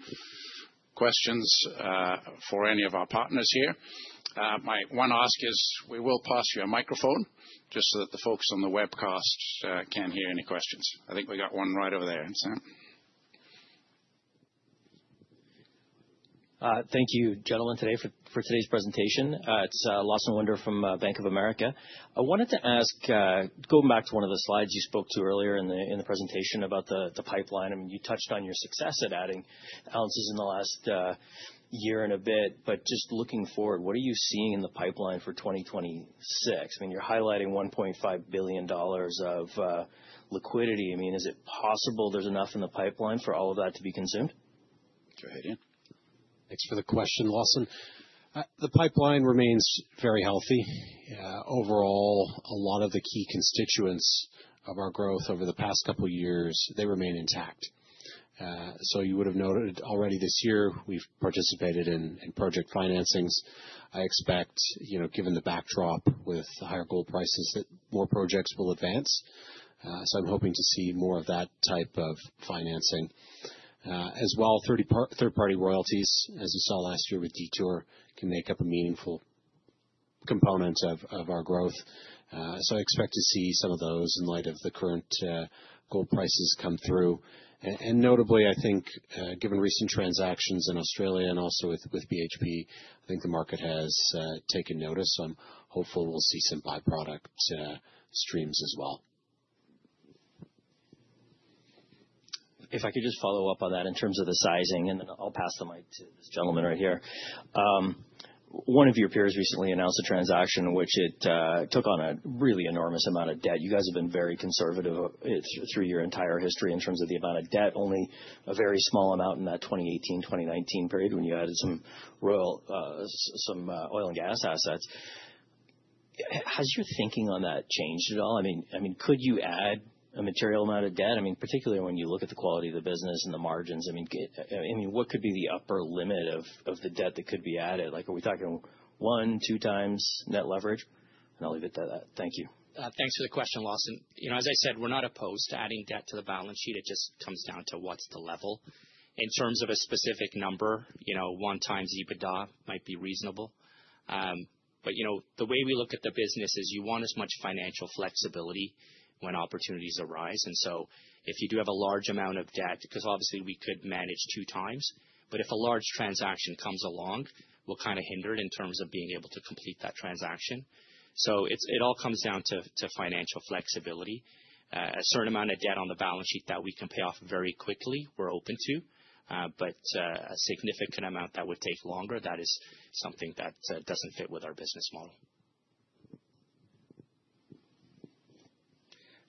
Speaker 2: questions for any of our partners here. My one ask is we will pass you a microphone just so that the folks on the webcast can hear any questions. I think we got one right over there.
Speaker 12: Thank you, gentlemen, for today's presentation. It's Lawson Winder from Bank of America. I wanted to ask, going back to one of the slides you spoke to earlier in the presentation about the pipeline. You touched on your success at adding ounces in the last year and a bit, but just looking forward, what are you seeing in the pipeline for 2026? You're highlighting $1.5 billion of liquidity. Is it possible there's enough in the pipeline for all of that to be consumed?
Speaker 2: Go ahead, Euan.
Speaker 3: Thanks for the question, Lawson. The pipeline remains very healthy. Overall, a lot of the key constituents of our growth over the past couple of years, they remain intact. You would have noted already this year, we've participated in project financings. I expect, given the backdrop with higher gold prices, that more projects will advance. I'm hoping to see more of that type of financing. As well, third-party royalties, as you saw last year with Detour, can make up a meaningful component of our growth. I expect to see some of those in light of the current gold prices come through. Notably, I think, given recent transactions in Australia and also with BHP, I think the market has taken notice. I'm hopeful we'll see some by-product streams as well.
Speaker 12: If I could just follow up on that in terms of the sizing, and then I'll pass the mic to this gentleman right here. One of your peers recently announced a transaction in which it took on a really enormous amount of debt. You guys have been very conservative through your entire history in terms of the amount of debt, only a very small amount in that 2018 and 2019 period when you added some oil and gas assets. Has your thinking on that changed at all? Could you add a material amount of debt? Particularly when you look at the quality of the business and the margins, what could be the upper limit of the debt that could be added? Are we talking one, two times net leverage? I'll leave it to that. Thank you.
Speaker 11: Thanks for the question, Lawson. As I said, we're not opposed to adding debt to the balance sheet. It just comes down to what's the level. In terms of a specific number, 1.0x EBITDA might be reasonable. The way we look at the business is you want as much financial flexibility when opportunities arise, and so if you do have a large amount of debt, because obviously we could manage 2.0x, but if a large transaction comes along, we'll kind of hinder it in terms of being able to complete that transaction. It all comes down to financial flexibility. A certain amount of debt on the balance sheet that we can pay off very quickly, we're open to, but a significant amount that would take longer, that is something that doesn't fit with our business model.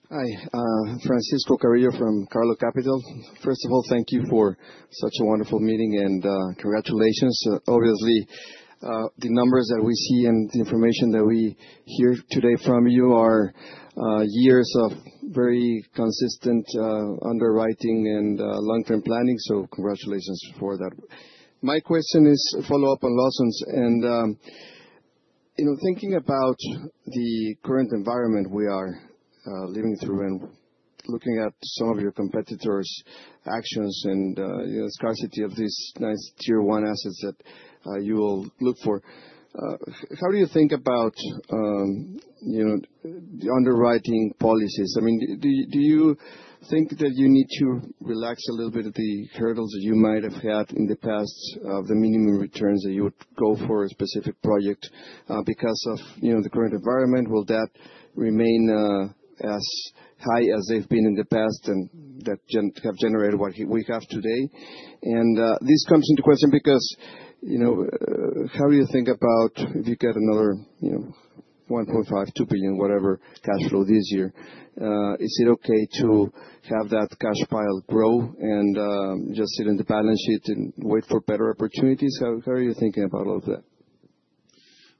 Speaker 13: Hi. Francisco Carrillo from Karlo Capital. First of all, thank you for such a wonderful meeting and congratulations. Obviously, the numbers that we see and the information that we hear today from you are years of very consistent underwriting and long-term planning, so congratulations for that. My question is a follow-up on Lawson's, and thinking about the current environment we are living through and looking at some of your competitors' actions and the scarcity of these nice Tier 1 assets that you will look for, how do you think about the underwriting policies? Do you think that you need to relax a little bit of the hurdles that you might have had in the past of the minimum returns that you would go for a specific project because of the current environment? Will that remain as high as they've been in the past and that have generated what we have today? This comes into question because, how do you think about if you get another $1.5 billion to $2 billion, whatever, cash flow this year, is it okay to have that cash pile grow and just sit in the balance sheet and wait for better opportunities? How are you thinking about all of that?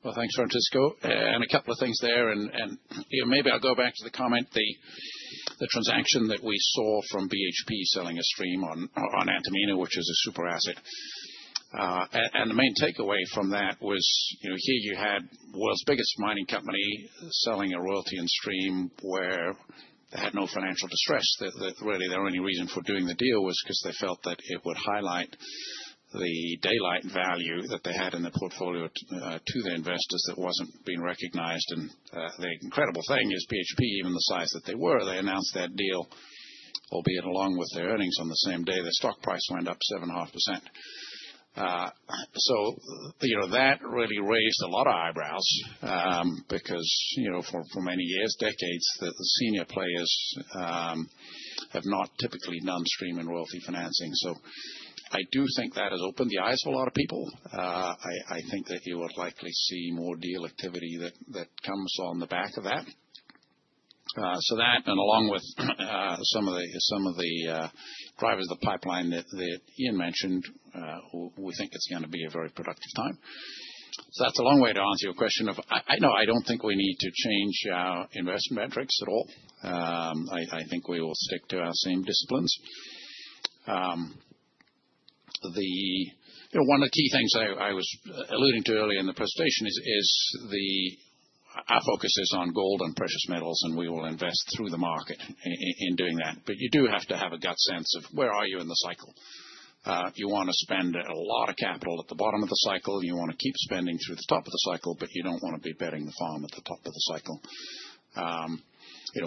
Speaker 2: Well, thanks, Francisco. A couple of things there, and maybe I'll go back to the comment, the transaction that we saw from BHP selling a stream on Antamina, which is a super asset. The main takeaway from that was, here you had world's biggest mining company selling a royalty and stream where they had no financial distress. That was really their only reason for doing the deal was because they felt that it would highlight the daylight value that they had in the portfolio to their investors that wasn't being recognized. The incredible thing is BHP, even the size that they were, they announced that deal, albeit along with their earnings on the same day, their stock price went up 7.5%. That really raised a lot of eyebrows, because for many years, decades, the senior players have not typically done stream and royalty financing. I do think that has opened the eyes of a lot of people. I think that you would likely see more deal activity that comes on the back of that. That, and along with some of the drivers of the pipeline that Ian mentioned, we think it's gonna be a very productive time. That's a long way to answer your question of, I don't think we need to change our investment metrics at all. I think we will stick to our same disciplines. One of the key things I was alluding to earlier in the presentation is our focus is on gold and precious metals, and we will invest through the market in doing that. You do have to have a gut sense of where are you in the cycle? If you wanna spend a lot of capital at the bottom of the cycle, you wanna keep spending through the top of the cycle, but you don't wanna be betting the farm at the top of the cycle.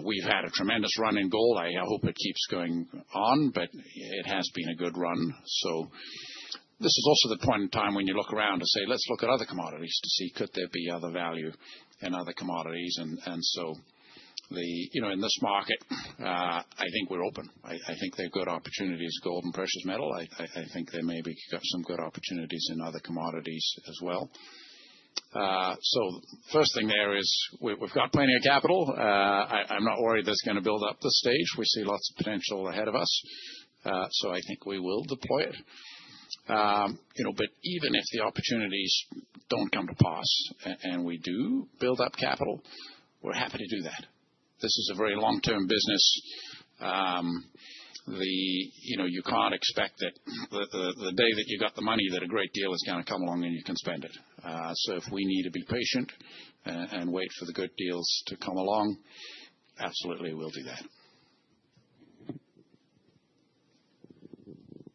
Speaker 2: We've had a tremendous run in gold. I hope it keeps going on, but it has been a good run. This is also the point in time when you look around to say, let's look at other commodities to see could there be other value in other commodities. In this market, I think we're open. I think there are good opportunities, gold and precious metal. I think there may be some good opportunities in other commodities as well. First thing there is, we've got plenty of capital. I'm not worried. That's gonna build up the stage. We see lots of potential ahead of us. I think we will deploy it. Even if the opportunities don't come to pass and we do build up capital, we're happy to do that. This is a very long-term business. You can't expect that the day that you got the money, that a great deal is gonna come along and you can spend it. If we need to be patient and wait for the good deals to come along, absolutely we'll do that.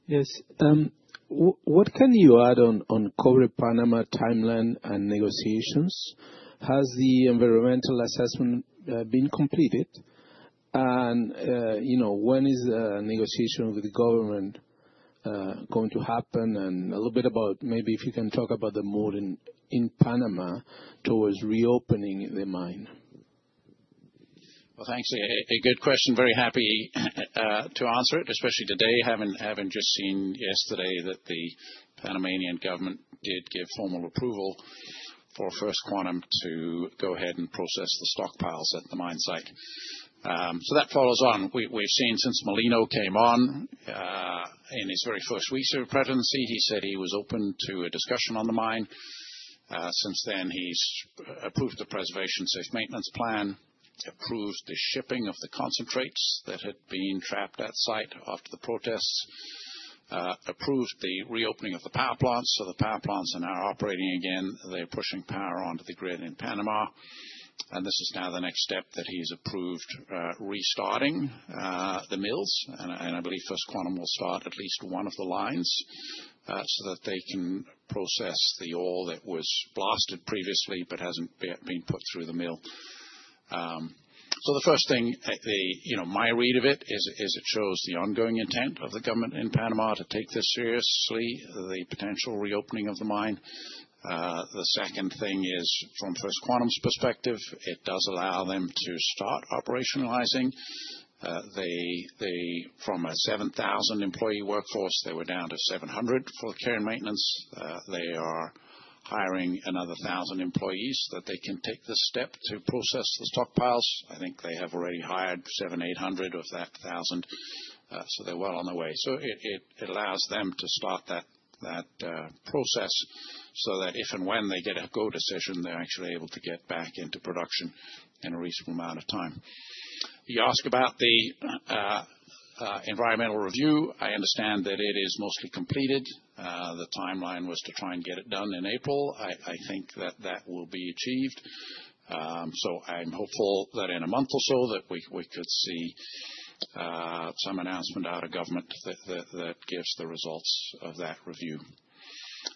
Speaker 13: Yes. What can you add on Cobre Panamá timeline and negotiations? Has the environmental assessment been completed? When is the negotiation with the government going to happen? A little bit about maybe if you can talk about the mood in Panamá towards reopening the mine.
Speaker 2: Well, thanks. A good question. Very happy to answer it, especially today, having just seen yesterday that the Panamanian government did give formal approval for First Quantum to go ahead and process the stockpiles at the mine site. That follows on, we've seen since Mulino came on, in his very first weeks of presidency, he said he was open to a discussion on the mine. Since then, he's approved the preservation safe maintenance plan, approved the shipping of the concentrates that had been trapped at site after the protests, approved the reopening of the power plants. The power plants are now operating again. They're pushing power onto the grid in Panamá . This is now the next step that he's approved, restarting the mills. I believe First Quantum will start at least one of the lines, so that they can process the ore that was blasted previously but hasn't yet been put through the mill. The first thing, my read of it, is it shows the ongoing intent of the government in Panamá to take this seriously, the potential reopening of the mine. The second thing is, from First Quantum's perspective, it does allow them to start operationalizing. From a 7,000-employee workforce, they were down to 700 for care and maintenance. They are hiring another 1,000 employees that they can take the step to process the stockpiles. I think they have already hired 700, 800 of that 1,000. They're well on their way. It allows them to start that process so that if and when they get a go decision, they're actually able to get back into production in a reasonable amount of time. You ask about the environmental review, I understand that it is mostly completed. The timeline was to try and get it done in April. I think that will be achieved. I'm hopeful that in a month or so that we could see some announcement out of government that gives the results of that review.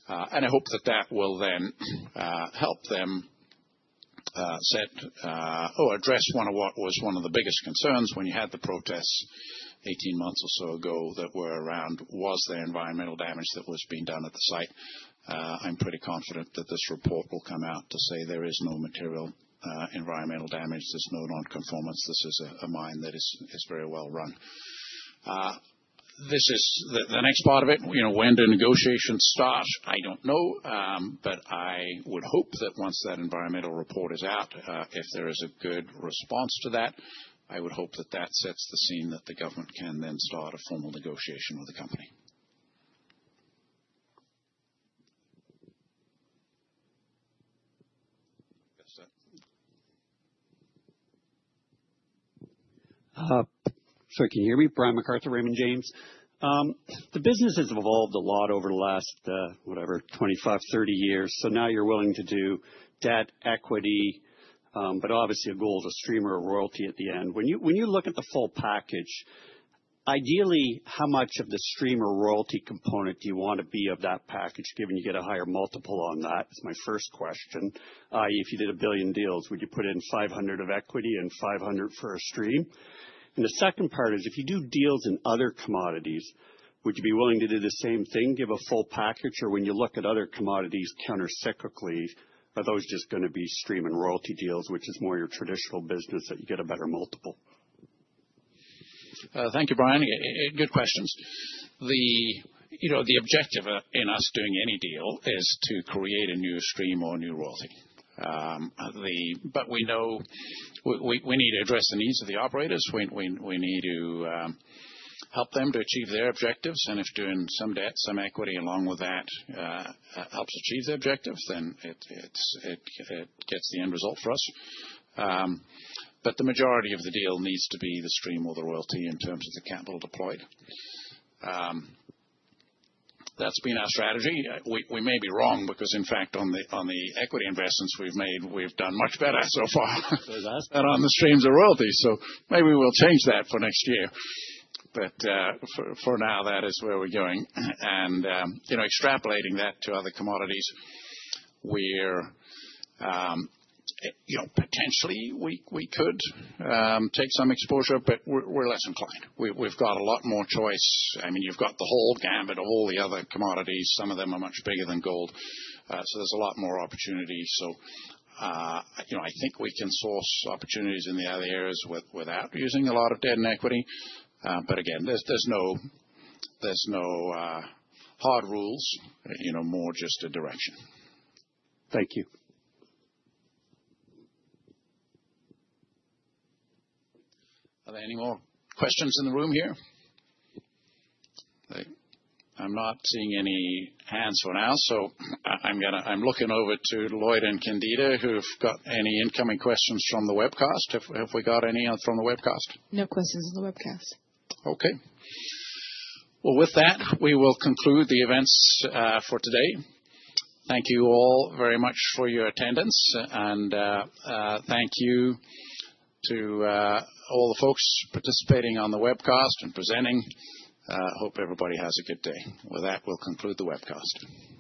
Speaker 2: I hope that will then help them address what was one of the biggest concerns when you had the protests 18 months or so ago that were around, was there environmental damage that was being done at the site? I'm pretty confident that this report will come out to say there is no material environmental damage. There's no non-conformance. This is a mine that is very well run. The next part of it, when do negotiations start? I don't know. I would hope that once that environmental report is out, if there is a good response to that, I would hope that that sets the scene that the government can then start a formal negotiation with the company.
Speaker 14: Sorry, can you hear me? Brian MacArthur, Raymond James. The business has evolved a lot over the last, whatever, 25 and 30 years. Now you're willing to do debt, equity, but obviously your goal is a stream or a royalty at the end. When you look at the full package, ideally, how much of the stream or royalty component do you want to be of that package, given you get a higher multiple on that? Is my first question. If you did $1 billion deals, would you put in $500 million of equity and $500 million for a stream? The second part is, if you do deals in other commodities, would you be willing to do the same thing, give a full package? When you look at other commodities counter-cyclically, are those just going to be stream and royalty deals, which is more your traditional business that you get a better multiple?
Speaker 2: Thank you, Brian. Good questions. The objective in us doing any deal is to create a new stream or a new royalty. We know we need to address the needs of the operators. We need to help them to achieve their objectives. If doing some debt, some equity along with that helps achieve the objective, then it gets the end result for us. The majority of the deal needs to be the stream or the royalty in terms of the capital deployed. That's been our strategy. We may be wrong because, in fact, on the equity investments we've made, we've done much better so far.
Speaker 14: With us....
Speaker 2: than on the streams of royalties. Maybe we'll change that for next year. For now, that is where we're going and extrapolating that to other commodities where potentially we could take some exposure, but we're less inclined. We've got a lot more choice. You've got the whole gamut of all the other commodities. Some of them are much bigger than gold. There's a lot more opportunity. I think we can source opportunities in the other areas without using a lot of debt and equity. Again, there's no hard rules, more just a direction.
Speaker 14: Thank you.
Speaker 2: Are there any more questions in the room here? I'm not seeing any hands for now, so I'm looking over to Lloyd and Candida, who've got any incoming questions from the webcast. Have we got any from the webcast?
Speaker 1: No questions on the webcast.
Speaker 2: Okay. Well, with that, we will conclude the events for today. Thank you all very much for your attendance, and thank you to all the folks participating on the webcast and presenting. Hope everybody has a good day. With that, we'll conclude the webcast.